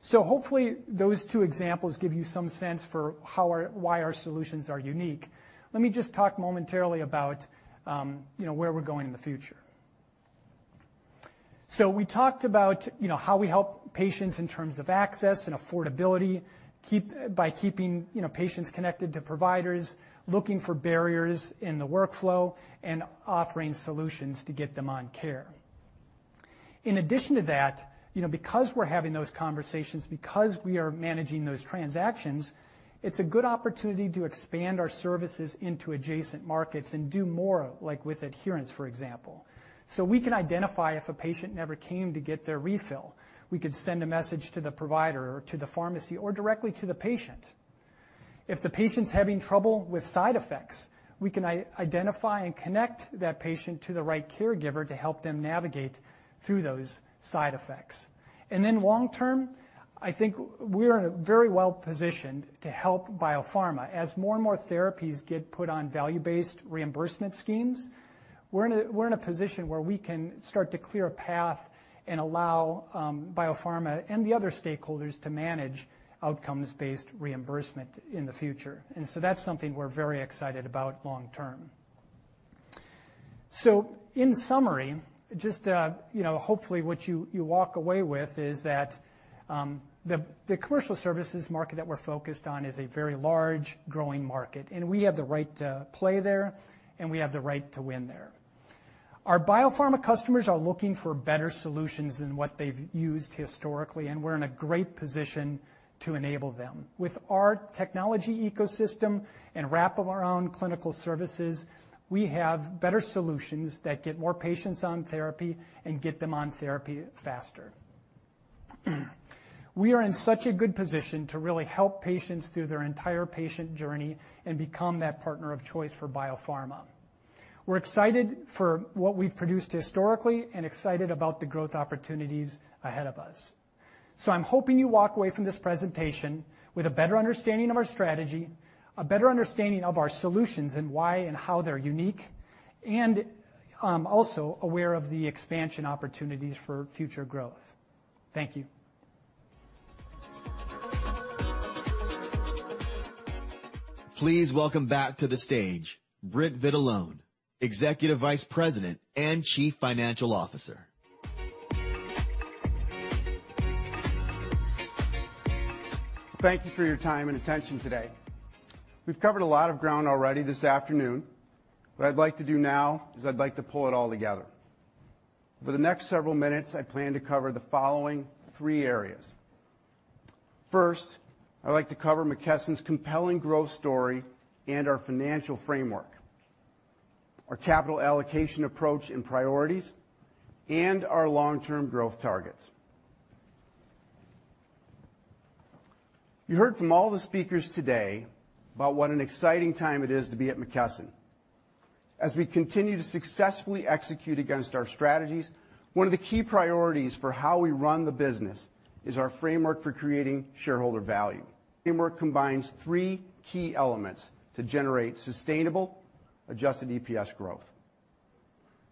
S8: cost. Hopefully those two examples give you some sense for why our solutions are unique. Let me just talk momentarily about, you know, where we're going in the future. We talked about, you know, how we help patients in terms of access and affordability by keeping, you know, patients connected to providers, looking for barriers in the workflow, and offering solutions to get them on care. In addition to that, you know, because we're having those conversations, because we are managing those transactions, it's a good opportunity to expand our services into adjacent markets and do more, like with adherence, for example. We can identify if a patient never came to get their refill. We could send a message to the provider or to the pharmacy or directly to the patient. If the patient's having trouble with side effects, we can identify and connect that patient to the right caregiver to help them navigate through those side effects. Then long term, I think we're very well positioned to help biopharma. As more and more therapies get put on value-based reimbursement schemes, we're in a position where we can start to clear a path and allow biopharma and the other stakeholders to manage outcomes-based reimbursement in the future. That's something we're very excited about long term. In summary, just you know, hopefully what you walk away with is that the commercial services market that we're focused on is a very large growing market, and we have the right to play there and we have the right to win there. Our biopharma customers are looking for better solutions than what they've used historically, and we're in a great position to enable them. With our technology ecosystem and wrap of our own clinical services, we have better solutions that get more patients on therapy and get them on therapy faster. We are in such a good position to really help patients through their entire patient journey and become that partner of choice for biopharma. We're excited for what we've produced historically and excited about the growth opportunities ahead of us. I'm hoping you walk away from this presentation with a better understanding of our strategy, a better understanding of our solutions and why and how they're unique, and also aware of the expansion opportunities for future growth. Thank you.
S1: Please welcome back to the stage Britt Vitalone, Executive Vice President and Chief Financial Officer.
S4: Thank you for your time and attention today. We've covered a lot of ground already this afternoon. What I'd like to do now is I'd like to pull it all together. For the next several minutes, I plan to cover the following three areas. First, I'd like to cover McKesson's compelling growth story and our financial framework, our capital allocation approach and priorities, and our long-term growth targets. You heard from all the speakers today about what an exciting time it is to be at McKesson. As we continue to successfully execute against our strategies, one of the key priorities for how we run the business is our framework for creating shareholder value. Framework combines three key elements to generate sustainable adjusted EPS growth.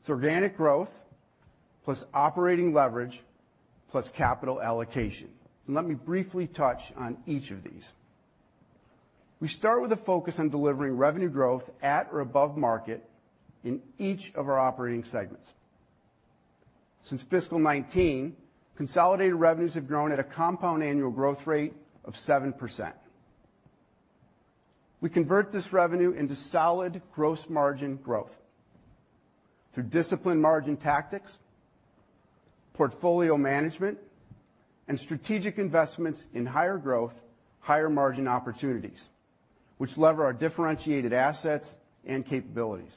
S4: It's organic growth, plus operating leverage, plus capital allocation. Let me briefly touch on each of these. We start with a focus on delivering revenue growth at or above market in each of our operating segments. Since fiscal 2019, consolidated revenues have grown at a compound annual growth rate of 7%. We convert this revenue into solid gross margin growth through disciplined margin tactics, portfolio management, and strategic investments in higher growth, higher margin opportunities, which lever our differentiated assets and capabilities.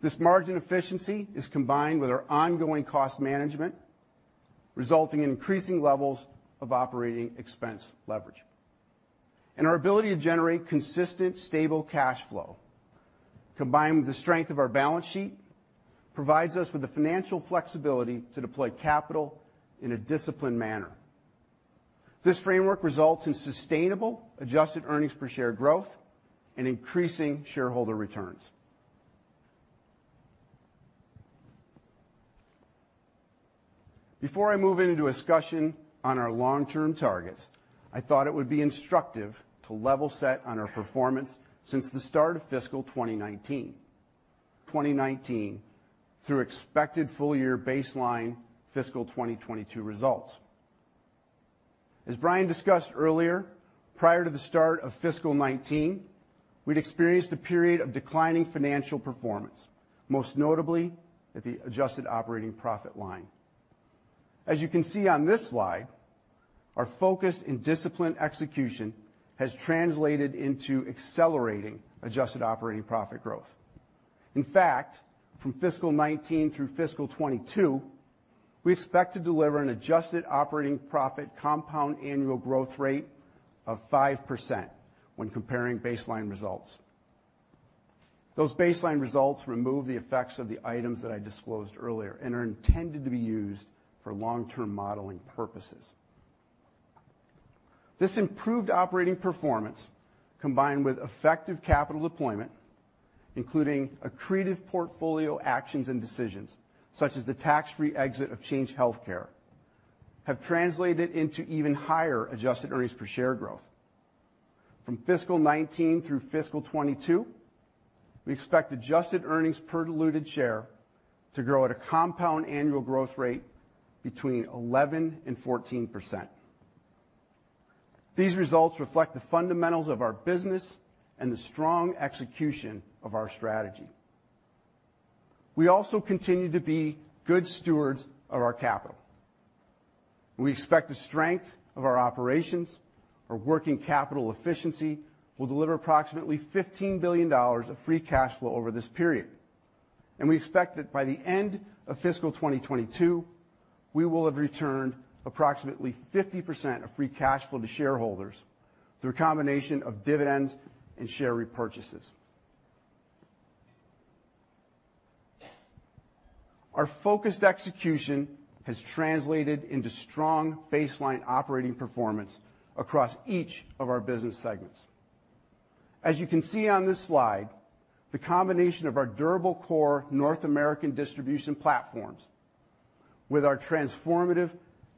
S4: This margin efficiency is combined with our ongoing cost management, resulting in increasing levels of operating expense leverage. Our ability to generate consistent, stable cash flow, combined with the strength of our balance sheet, provides us with the financial flexibility to deploy capital in a disciplined manner. This framework results in sustainable adjusted earnings per share growth and increasing shareholder returns. Before I move into a discussion on our long-term targets, I thought it would be instructive to level set on our performance since the start of fiscal 2019, from 2019 through expected full year baseline fiscal 2022 results. As Brian discussed earlier, prior to the start of fiscal 2019, we'd experienced a period of declining financial performance, most notably at the adjusted operating profit line. As you can see on this slide, our focus in disciplined execution has translated into accelerating adjusted operating profit growth. In fact, from fiscal 2019 through fiscal 2022, we expect to deliver an adjusted operating profit compound annual growth rate of 5% when comparing baseline results. Those baseline results remove the effects of the items that I disclosed earlier and are intended to be used for long-term modeling purposes. This improved operating performance, combined with effective capital deployment, including accretive portfolio actions and decisions, such as the tax-free exit of Change Healthcare, have translated into even higher adjusted earnings per share growth. From fiscal 2019 through fiscal 2022, we expect adjusted earnings per diluted share to grow at a compound annual growth rate between 11% and 14%. These results reflect the fundamentals of our business and the strong execution of our strategy. We also continue to be good stewards of our capital. We expect the strength of our operations, our working capital efficiency will deliver approximately $15 billion of free cash flow over this period. We expect that by the end of fiscal 2022, we will have returned approximately 50% of free cash flow to shareholders through a combination of dividends and share repurchases. Our focused execution has translated into strong baseline operating performance across each of our business segments. As you can see on this slide, the combination of our durable core North American distribution platforms with our transformative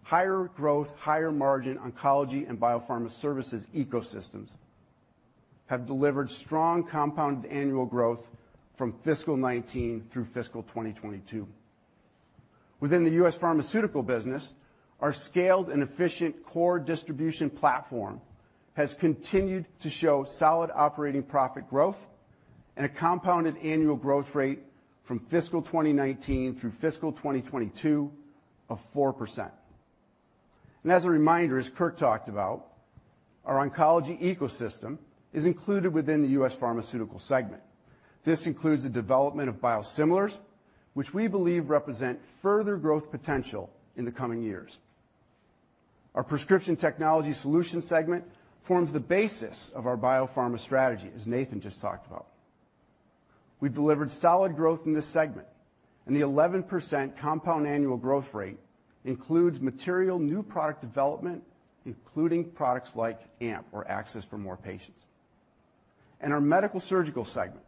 S4: higher growth, higher margin oncology and biopharma services ecosystems have delivered strong compound annual growth from fiscal 2019 through fiscal 2022. Within the U.S. pharmaceutical business, our scaled and efficient core distribution platform has continued to show solid operating profit growth and a compounded annual growth rate from fiscal 2019 through fiscal 2022 of 4%. As a reminder, as Kirk talked about, our oncology ecosystem is included within the U.S. pharmaceutical segment. This includes the development of biosimilars, which we believe represent further growth potential in the coming years. Our Prescription Technology Solutions segment forms the basis of our biopharma strategy, as Nathan just talked about. We've delivered solid growth in this segment, and the 11% compound annual growth rate includes material new product development, including products like AMP or Access for More Patients. Our Medical-Surgical segment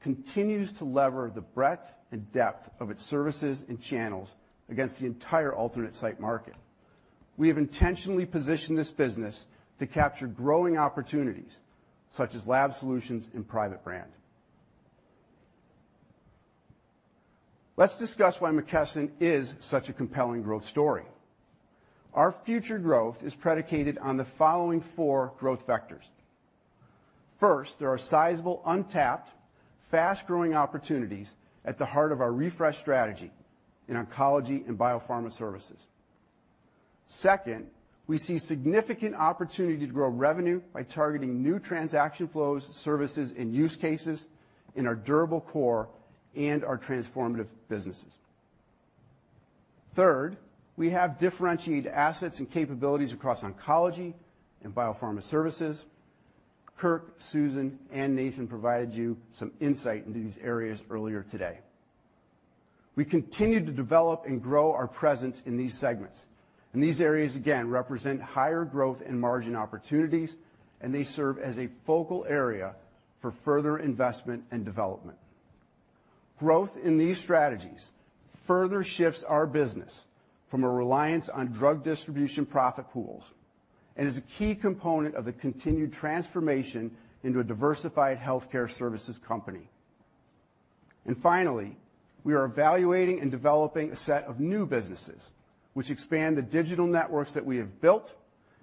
S4: continues to lever the breadth and depth of its services and channels against the entire alternate site market. We have intentionally positioned this business to capture growing opportunities such as lab solutions and private brand. Let's discuss why McKesson is such a compelling growth story. Our future growth is predicated on the following four growth vectors. First, there are sizable, untapped, fast-growing opportunities at the heart of our refresh strategy in oncology and biopharma services. Second, we see significant opportunity to grow revenue by targeting new transaction flows, services, and use cases in our durable core and our transformative businesses. Third, we have differentiated assets and capabilities across oncology and biopharma services. Kirk, Susan, and Nathan provided you some insight into these areas earlier today. We continue to develop and grow our presence in these segments, and these areas, again, represent higher growth and margin opportunities, and they serve as a focal area for further investment and development. Growth in these strategies further shifts our business from a reliance on drug distribution profit pools and is a key component of the continued transformation into a diversified healthcare services company. Finally, we are evaluating and developing a set of new businesses which expand the digital networks that we have built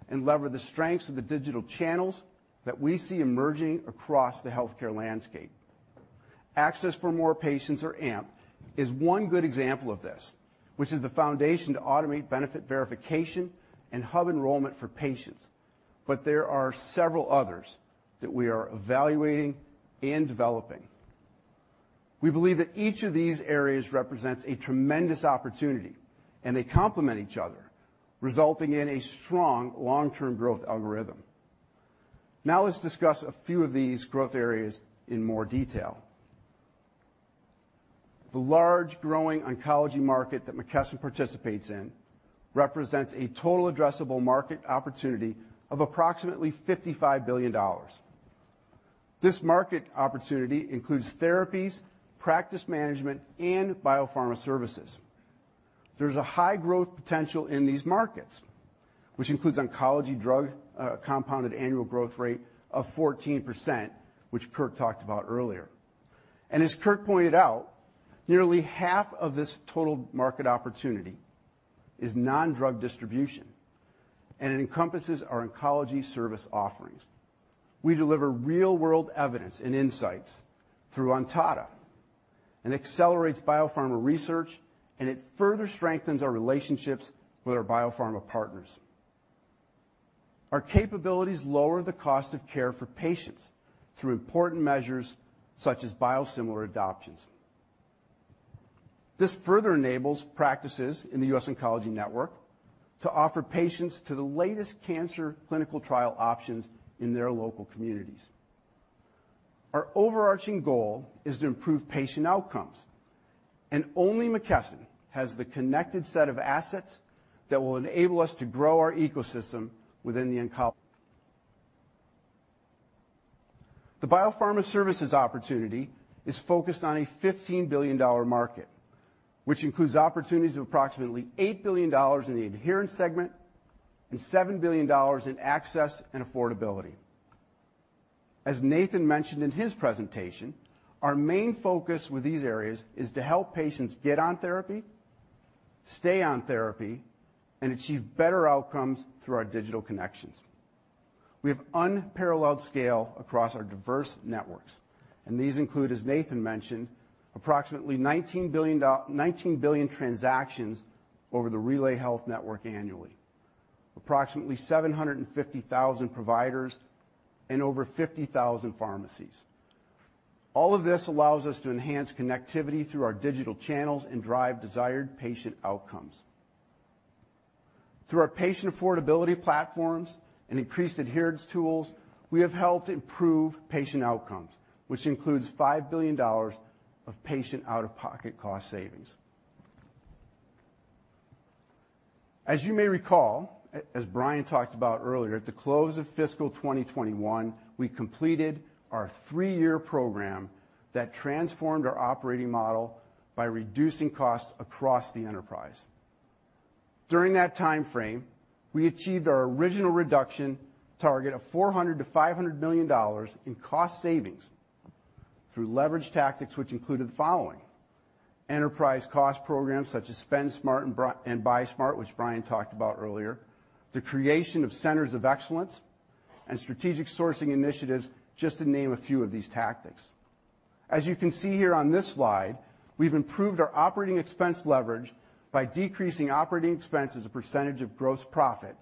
S4: and leverage the strengths of the digital channels that we see emerging across the healthcare landscape. Access for More Patients, or AMP, is one good example of this, which is the foundation to automate benefit verification and hub enrollment for patients. But there are several others that we are evaluating and developing. We believe that each of these areas represents a tremendous opportunity, and they complement each other, resulting in a strong long-term growth algorithm. Now let's discuss a few of these growth areas in more detail. The large growing oncology market that McKesson participates in represents a total addressable market opportunity of approximately $55 billion. This market opportunity includes therapies, practice management, and biopharma services. There's a high growth potential in these markets, which includes oncology drug compounded annual growth rate of 14%, which Kirk talked about earlier. As Kirk pointed out, nearly half of this total market opportunity is non-drug distribution, and it encompasses our oncology service offerings. We deliver real-world evidence and insights through Ontada, and accelerates biopharma research, and it further strengthens our relationships with our biopharma partners. Our capabilities lower the cost of care for patients through important measures such as biosimilar adoptions. This further enables practices in the US Oncology Network to offer patients the latest cancer clinical trial options in their local communities. Our overarching goal is to improve patient outcomes, and only McKesson has the connected set of assets that will enable us to grow our ecosystem within the oncology. The biopharma services opportunity is focused on a $15 billion market, which includes opportunities of approximately $8 billion in the adherence segment and $7 billion in access and affordability. As Nathan mentioned in his presentation, our main focus with these areas is to help patients get on therapy, stay on therapy, and achieve better outcomes through our digital connections. We have unparalleled scale across our diverse networks, and these include, as Nathan mentioned, approximately 19 billion transactions over the RelayHealth Network annually, approximately 750,000 providers, and over 50,000 pharmacies. All of this allows us to enhance connectivity through our digital channels and drive desired patient outcomes. Through our patient affordability platforms and increased adherence tools, we have helped improve patient outcomes, which includes $5 billion of patient out-of-pocket cost savings. As you may recall, as Brian talked about earlier, at the close of fiscal 2021, we completed our three-year program that transformed our operating model by reducing costs across the enterprise. During that time frame, we achieved our original reduction target of $400 million-$500 million in cost savings through leverage tactics, which included the following. Enterprise cost programs such as Spend Smart and Buy Smart, which Brian talked about earlier, the creation of centers of excellence and strategic sourcing initiatives, just to name a few of these tactics. As you can see here on this slide, we've improved our operating expense leverage by decreasing operating expenses as a percentage of gross profit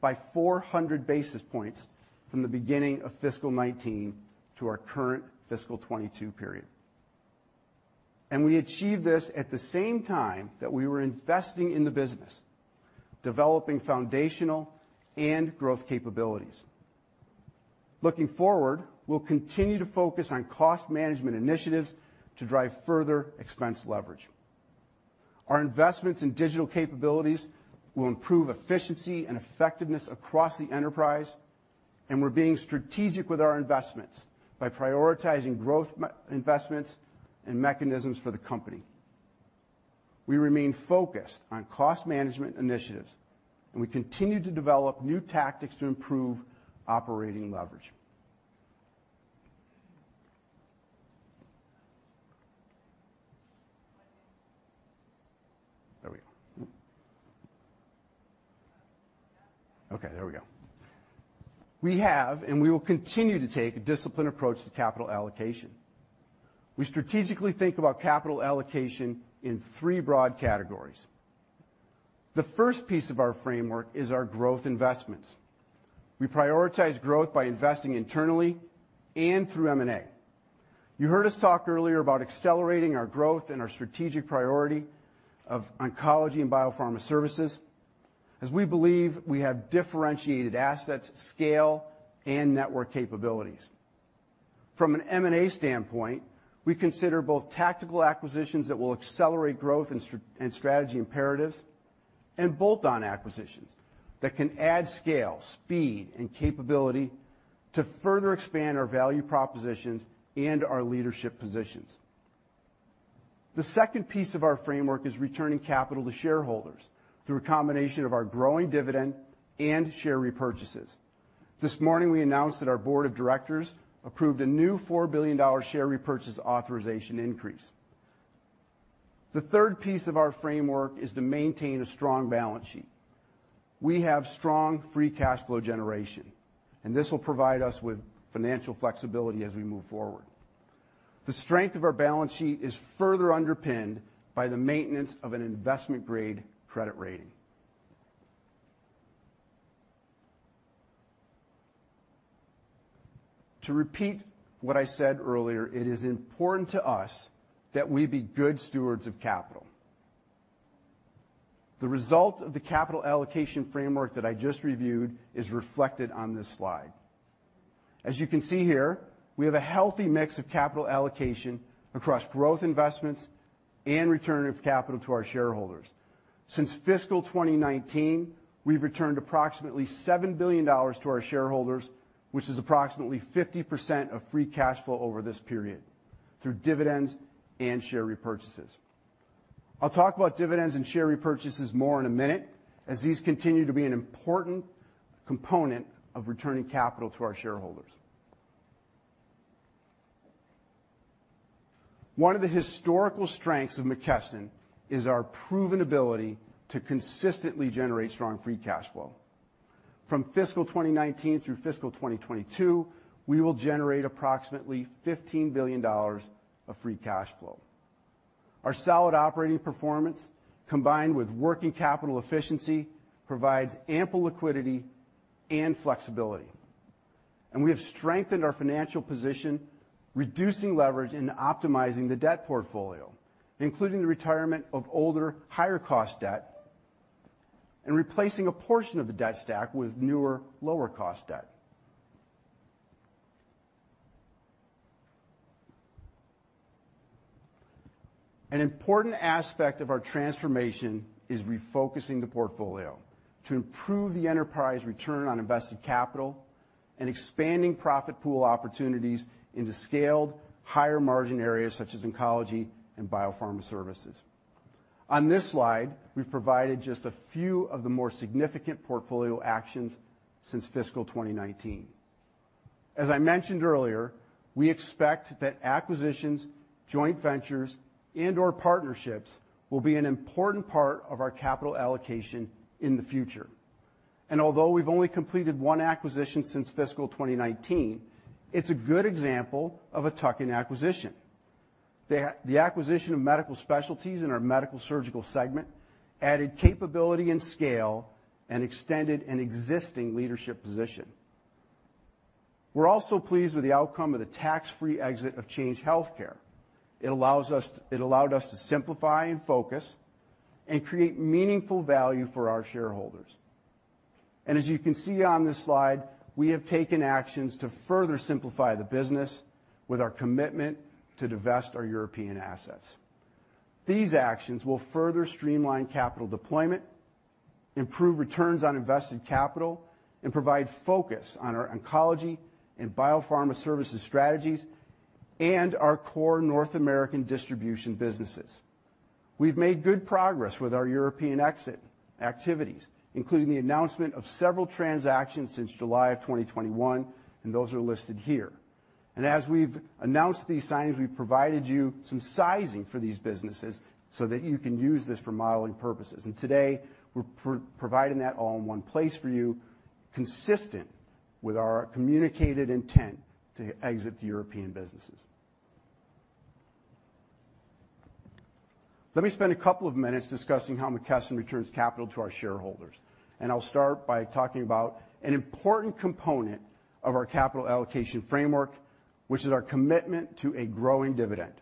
S4: by 400 basis points from the beginning of fiscal 2019 to our current fiscal 2022 period. We achieved this at the same time that we were investing in the business, developing foundational and growth capabilities. Looking forward, we'll continue to focus on cost management initiatives to drive further expense leverage. Our investments in digital capabilities will improve efficiency and effectiveness across the enterprise, and we're being strategic with our investments by prioritizing growth investments and mechanisms for the company. We remain focused on cost management initiatives, and we continue to develop new tactics to improve operating leverage. We have and we will continue to take a disciplined approach to capital allocation. We strategically think about capital allocation in three broad categories. The first piece of our framework is our growth investments. We prioritize growth by investing internally and through M&A. You heard us talk earlier about accelerating our growth and our strategic priority of oncology and biopharma services, as we believe we have differentiated assets, scale, and network capabilities. From an M&A standpoint, we consider both tactical acquisitions that will accelerate growth and strategy imperatives and bolt-on acquisitions that can add scale, speed, and capability to further expand our value propositions and our leadership positions. The second piece of our framework is returning capital to shareholders through a combination of our growing dividend and share repurchases. This morning, we announced that our Board of Directors approved a new $4 billion share repurchase authorization increase. The third piece of our framework is to maintain a strong balance sheet. We have strong free cash flow generation, and this will provide us with financial flexibility as we move forward. The strength of our balance sheet is further underpinned by the maintenance of an investment-grade credit rating. To repeat what I said earlier, it is important to us that we be good stewards of capital. The result of the capital allocation framework that I just reviewed is reflected on this slide. As you can see here, we have a healthy mix of capital allocation across growth investments and return of capital to our shareholders. Since fiscal 2019, we've returned approximately $7 billion to our shareholders, which is approximately 50% of free cash flow over this period through dividends and share repurchases. I'll talk about dividends and share repurchases more in a minute, as these continue to be an important component of returning capital to our shareholders. One of the historical strengths of McKesson is our proven ability to consistently generate strong free cash flow. From fiscal 2019 through fiscal 2022, we will generate approximately $15 billion of free cash flow. Our solid operating performance, combined with working capital efficiency, provides ample liquidity and flexibility. We have strengthened our financial position, reducing leverage and optimizing the debt portfolio, including the retirement of older, higher-cost debt and replacing a portion of the debt stack with newer, lower-cost debt. An important aspect of our transformation is refocusing the portfolio to improve the enterprise return on invested capital and expanding profit pool opportunities into scaled higher margin areas such as oncology and biopharma services. On this slide, we've provided just a few of the more significant portfolio actions since fiscal 2019. As I mentioned earlier, we expect that acquisitions, joint ventures, and/or partnerships will be an important part of our capital allocation in the future. Although we've only completed one acquisition since fiscal 2019, it's a good example of a tuck-in acquisition. The acquisition of Medical Specialties in our Medical-Surgical segment added capability and scale and extended an existing leadership position. We're also pleased with the outcome of the tax-free exit of Change Healthcare. It allowed us to simplify and focus and create meaningful value for our shareholders. As you can see on this slide, we have taken actions to further simplify the business with our commitment to divest our European assets. These actions will further streamline capital deployment, improve returns on invested capital, and provide focus on our oncology and biopharma services strategies and our core North American distribution businesses. We've made good progress with our European exit activities, including the announcement of several transactions since July of 2021, and those are listed here. As we've announced these signings, we've provided you some sizing for these businesses so that you can use this for modeling purposes. Today, we're providing that all in one place for you, consistent with our communicated intent to exit the European businesses. Let me spend a couple of minutes discussing how McKesson returns capital to our shareholders, and I'll start by talking about an important component of our capital allocation framework, which is our commitment to a growing dividend.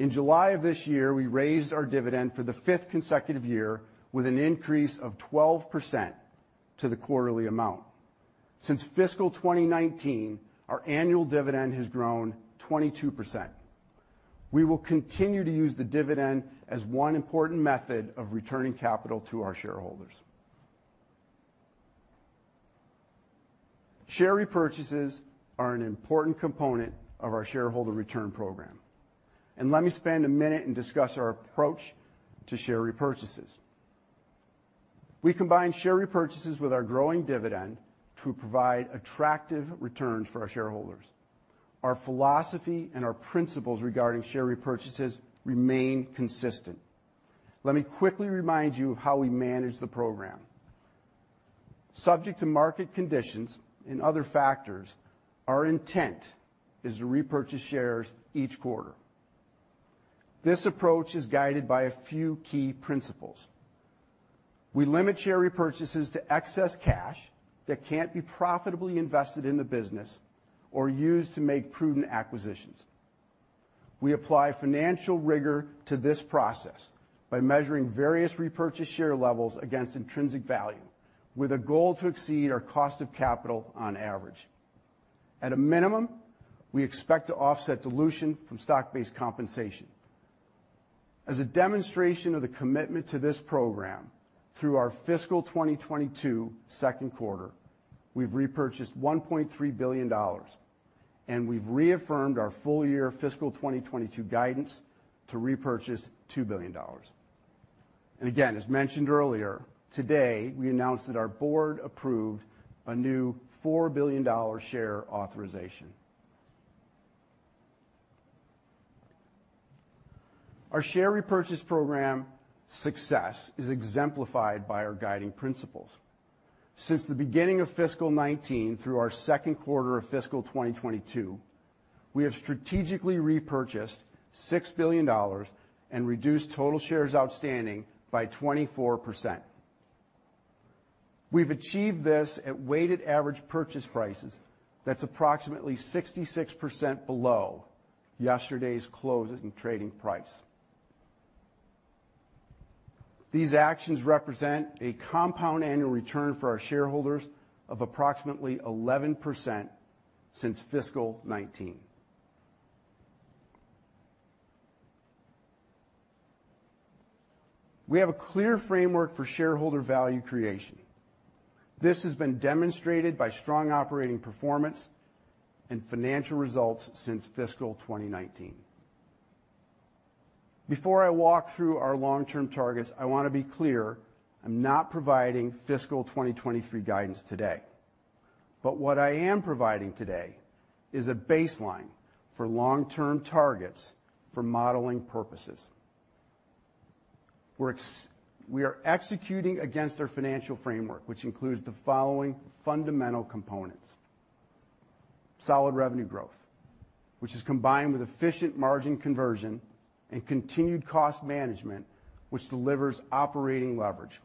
S4: In July of this year, we raised our dividend for the fifth consecutive year with an increase of 12% to the quarterly amount. Since fiscal 2019, our annual dividend has grown 22%. We will continue to use the dividend as one important method of returning capital to our shareholders. Share repurchases are an important component of our shareholder return program. Let me spend a minute and discuss our approach to share repurchases. We combine share repurchases with our growing dividend to provide attractive returns for our shareholders. Our philosophy and our principles regarding share repurchases remain consistent. Let me quickly remind you of how we manage the program. Subject to market conditions and other factors, our intent is to repurchase shares each quarter. This approach is guided by a few key principles. We limit share repurchases to excess cash that can't be profitably invested in the business or used to make prudent acquisitions. We apply financial rigor to this process by measuring various repurchase share levels against intrinsic value with a goal to exceed our cost of capital on average. At a minimum, we expect to offset dilution from stock-based compensation. As a demonstration of the commitment to this program, through our fiscal 2022 second quarter, we've repurchased $1.3 billion, and we've reaffirmed our full-year fiscal 2022 guidance to repurchase $2 billion. Again, as mentioned earlier, today, we announced that our Board approved a new $4 billion share authorization. Our share repurchase program success is exemplified by our guiding principles. Since the beginning of fiscal 2019 through our second quarter of fiscal 2022, we have strategically repurchased $6 billion and reduced total shares outstanding by 24%. We've achieved this at weighted average purchase prices that's approximately 66% below yesterday's closing trading price. These actions represent a compound annual return for our shareholders of approximately 11% since fiscal 2019. We have a clear framework for shareholder value creation. This has been demonstrated by strong operating performance and financial results since fiscal 2019. Before I walk through our long-term targets, I wanna be clear I'm not providing fiscal 2023 guidance today. What I am providing today is a baseline for long-term targets for modeling purposes. We are executing against our financial framework, which includes the following fundamental components. Solid revenue growth, which is combined with efficient margin conversion and continued cost management, which delivers operating leverage.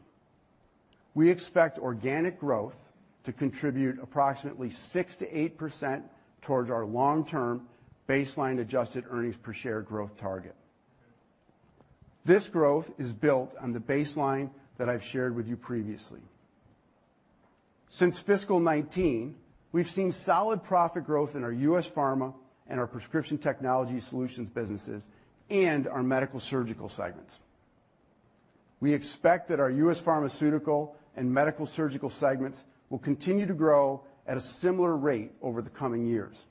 S4: We expect organic growth to contribute approximately 6%-8% towards our long-term baseline adjusted earnings per share growth target. This growth is built on the baseline that I've shared with you previously. Since fiscal 2019, we've seen solid profit growth in our U.S. Pharmaceutical and our Prescription Technology Solutions businesses and our Medical-Surgical segments. We expect that our U.S. Pharmaceutical and Medical-Surgical segments will continue to grow at a similar rate over the coming years.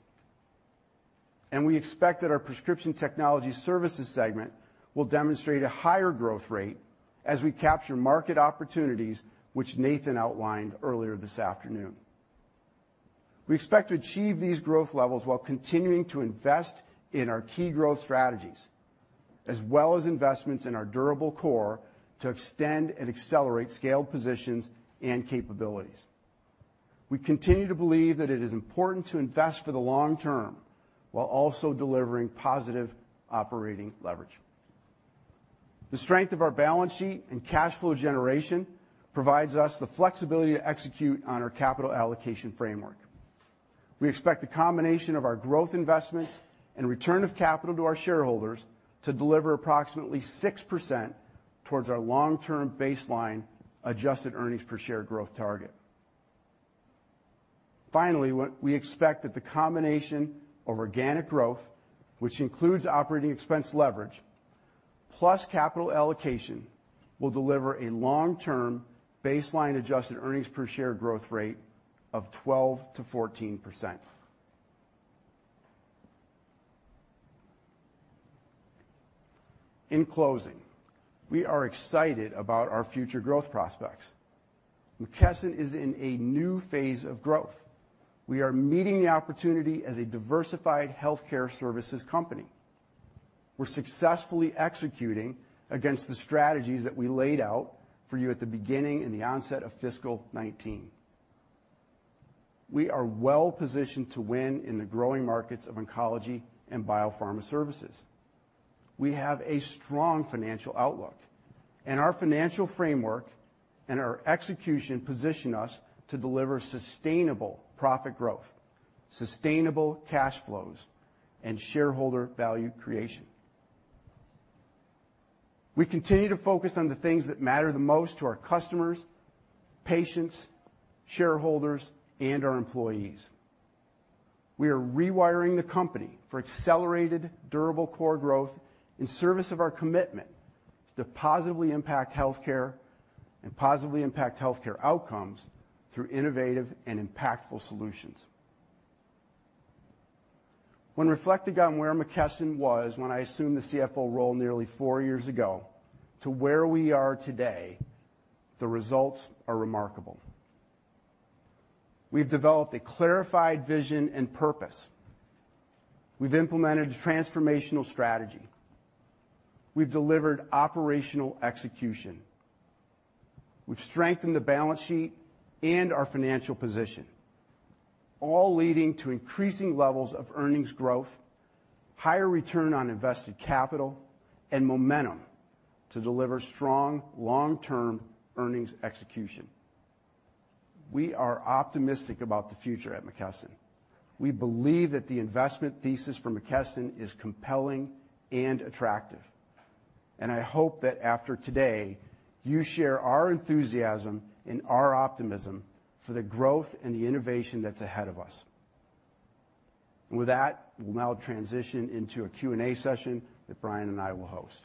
S4: We expect that our prescription technology services segment will demonstrate a higher growth rate as we capture market opportunities, which Nathan outlined earlier this afternoon. We expect to achieve these growth levels while continuing to invest in our key growth strategies, as well as investments in our durable core to extend and accelerate scaled positions and capabilities. We continue to believe that it is important to invest for the long term while also delivering positive operating leverage. The strength of our balance sheet and cash flow generation provides us the flexibility to execute on our capital allocation framework. We expect the combination of our growth investments and return of capital to our shareholders to deliver approximately 6% towards our long-term baseline adjusted earnings per share growth target. Finally, we expect that the combination of organic growth, which includes operating expense leverage, plus capital allocation, will deliver a long-term baseline adjusted earnings per share growth rate of 12%-14%. In closing, we are excited about our future growth prospects. McKesson is in a new phase of growth. We are meeting the opportunity as a diversified healthcare services company. We're successfully executing against the strategies that we laid out for you at the beginning in the onset of fiscal 2019. We are well positioned to win in the growing markets of oncology and biopharma services. We have a strong financial outlook, and our financial framework and our execution position us to deliver sustainable profit growth, sustainable cash flows, and shareholder value creation. We continue to focus on the things that matter the most to our customers, patients, shareholders, and our employees. We are rewiring the company for accelerated durable core growth in service of our commitment to positively impact healthcare and positively impact healthcare outcomes through innovative and impactful solutions. When reflecting on where McKesson was when I assumed the CFO role nearly four years ago to where we are today, the results are remarkable. We've developed a clarified vision and purpose. We've implemented a transformational strategy. We've delivered operational execution. We've strengthened the balance sheet and our financial position, all leading to increasing levels of earnings growth, higher return on invested capital, and momentum to deliver strong long-term earnings execution. We are optimistic about the future at McKesson. We believe that the investment thesis for McKesson is compelling and attractive, and I hope that after today, you share our enthusiasm and our optimism for the growth and the innovation that's ahead of us. With that, we'll now transition into a Q&A session that Brian and I will host.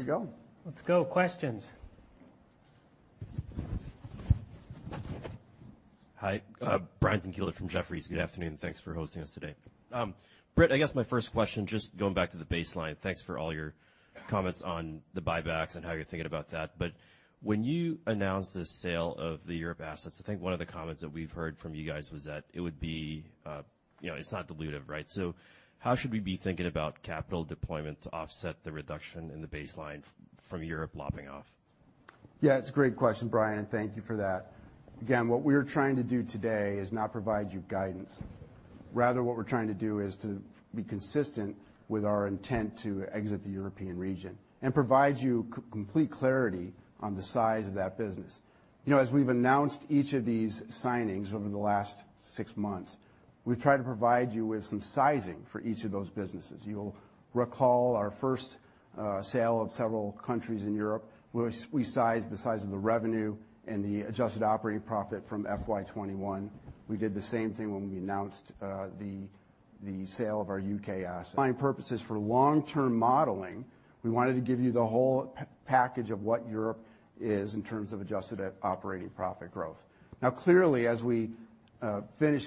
S3: Okay.
S4: Yeah, ready to go.
S3: Let's go. Questions.
S9: Hi. Brian Tanquilut from Jefferies. Good afternoon. Thanks for hosting us today. Britt, I guess my first question, just going back to the baseline, thanks for all your comments on the buybacks and how you're thinking about that. When you announced the sale of the Europe assets, I think one of the comments that we've heard from you guys was that it would be, you know, it's not dilutive, right? So how should we be thinking about capital deployment to offset the reduction in the baseline from Europe lopping off?
S4: Yeah, it's a great question, Brian, and thank you for that. Again, what we're trying to do today is not provide you guidance. Rather, what we're trying to do is to be consistent with our intent to exit the European region and provide you complete clarity on the size of that business. You know, as we've announced each of these signings over the last six months, we've tried to provide you with some sizing for each of those businesses. You'll recall our first sale of several countries in Europe, we sized the size of the revenue and the adjusted operating profit from FY 2021. We did the same thing when we announced the sale of our U.K. assets. My purpose is for long-term modeling, we wanted to give you the whole package of what Europe is in terms of adjusted operating profit growth. Now, clearly, as we finish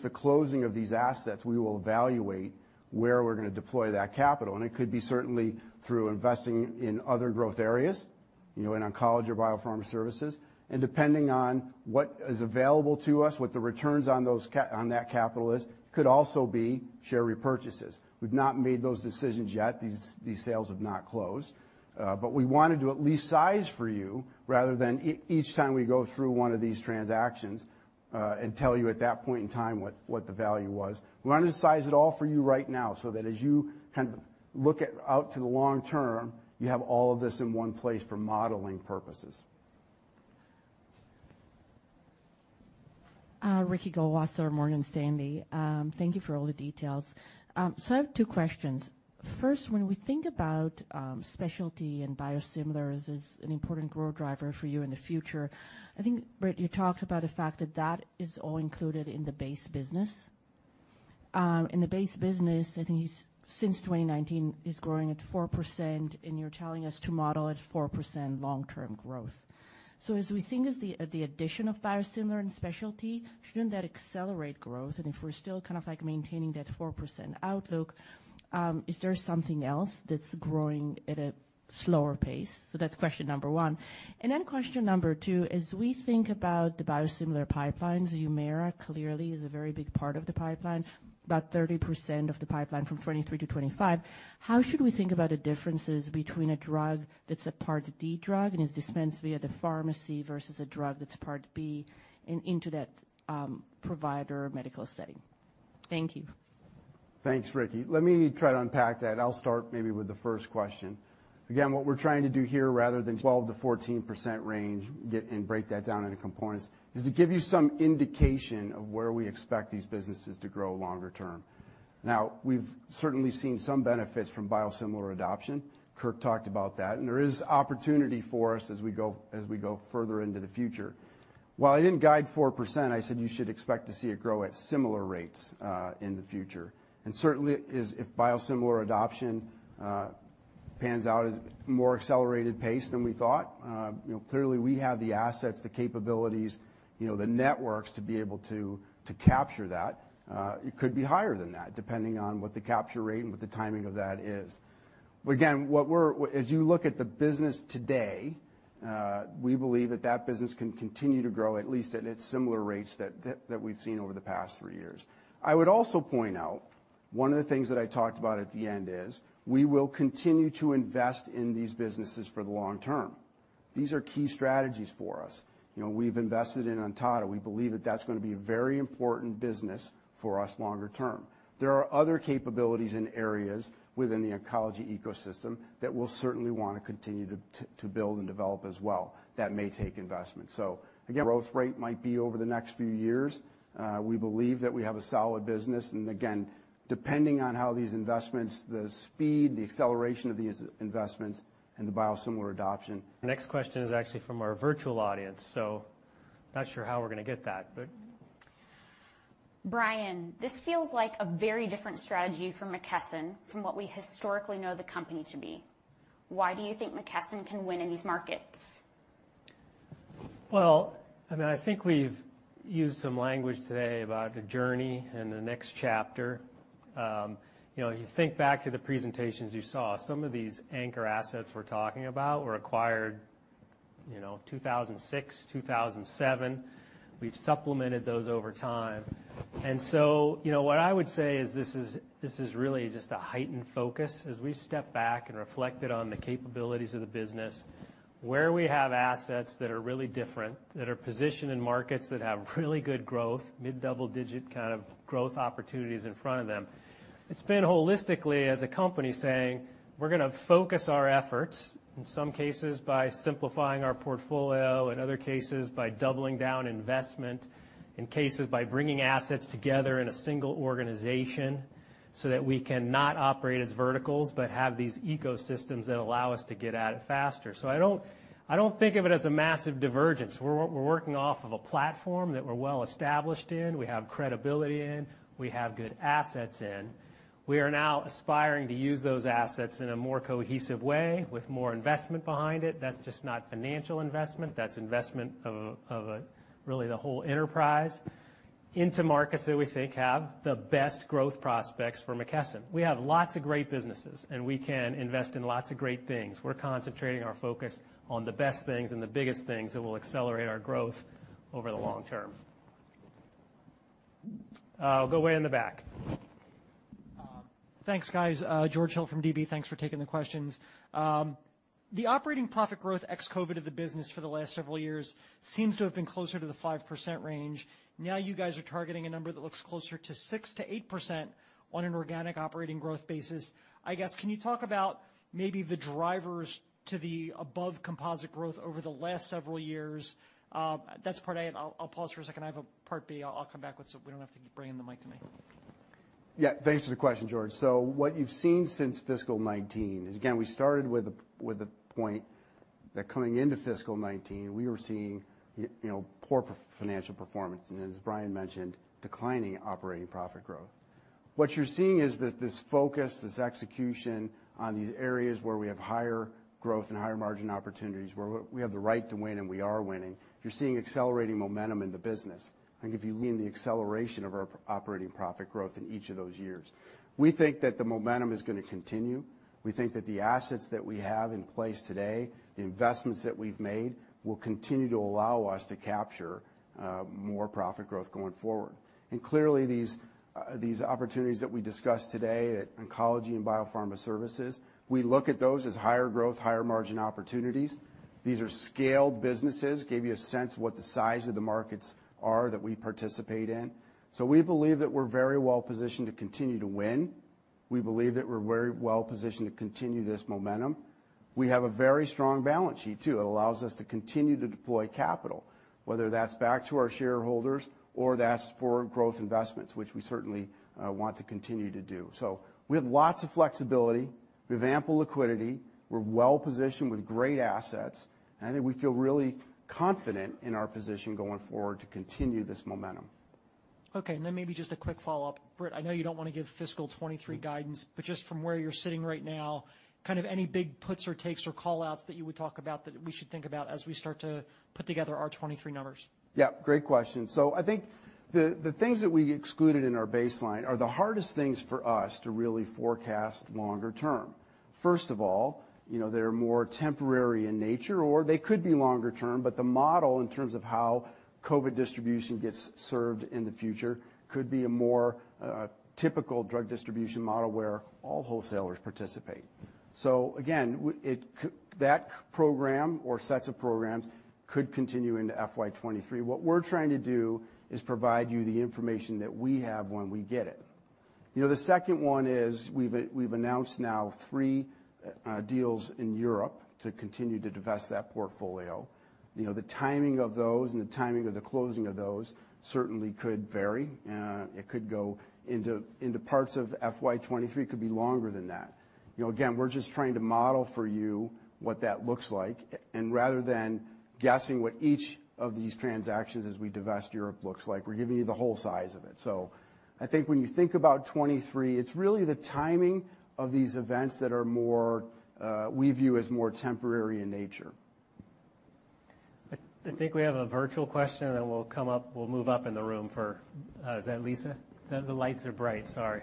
S4: the closing of these assets, we will evaluate where we're gonna deploy that capital, and it could be certainly through investing in other growth areas, you know, in oncology or biopharm services. Depending on what is available to us, what the returns on that capital is, could also be share repurchases. We've not made those decisions yet. These sales have not closed. We wanted to at least size for you rather than each time we go through one of these transactions, and tell you at that point in time what the value was. We wanted to size it all for you right now so that as you kind of look out to the long term, you have all of this in one place for modeling purposes.
S10: Ricky Goldwasser, Morgan Stanley. Thank you for all the details. I have two questions. First, when we think about specialty and biosimilars as an important growth driver for you in the future, I think, Britt, you talked about the fact that that is all included in the base business. In the base business, I think it's since 2019 is growing at 4%, and you're telling us to model at 4% long-term growth. As we think as the addition of biosimilar and specialty, shouldn't that accelerate growth? If we're still kind of like maintaining that 4% outlook, is there something else that's growing at a slower pace? That's question number one. Question number two, as we think about the biosimilar pipelines, Humira clearly is a very big part of the pipeline, about 30% of the pipeline from 2023 to 2025. How should we think about the differences between a drug that's a Part D drug and is dispensed via the pharmacy versus a drug that's Part B and into that, provider medical setting? Thank you.
S4: Thanks, Ricky. Let me try to unpack that. I'll start maybe with the first question. Again, what we're trying to do here rather than 12%-14% range, get and break that down into components, is to give you some indication of where we expect these businesses to grow longer term. Now, we've certainly seen some benefits from biosimilar adoption. Kirk talked about that. There is opportunity for us as we go further into the future. While I didn't guide 4%, I said you should expect to see it grow at similar rates in the future. Certainly as if biosimilar adoption pans out as more accelerated pace than we thought, you know, clearly we have the assets, the capabilities, you know, the networks to be able to capture that. It could be higher than that, depending on what the capture rate and what the timing of that is. Again, as you look at the business today, we believe that business can continue to grow at least at its similar rates that we've seen over the past three years. I would also point out, one of the things that I talked about at the end is we will continue to invest in these businesses for the long term. These are key strategies for us. You know, we've invested in Ontada. We believe that that's gonna be a very important business for us longer term. There are other capabilities in areas within the oncology ecosystem that we'll certainly wanna continue to build and develop as well that may take investment. Again, growth rate might be over the next few years. We believe that we have a solid business, and again, depending on how these investments, the speed, the acceleration of these investments and the biosimilar adoption.
S3: The next question is actually from our virtual audience, so not sure how we're gonna get that but.
S2: Brian, this feels like a very different strategy for McKesson from what we historically know the company to be. Why do you think McKesson can win in these markets?
S3: Well, I mean, I think we've used some language today about the journey and the next chapter. You know, you think back to the presentations you saw, some of these anchor assets we're talking about were acquired. You know, 2006, 2007, we've supplemented those over time. You know, what I would say is this is really just a heightened focus as we step back and reflected on the capabilities of the business, where we have assets that are really different, that are positioned in markets that have really good growth, mid-double digit kind of growth opportunities in front of them. It's been holistically as a company saying, we're gonna focus our efforts, in some cases by simplifying our portfolio, in other cases by doubling down investment, in cases by bringing assets together in a single organization so that we can not operate as verticals, but have these ecosystems that allow us to get at it faster. I don't think of it as a massive divergence. We're working off of a platform that we're well established in, we have credibility in, we have good assets in. We are now aspiring to use those assets in a more cohesive way with more investment behind it. That's just not financial investment. That's investment of a really the whole enterprise into markets that we think have the best growth prospects for McKesson. We have lots of great businesses, and we can invest in lots of great things. We're concentrating our focus on the best things and the biggest things that will accelerate our growth over the long term. I'll go way in the back.
S11: Thanks, guys. George Hill from DB. Thanks for taking the questions. The operating profit growth ex-COVID of the business for the last several years seems to have been closer to the 5% range. Now you guys are targeting a number that looks closer to 6%-8% on an organic operating growth basis. I guess, can you talk about maybe the drivers to the above consensus growth over the last several years? That's Part A. I'll pause for a second. I have a Part B, I'll come back with so we don't have to keep bringing the mic to me.
S4: Yeah. Thanks for the question, George. What you've seen since fiscal 2019, again, we started with a point that coming into fiscal 2019 we were seeing poor financial performance, and as Brian mentioned, declining operating profit growth. What you're seeing is this focus, this execution on these areas where we have higher growth and higher margin opportunities, where we have the right to win and we are winning. You're seeing accelerating momentum in the business, and if you look at the acceleration of our operating profit growth in each of those years. We think that the momentum is gonna continue. We think that the assets that we have in place today, the investments that we've made, will continue to allow us to capture more profit growth going forward. Clearly, these opportunities that we discussed today at Oncology and Biopharma Services, we look at those as higher growth, higher margin opportunities. These are scaled businesses. Gave you a sense of what the size of the markets are that we participate in. We believe that we're very well positioned to continue to win. We believe that we're very well positioned to continue this momentum. We have a very strong balance sheet too. It allows us to continue to deploy capital, whether that's back to our shareholders or that's for growth investments, which we certainly want to continue to do. We have lots of flexibility. We have ample liquidity. We're well positioned with great assets, and I think we feel really confident in our position going forward to continue this momentum.
S11: Okay. Maybe just a quick follow-up. Britt, I know you don't wanna give fiscal 2023 guidance, but just from where you're sitting right now, kind of any big puts or takes or call-outs that you would talk about that we should think about as we start to put together our 2023 numbers?
S4: Yeah. Great question. I think the things that we excluded in our baseline are the hardest things for us to really forecast longer term. First of all, you know, they're more temporary in nature, or they could be longer term, but the model in terms of how COVID distribution gets served in the future could be a more typical drug distribution model where all wholesalers participate. Again, that program or sets of programs could continue into FY 2023. What we're trying to do is provide you the information that we have when we get it. You know, the second one is we've announced now three deals in Europe to continue to divest that portfolio. You know, the timing of those and the timing of the closing of those certainly could vary. It could go into parts of FY 2023. Could be longer than that. You know, again, we're just trying to model for you what that looks like, and rather than guessing what each of these transactions as we divest Europe looks like, we're giving you the whole size of it. I think when you think about 2023, it's really the timing of these events that are more, we view as more temporary in nature.
S3: I think we have a virtual question, and then we'll come up, we'll move up in the room for, is that Lisa? The lights are bright. Sorry.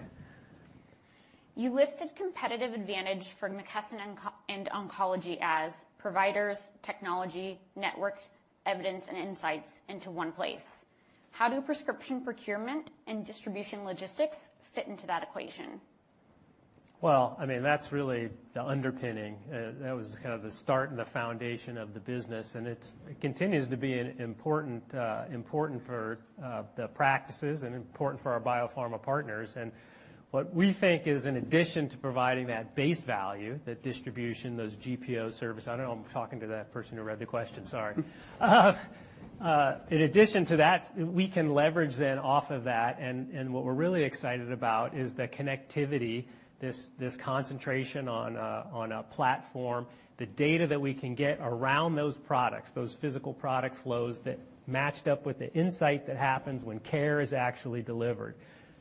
S2: You listed competitive advantage for McKesson and Ontada and oncology as providers, technology, network, evidence, and insights into one place. How do prescription procurement and distribution logistics fit into that equation?
S3: Well, I mean, that's really the underpinning. That was kind of the start and the foundation of the business, and it continues to be an important for the practices and important for our biopharma partners. What we think is in addition to providing that base value, that distribution, those GPO service, I don't know who I'm talking to, that person who read the question. Sorry. In addition to that, we can leverage them off of that, and what we're really excited about is the connectivity, this concentration on a platform, the data that we can get around those products, those physical product flows that matched up with the insight that happens when care is actually delivered.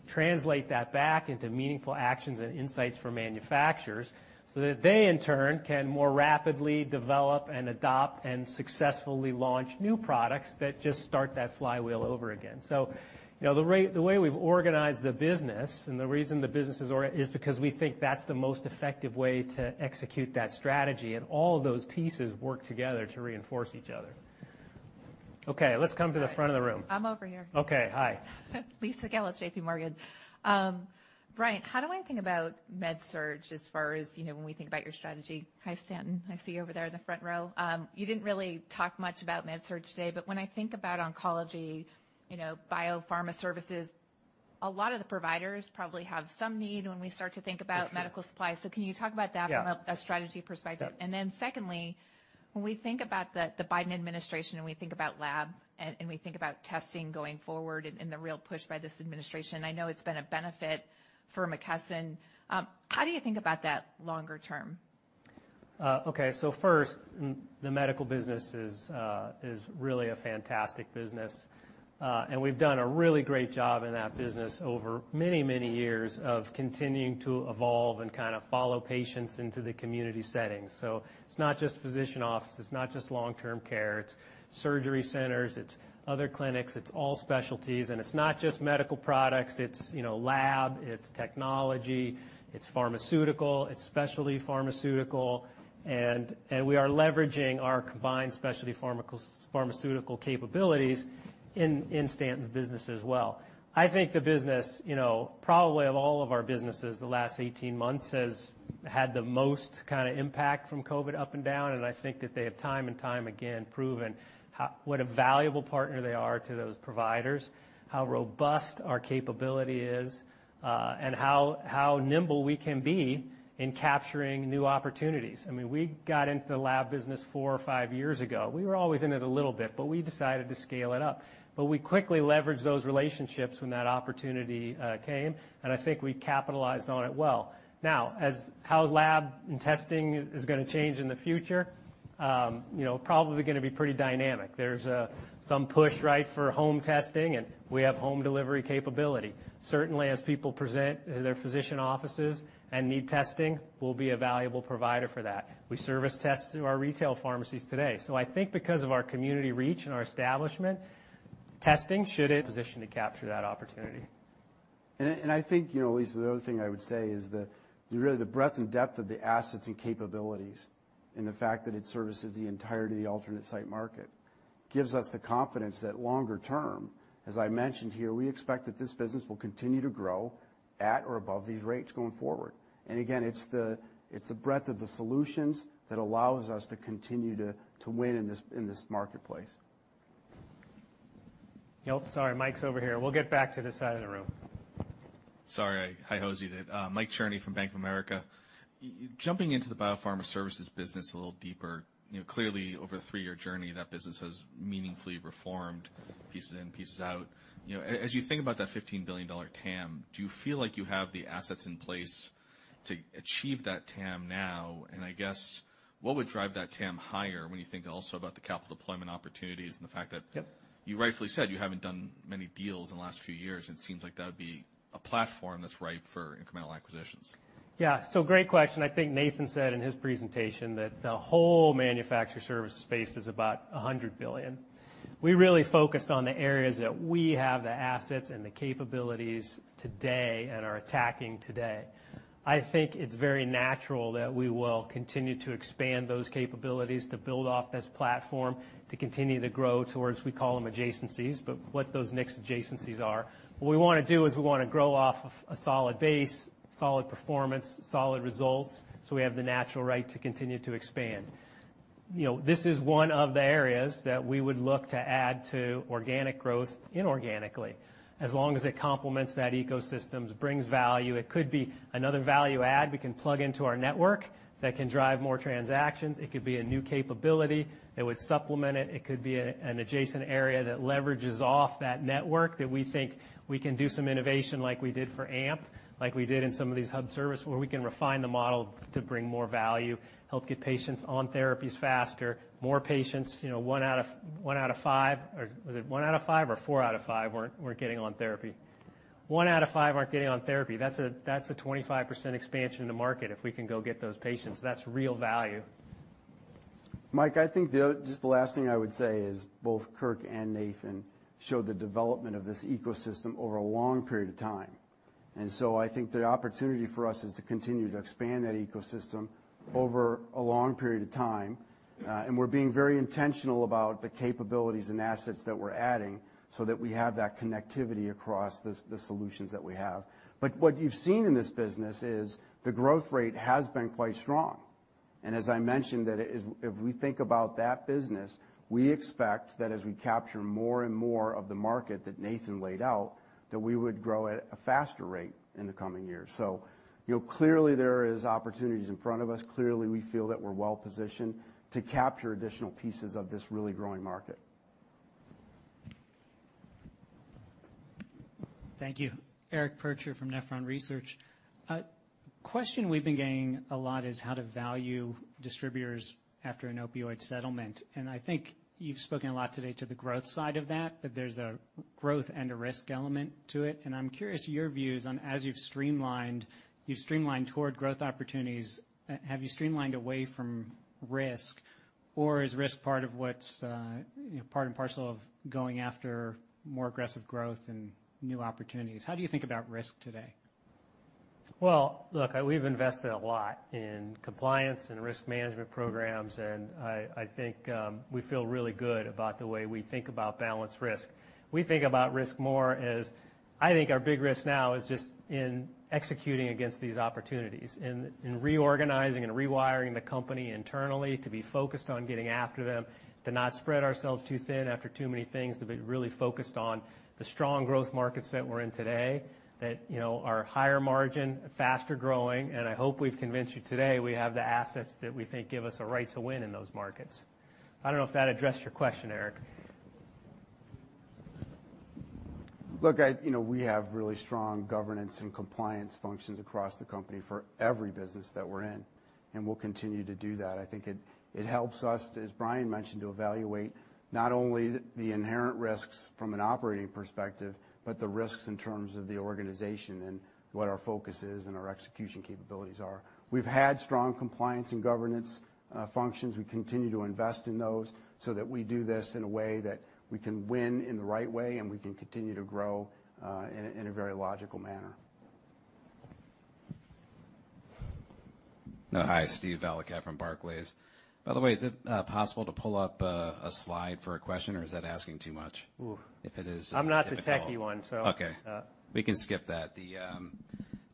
S3: Translate that back into meaningful actions and insights for manufacturers so that they, in turn, can more rapidly develop and adopt and successfully launch new products that just start that flywheel over again. You know, the way we've organized the business and the reason the business is organized is because we think that's the most effective way to execute that strategy, and all of those pieces work together to reinforce each other. Okay, let's come to the front of the room.
S12: I'm over here.
S3: Okay. Hi.
S12: Lisa Gill, JPMorgan. Brian, how do I think about Med-Surg as far as, you know, when we think about your strategy? Hi, Stanton. I see you over there in the front row. You didn't really talk much about Med-Surg today, but when I think about oncology, you know, biopharma services, a lot of the providers probably have some need when we start to think about-
S3: For sure.
S12: Medical supplies. Can you talk about that?
S3: Yeah
S12: From a strategy perspective?
S3: Yeah.
S12: Then secondly, when we think about the Biden administration, and we think about lab and we think about testing going forward and the real push by this administration, I know it's been a benefit for McKesson, how do you think about that longer term?
S3: The medical business is really a fantastic business. We've done a really great job in that business over many, many years of continuing to evolve and kinda follow patients into the community setting. It's not just physician office, it's not just long-term care, it's surgery centers, it's other clinics, it's all specialties. It's not just medical products, it's, you know, lab, it's technology, it's pharmaceutical, it's specialty pharmaceutical. We are leveraging our combined specialty pharmaceutical capabilities in Stanton's business as well. I think the business, you know, probably of all of our businesses the last 18 months, has had the most kinda impact from COVID up and down, and I think that they have time and time again proven what a valuable partner they are to those providers, how robust our capability is, and how nimble we can be in capturing new opportunities. I mean, we got into the lab business four or five years ago. We were always in it a little bit, but we decided to scale it up. We quickly leveraged those relationships when that opportunity came, and I think we capitalized on it well. Now, as how lab and testing is gonna change in the future, you know, probably gonna be pretty dynamic. There's some push, right, for home testing, and we have home delivery capability. Certainly, as people present to their physician offices and need testing, we'll be a valuable provider for that. We service tests through our retail pharmacies today. I think because of our community reach and our establishment, we should be in position to capture that opportunity.
S4: I think, you know, Lisa, the other thing I would say is that really the breadth and depth of the assets and capabilities, and the fact that it services the entirety of the alternate site market, gives us the confidence that longer term, as I mentioned here, we expect that this business will continue to grow at or above these rates going forward. Again, it's the breadth of the solutions that allows us to continue to win in this marketplace.
S3: Yep. Sorry. Mike's over here. We'll get back to this side of the room.
S13: Sorry, I hijacked it. Michael Cherny from Bank of America. Jumping into the biopharma services business a little deeper, you know, clearly, over the three-year journey, that business has meaningfully reformed pieces in, pieces out. You know, as you think about that $15 billion TAM, do you feel like you have the assets in place to achieve that TAM now? I guess, what would drive that TAM higher when you think also about the capital deployment opportunities and the fact that-
S3: Yep
S13: You rightfully said you haven't done many deals in the last few years, and it seems like that would be a platform that's ripe for incremental acquisitions.
S3: Yeah. Great question. I think Nathan said in his presentation that the whole manufacturer service space is about $100 billion. We really focused on the areas that we have the assets and the capabilities today and are attacking today. I think it's very natural that we will continue to expand those capabilities to build off this platform, to continue to grow towards, we call them adjacencies, but what those next adjacencies are. What we wanna do is we wanna grow off of a solid base, solid performance, solid results, so we have the natural right to continue to expand. You know, this is one of the areas that we would look to add to organic growth inorganically. As long as it complements that ecosystems, brings value, it could be another value add we can plug into our network that can drive more transactions. It could be a new capability that would supplement it. It could be an adjacent area that leverages off that network that we think we can do some innovation like we did for AMP, like we did in some of these hub service, where we can refine the model to bring more value, help get patients on therapies faster. More patients, you know, one out of five. Or was it one out of five or four out of five weren't getting on therapy? One out of five aren't getting on therapy. That's a 25% expansion in the market if we can go get those patients. That's real value.
S4: Mike, I think just the last thing I would say is both Kirk and Nathan showed the development of this ecosystem over a long period of time. I think the opportunity for us is to continue to expand that ecosystem over a long period of time, and we're being very intentional about the capabilities and assets that we're adding so that we have that connectivity across the solutions that we have. What you've seen in this business is the growth rate has been quite strong. As I mentioned, if we think about that business, we expect that as we capture more and more of the market that Nathan laid out, that we would grow at a faster rate in the coming years. You know, clearly, there is opportunities in front of us. Clearly, we feel that we're well positioned to capture additional pieces of this really growing market.
S14: Thank you. Eric Percher from Nephron Research. A question we've been getting a lot is how to value distributors after an opioid settlement. I think you've spoken a lot today to the growth side of that, but there's a growth and a risk element to it. I'm curious your views on as you've streamlined toward growth opportunities, have you streamlined away from risk, or is risk part of what's, you know, part and parcel of going after more aggressive growth and new opportunities? How do you think about risk today?
S3: Well, look, we've invested a lot in compliance and risk management programs, and I think we feel really good about the way we think about balanced risk. We think about risk more as, I think our big risk now is just in executing against these opportunities, in reorganizing and rewiring the company internally to be focused on getting after them, to not spread ourselves too thin after too many things, to be really focused on the strong growth markets that we're in today that, you know, are higher margin, faster-growing. I hope we've convinced you today we have the assets that we think give us a right to win in those markets. I don't know if that addressed your question, Eric.
S4: Look, you know, we have really strong governance and compliance functions across the company for every business that we're in, and we'll continue to do that. I think it helps us, as Brian mentioned, to evaluate not only the inherent risks from an operating perspective, but the risks in terms of the organization and what our focus is and our execution capabilities are. We've had strong compliance and governance functions. We continue to invest in those so that we do this in a way that we can win in the right way, and we can continue to grow in a very logical manner.
S15: Hi. Steve Valiquette from Barclays. By the way, is it possible to pull up a slide for a question, or is that asking too much?
S3: Ooh.
S15: If it is-
S3: I'm not the techie one, so.
S15: Okay. We can skip that.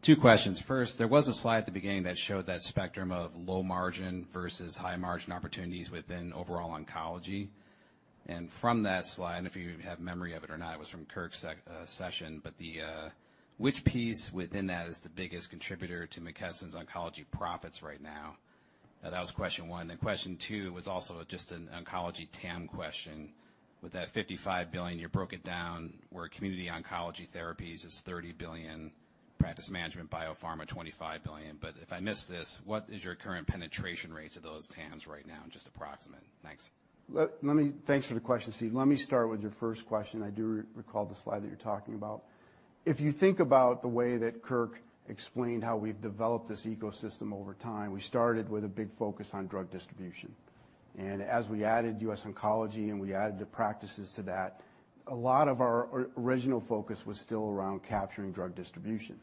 S15: Two questions. First, there was a slide at the beginning that showed that spectrum of low margin versus high margin opportunities within overall oncology. From that slide, and if you have memory of it or not, it was from Kirk's session. Which piece within that is the biggest contributor to McKesson's oncology profits right now? That was question one. Question two was also just an oncology TAM question. With that $55 billion, you broke it down where community oncology therapies is $30 billion, practice management, biopharma, $25 billion. If I missed this, what is your current penetration rates of those TAMs right now, just approximate? Thanks.
S4: Thanks for the question, Steve. Let me start with your first question. I do recall the slide that you're talking about. If you think about the way that Kirk explained how we've developed this ecosystem over time, we started with a big focus on drug distribution. As we added US Oncology and we added the practices to that, a lot of our original focus was still around capturing drug distribution.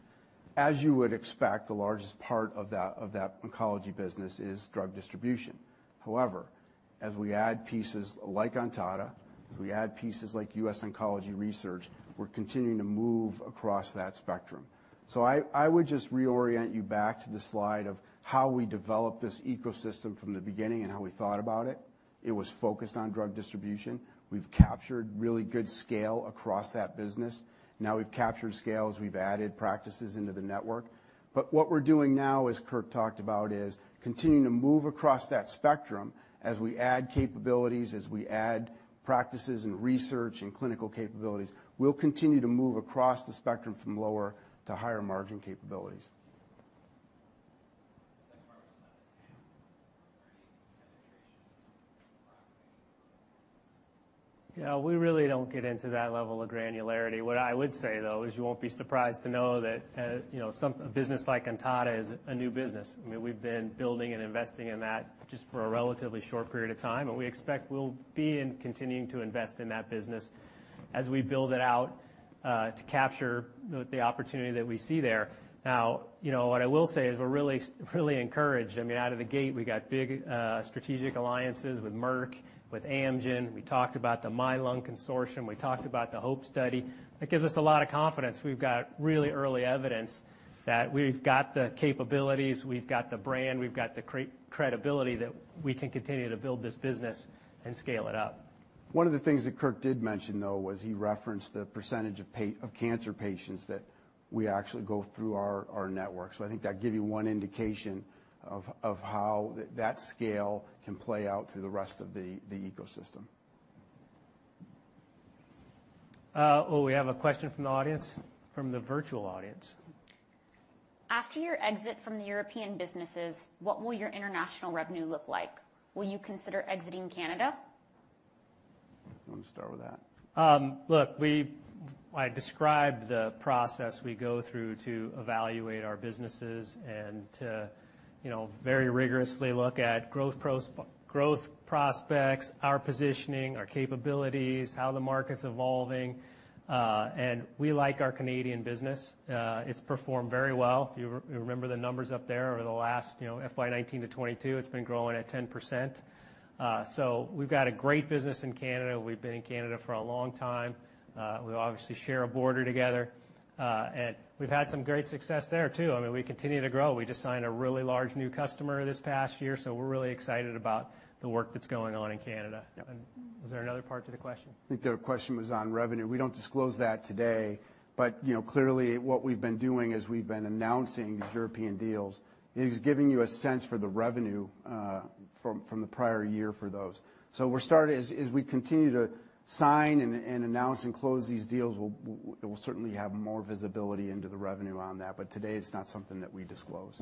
S4: As you would expect, the largest part of that oncology business is drug distribution. However, as we add pieces like Ontada, as we add pieces like US Oncology Research, we're continuing to move across that spectrum. I would just reorient you back to the slide of how we developed this ecosystem from the beginning and how we thought about it. It was focused on drug distribution. We've captured really good scale across that business. Now we've captured scales, we've added practices into the network. What we're doing now, as Kirk talked about, is continuing to move across that spectrum as we add capabilities, as we add practices and research and clinical capabilities. We'll continue to move across the spectrum from lower to higher margin capabilities.
S15: [inaudible]
S3: Yeah, we really don't get into that level of granularity. What I would say, though, is you won't be surprised to know that, you know, a business like Ontada is a new business. I mean, we've been building and investing in that just for a relatively short period of time, and we expect we'll be continuing to invest in that business as we build it out, to capture the opportunity that we see there. Now, you know, what I will say is we're really, really encouraged. I mean, out of the gate, we got big strategic alliances with Merck, with Amgen. We talked about the MYLUNG Consortium. We talked about the HOPE study. That gives us a lot of confidence. We've got really early evidence that we've got the capabilities, we've got the brand, we've got the credibility that we can continue to build this business and scale it up.
S4: One of the things that Kirk did mention, though, was he referenced the percentage of cancer patients that we actually go through our network. I think that'd give you one indication of how that scale can play out through the rest of the ecosystem.
S3: We have a question from the audience, from the virtual audience.
S2: After your exit from the European businesses, what will your international revenue look like? Will you consider exiting Canada?
S4: You wanna start with that?
S3: Look, I described the process we go through to evaluate our businesses and to, you know, very rigorously look at growth prospects, our positioning, our capabilities, how the market's evolving. We like our Canadian business. It's performed very well. If you remember the numbers up there over the last, you know, FY 2019 to 2022, it's been growing at 10%. We've got a great business in Canada. We've been in Canada for a long time. We obviously share a border together. We've had some great success there, too. I mean, we continue to grow. We just signed a really large new customer this past year, so we're really excited about the work that's going on in Canada.
S4: Yep.
S3: Was there another part to the question?
S4: I think the question was on revenue. We don't disclose that today, but you know, clearly what we've been doing is we've been announcing these European deals, is giving you a sense for the revenue from the prior year for those. As we continue to sign and announce and close these deals, we'll certainly have more visibility into the revenue on that. Today, it's not something that we disclose.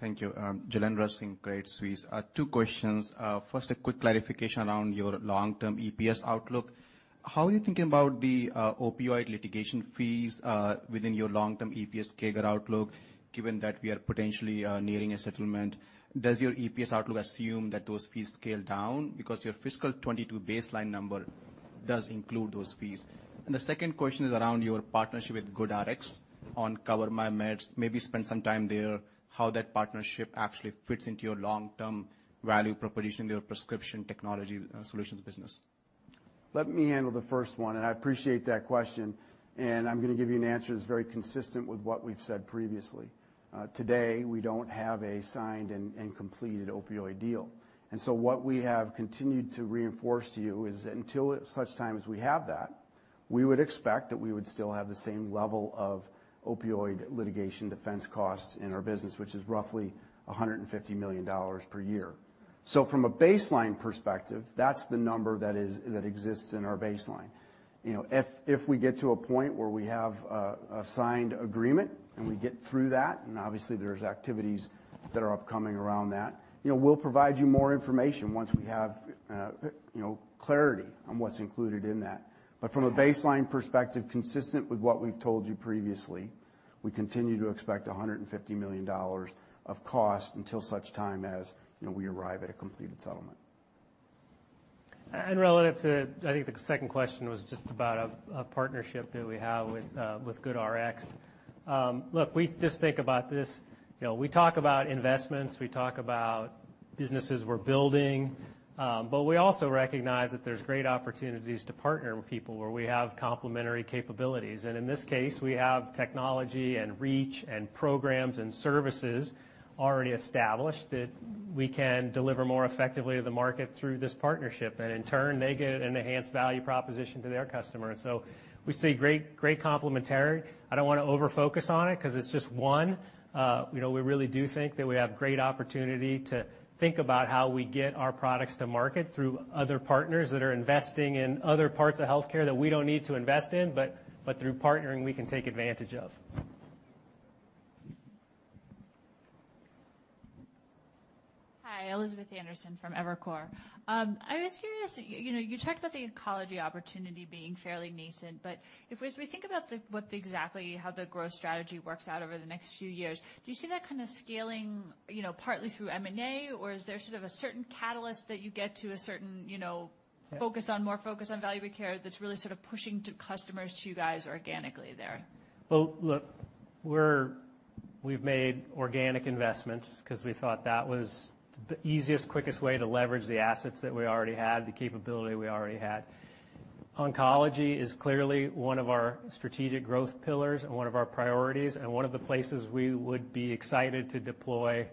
S16: Thank you. A.J. Rice, Credit Suisse. Two questions. First, a quick clarification around your long-term EPS outlook. How are you thinking about the opioid litigation fees within your long-term EPS CAGR outlook, given that we are potentially nearing a settlement? Does your EPS outlook assume that those fees scale down? Because your fiscal 2022 baseline number, does include those fees. The second question is around your partnership with GoodRx on CoverMyMeds. Maybe spend some time there, how that partnership actually fits into your long-term value proposition, your Prescription Technology Solutions business.
S4: Let me handle the first one, and I appreciate that question. I'm gonna give you an answer that's very consistent with what we've said previously. Today, we don't have a signed and completed opioid deal. What we have continued to reinforce to you is until at such time as we have that, we would expect that we would still have the same level of opioid litigation defense costs in our business, which is roughly $150 million per year. From a baseline perspective, that's the number that exists in our baseline. You know, if we get to a point where we have a signed agreement, and we get through that, and obviously there's activities that are upcoming around that, you know, we'll provide you more information once we have, you know, clarity on what's included in that. From a baseline perspective, consistent with what we've told you previously, we continue to expect $150 million of cost until such time as, you know, we arrive at a completed settlement.
S3: Relative to, I think the second question was just about a partnership that we have with GoodRx. Look, we just think about this. You know, we talk about investments, we talk about businesses we're building, but we also recognize that there's great opportunities to partner with people where we have complementary capabilities. In this case, we have technology and reach and programs and services already established that we can deliver more effectively to the market through this partnership. In turn, they get an enhanced value proposition to their customer. We see great complementary. I don't wanna over-focus on it 'cause it's just one. You know, we really do think that we have great opportunity to think about how we get our products to market through other partners that are investing in other parts of healthcare that we don't need to invest in, but through partnering, we can take advantage of.
S17: Hi, Elizabeth Anderson from Evercore. I was curious, you know, you talked about the oncology opportunity being fairly nascent, but as we think about what exactly how the growth strategy works out over the next few years, do you see that kinda scaling, you know, partly through M&A? Or is there sort of a certain catalyst that you get to a certain, you know-
S3: Yeah.
S17: More focus on value-based care that's really sort of pushing to customers to you guys organically there?
S3: Well, look, we've made organic investments 'cause we thought that was the easiest, quickest way to leverage the assets that we already had, the capability we already had. Oncology is clearly one of our strategic growth pillars and one of our priorities, and one of the places we would be excited to deploy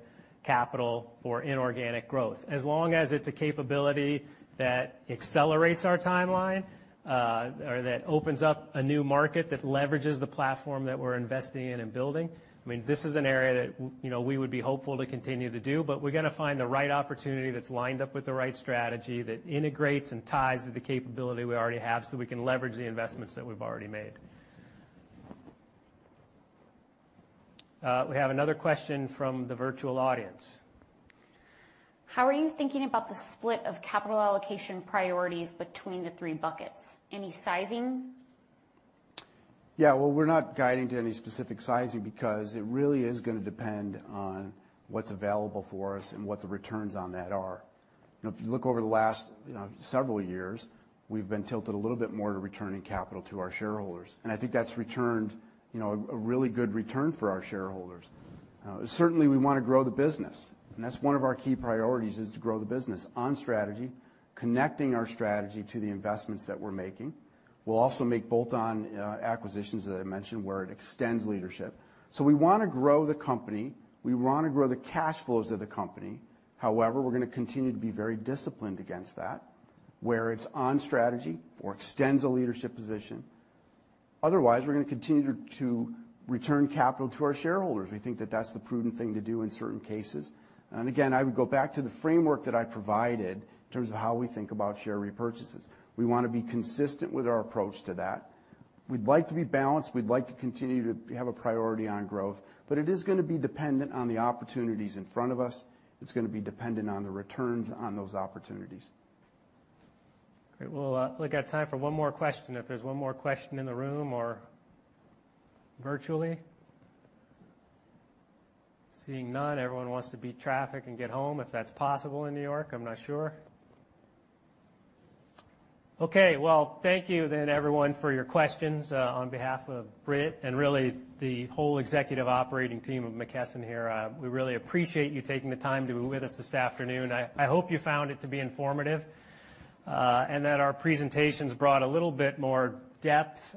S3: capital for inorganic growth. As long as it's a capability that accelerates our timeline, or that opens up a new market that leverages the platform that we're investing in and building, I mean, this is an area that, you know, we would be hopeful to continue to do. We gotta find the right opportunity that's lined up with the right strategy that integrates and ties with the capability we already have, so we can leverage the investments that we've already made. We have another question from the virtual audience.
S2: How are you thinking about the split of capital allocation priorities between the three buckets? Any sizing?
S4: Yeah. Well, we're not guiding to any specific sizing because it really is gonna depend on what's available for us and what the returns on that are. You know, if you look over the last, you know, several years, we've been tilted a little bit more to returning capital to our shareholders. I think that's returned, you know, a really good return for our shareholders. Certainly we wanna grow the business, and that's one of our key priorities is to grow the business on strategy, connecting our strategy to the investments that we're making. We'll also make bolt-on acquisitions that I mentioned where it extends leadership. We wanna grow the company, we wanna grow the cash flows of the company. However, we're gonna continue to be very disciplined against that, where it's on strategy or extends a leadership position. Otherwise, we're gonna continue to return capital to our shareholders. We think that that's the prudent thing to do in certain cases. Again, I would go back to the framework that I provided in terms of how we think about share repurchases. We wanna be consistent with our approach to that. We'd like to be balanced. We'd like to continue to have a priority on growth, but it is gonna be dependent on the opportunities in front of us. It's gonna be dependent on the returns on those opportunities.
S3: Great. Well, we got time for one more question, if there's one more question in the room or virtually. Seeing none, everyone wants to beat traffic and get home if that's possible in New York. I'm not sure. Okay. Well, thank you then everyone for your questions. On behalf of Britt and really the whole executive operating team of McKesson here, we really appreciate you taking the time to be with us this afternoon. I hope you found it to be informative, and that our presentations brought a little bit more depth,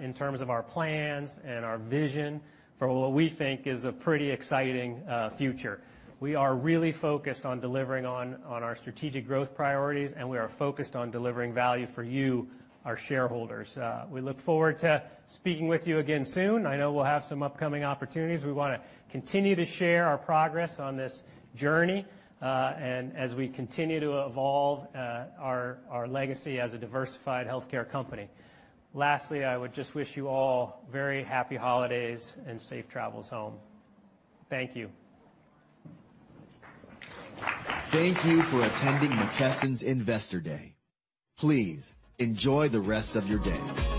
S3: in terms of our plans and our vision for what we think is a pretty exciting future. We are really focused on delivering on our strategic growth priorities, and we are focused on delivering value for you, our shareholders. We look forward to speaking with you again soon. I know we'll have some upcoming opportunities. We wanna continue to share our progress on this journey, and as we continue to evolve, our legacy as a diversified healthcare company. Lastly, I would just wish you all very happy holidays and safe travels home. Thank you.
S1: Thank you for attending McKesson's Investor Day. Please, enjoy the rest of your day.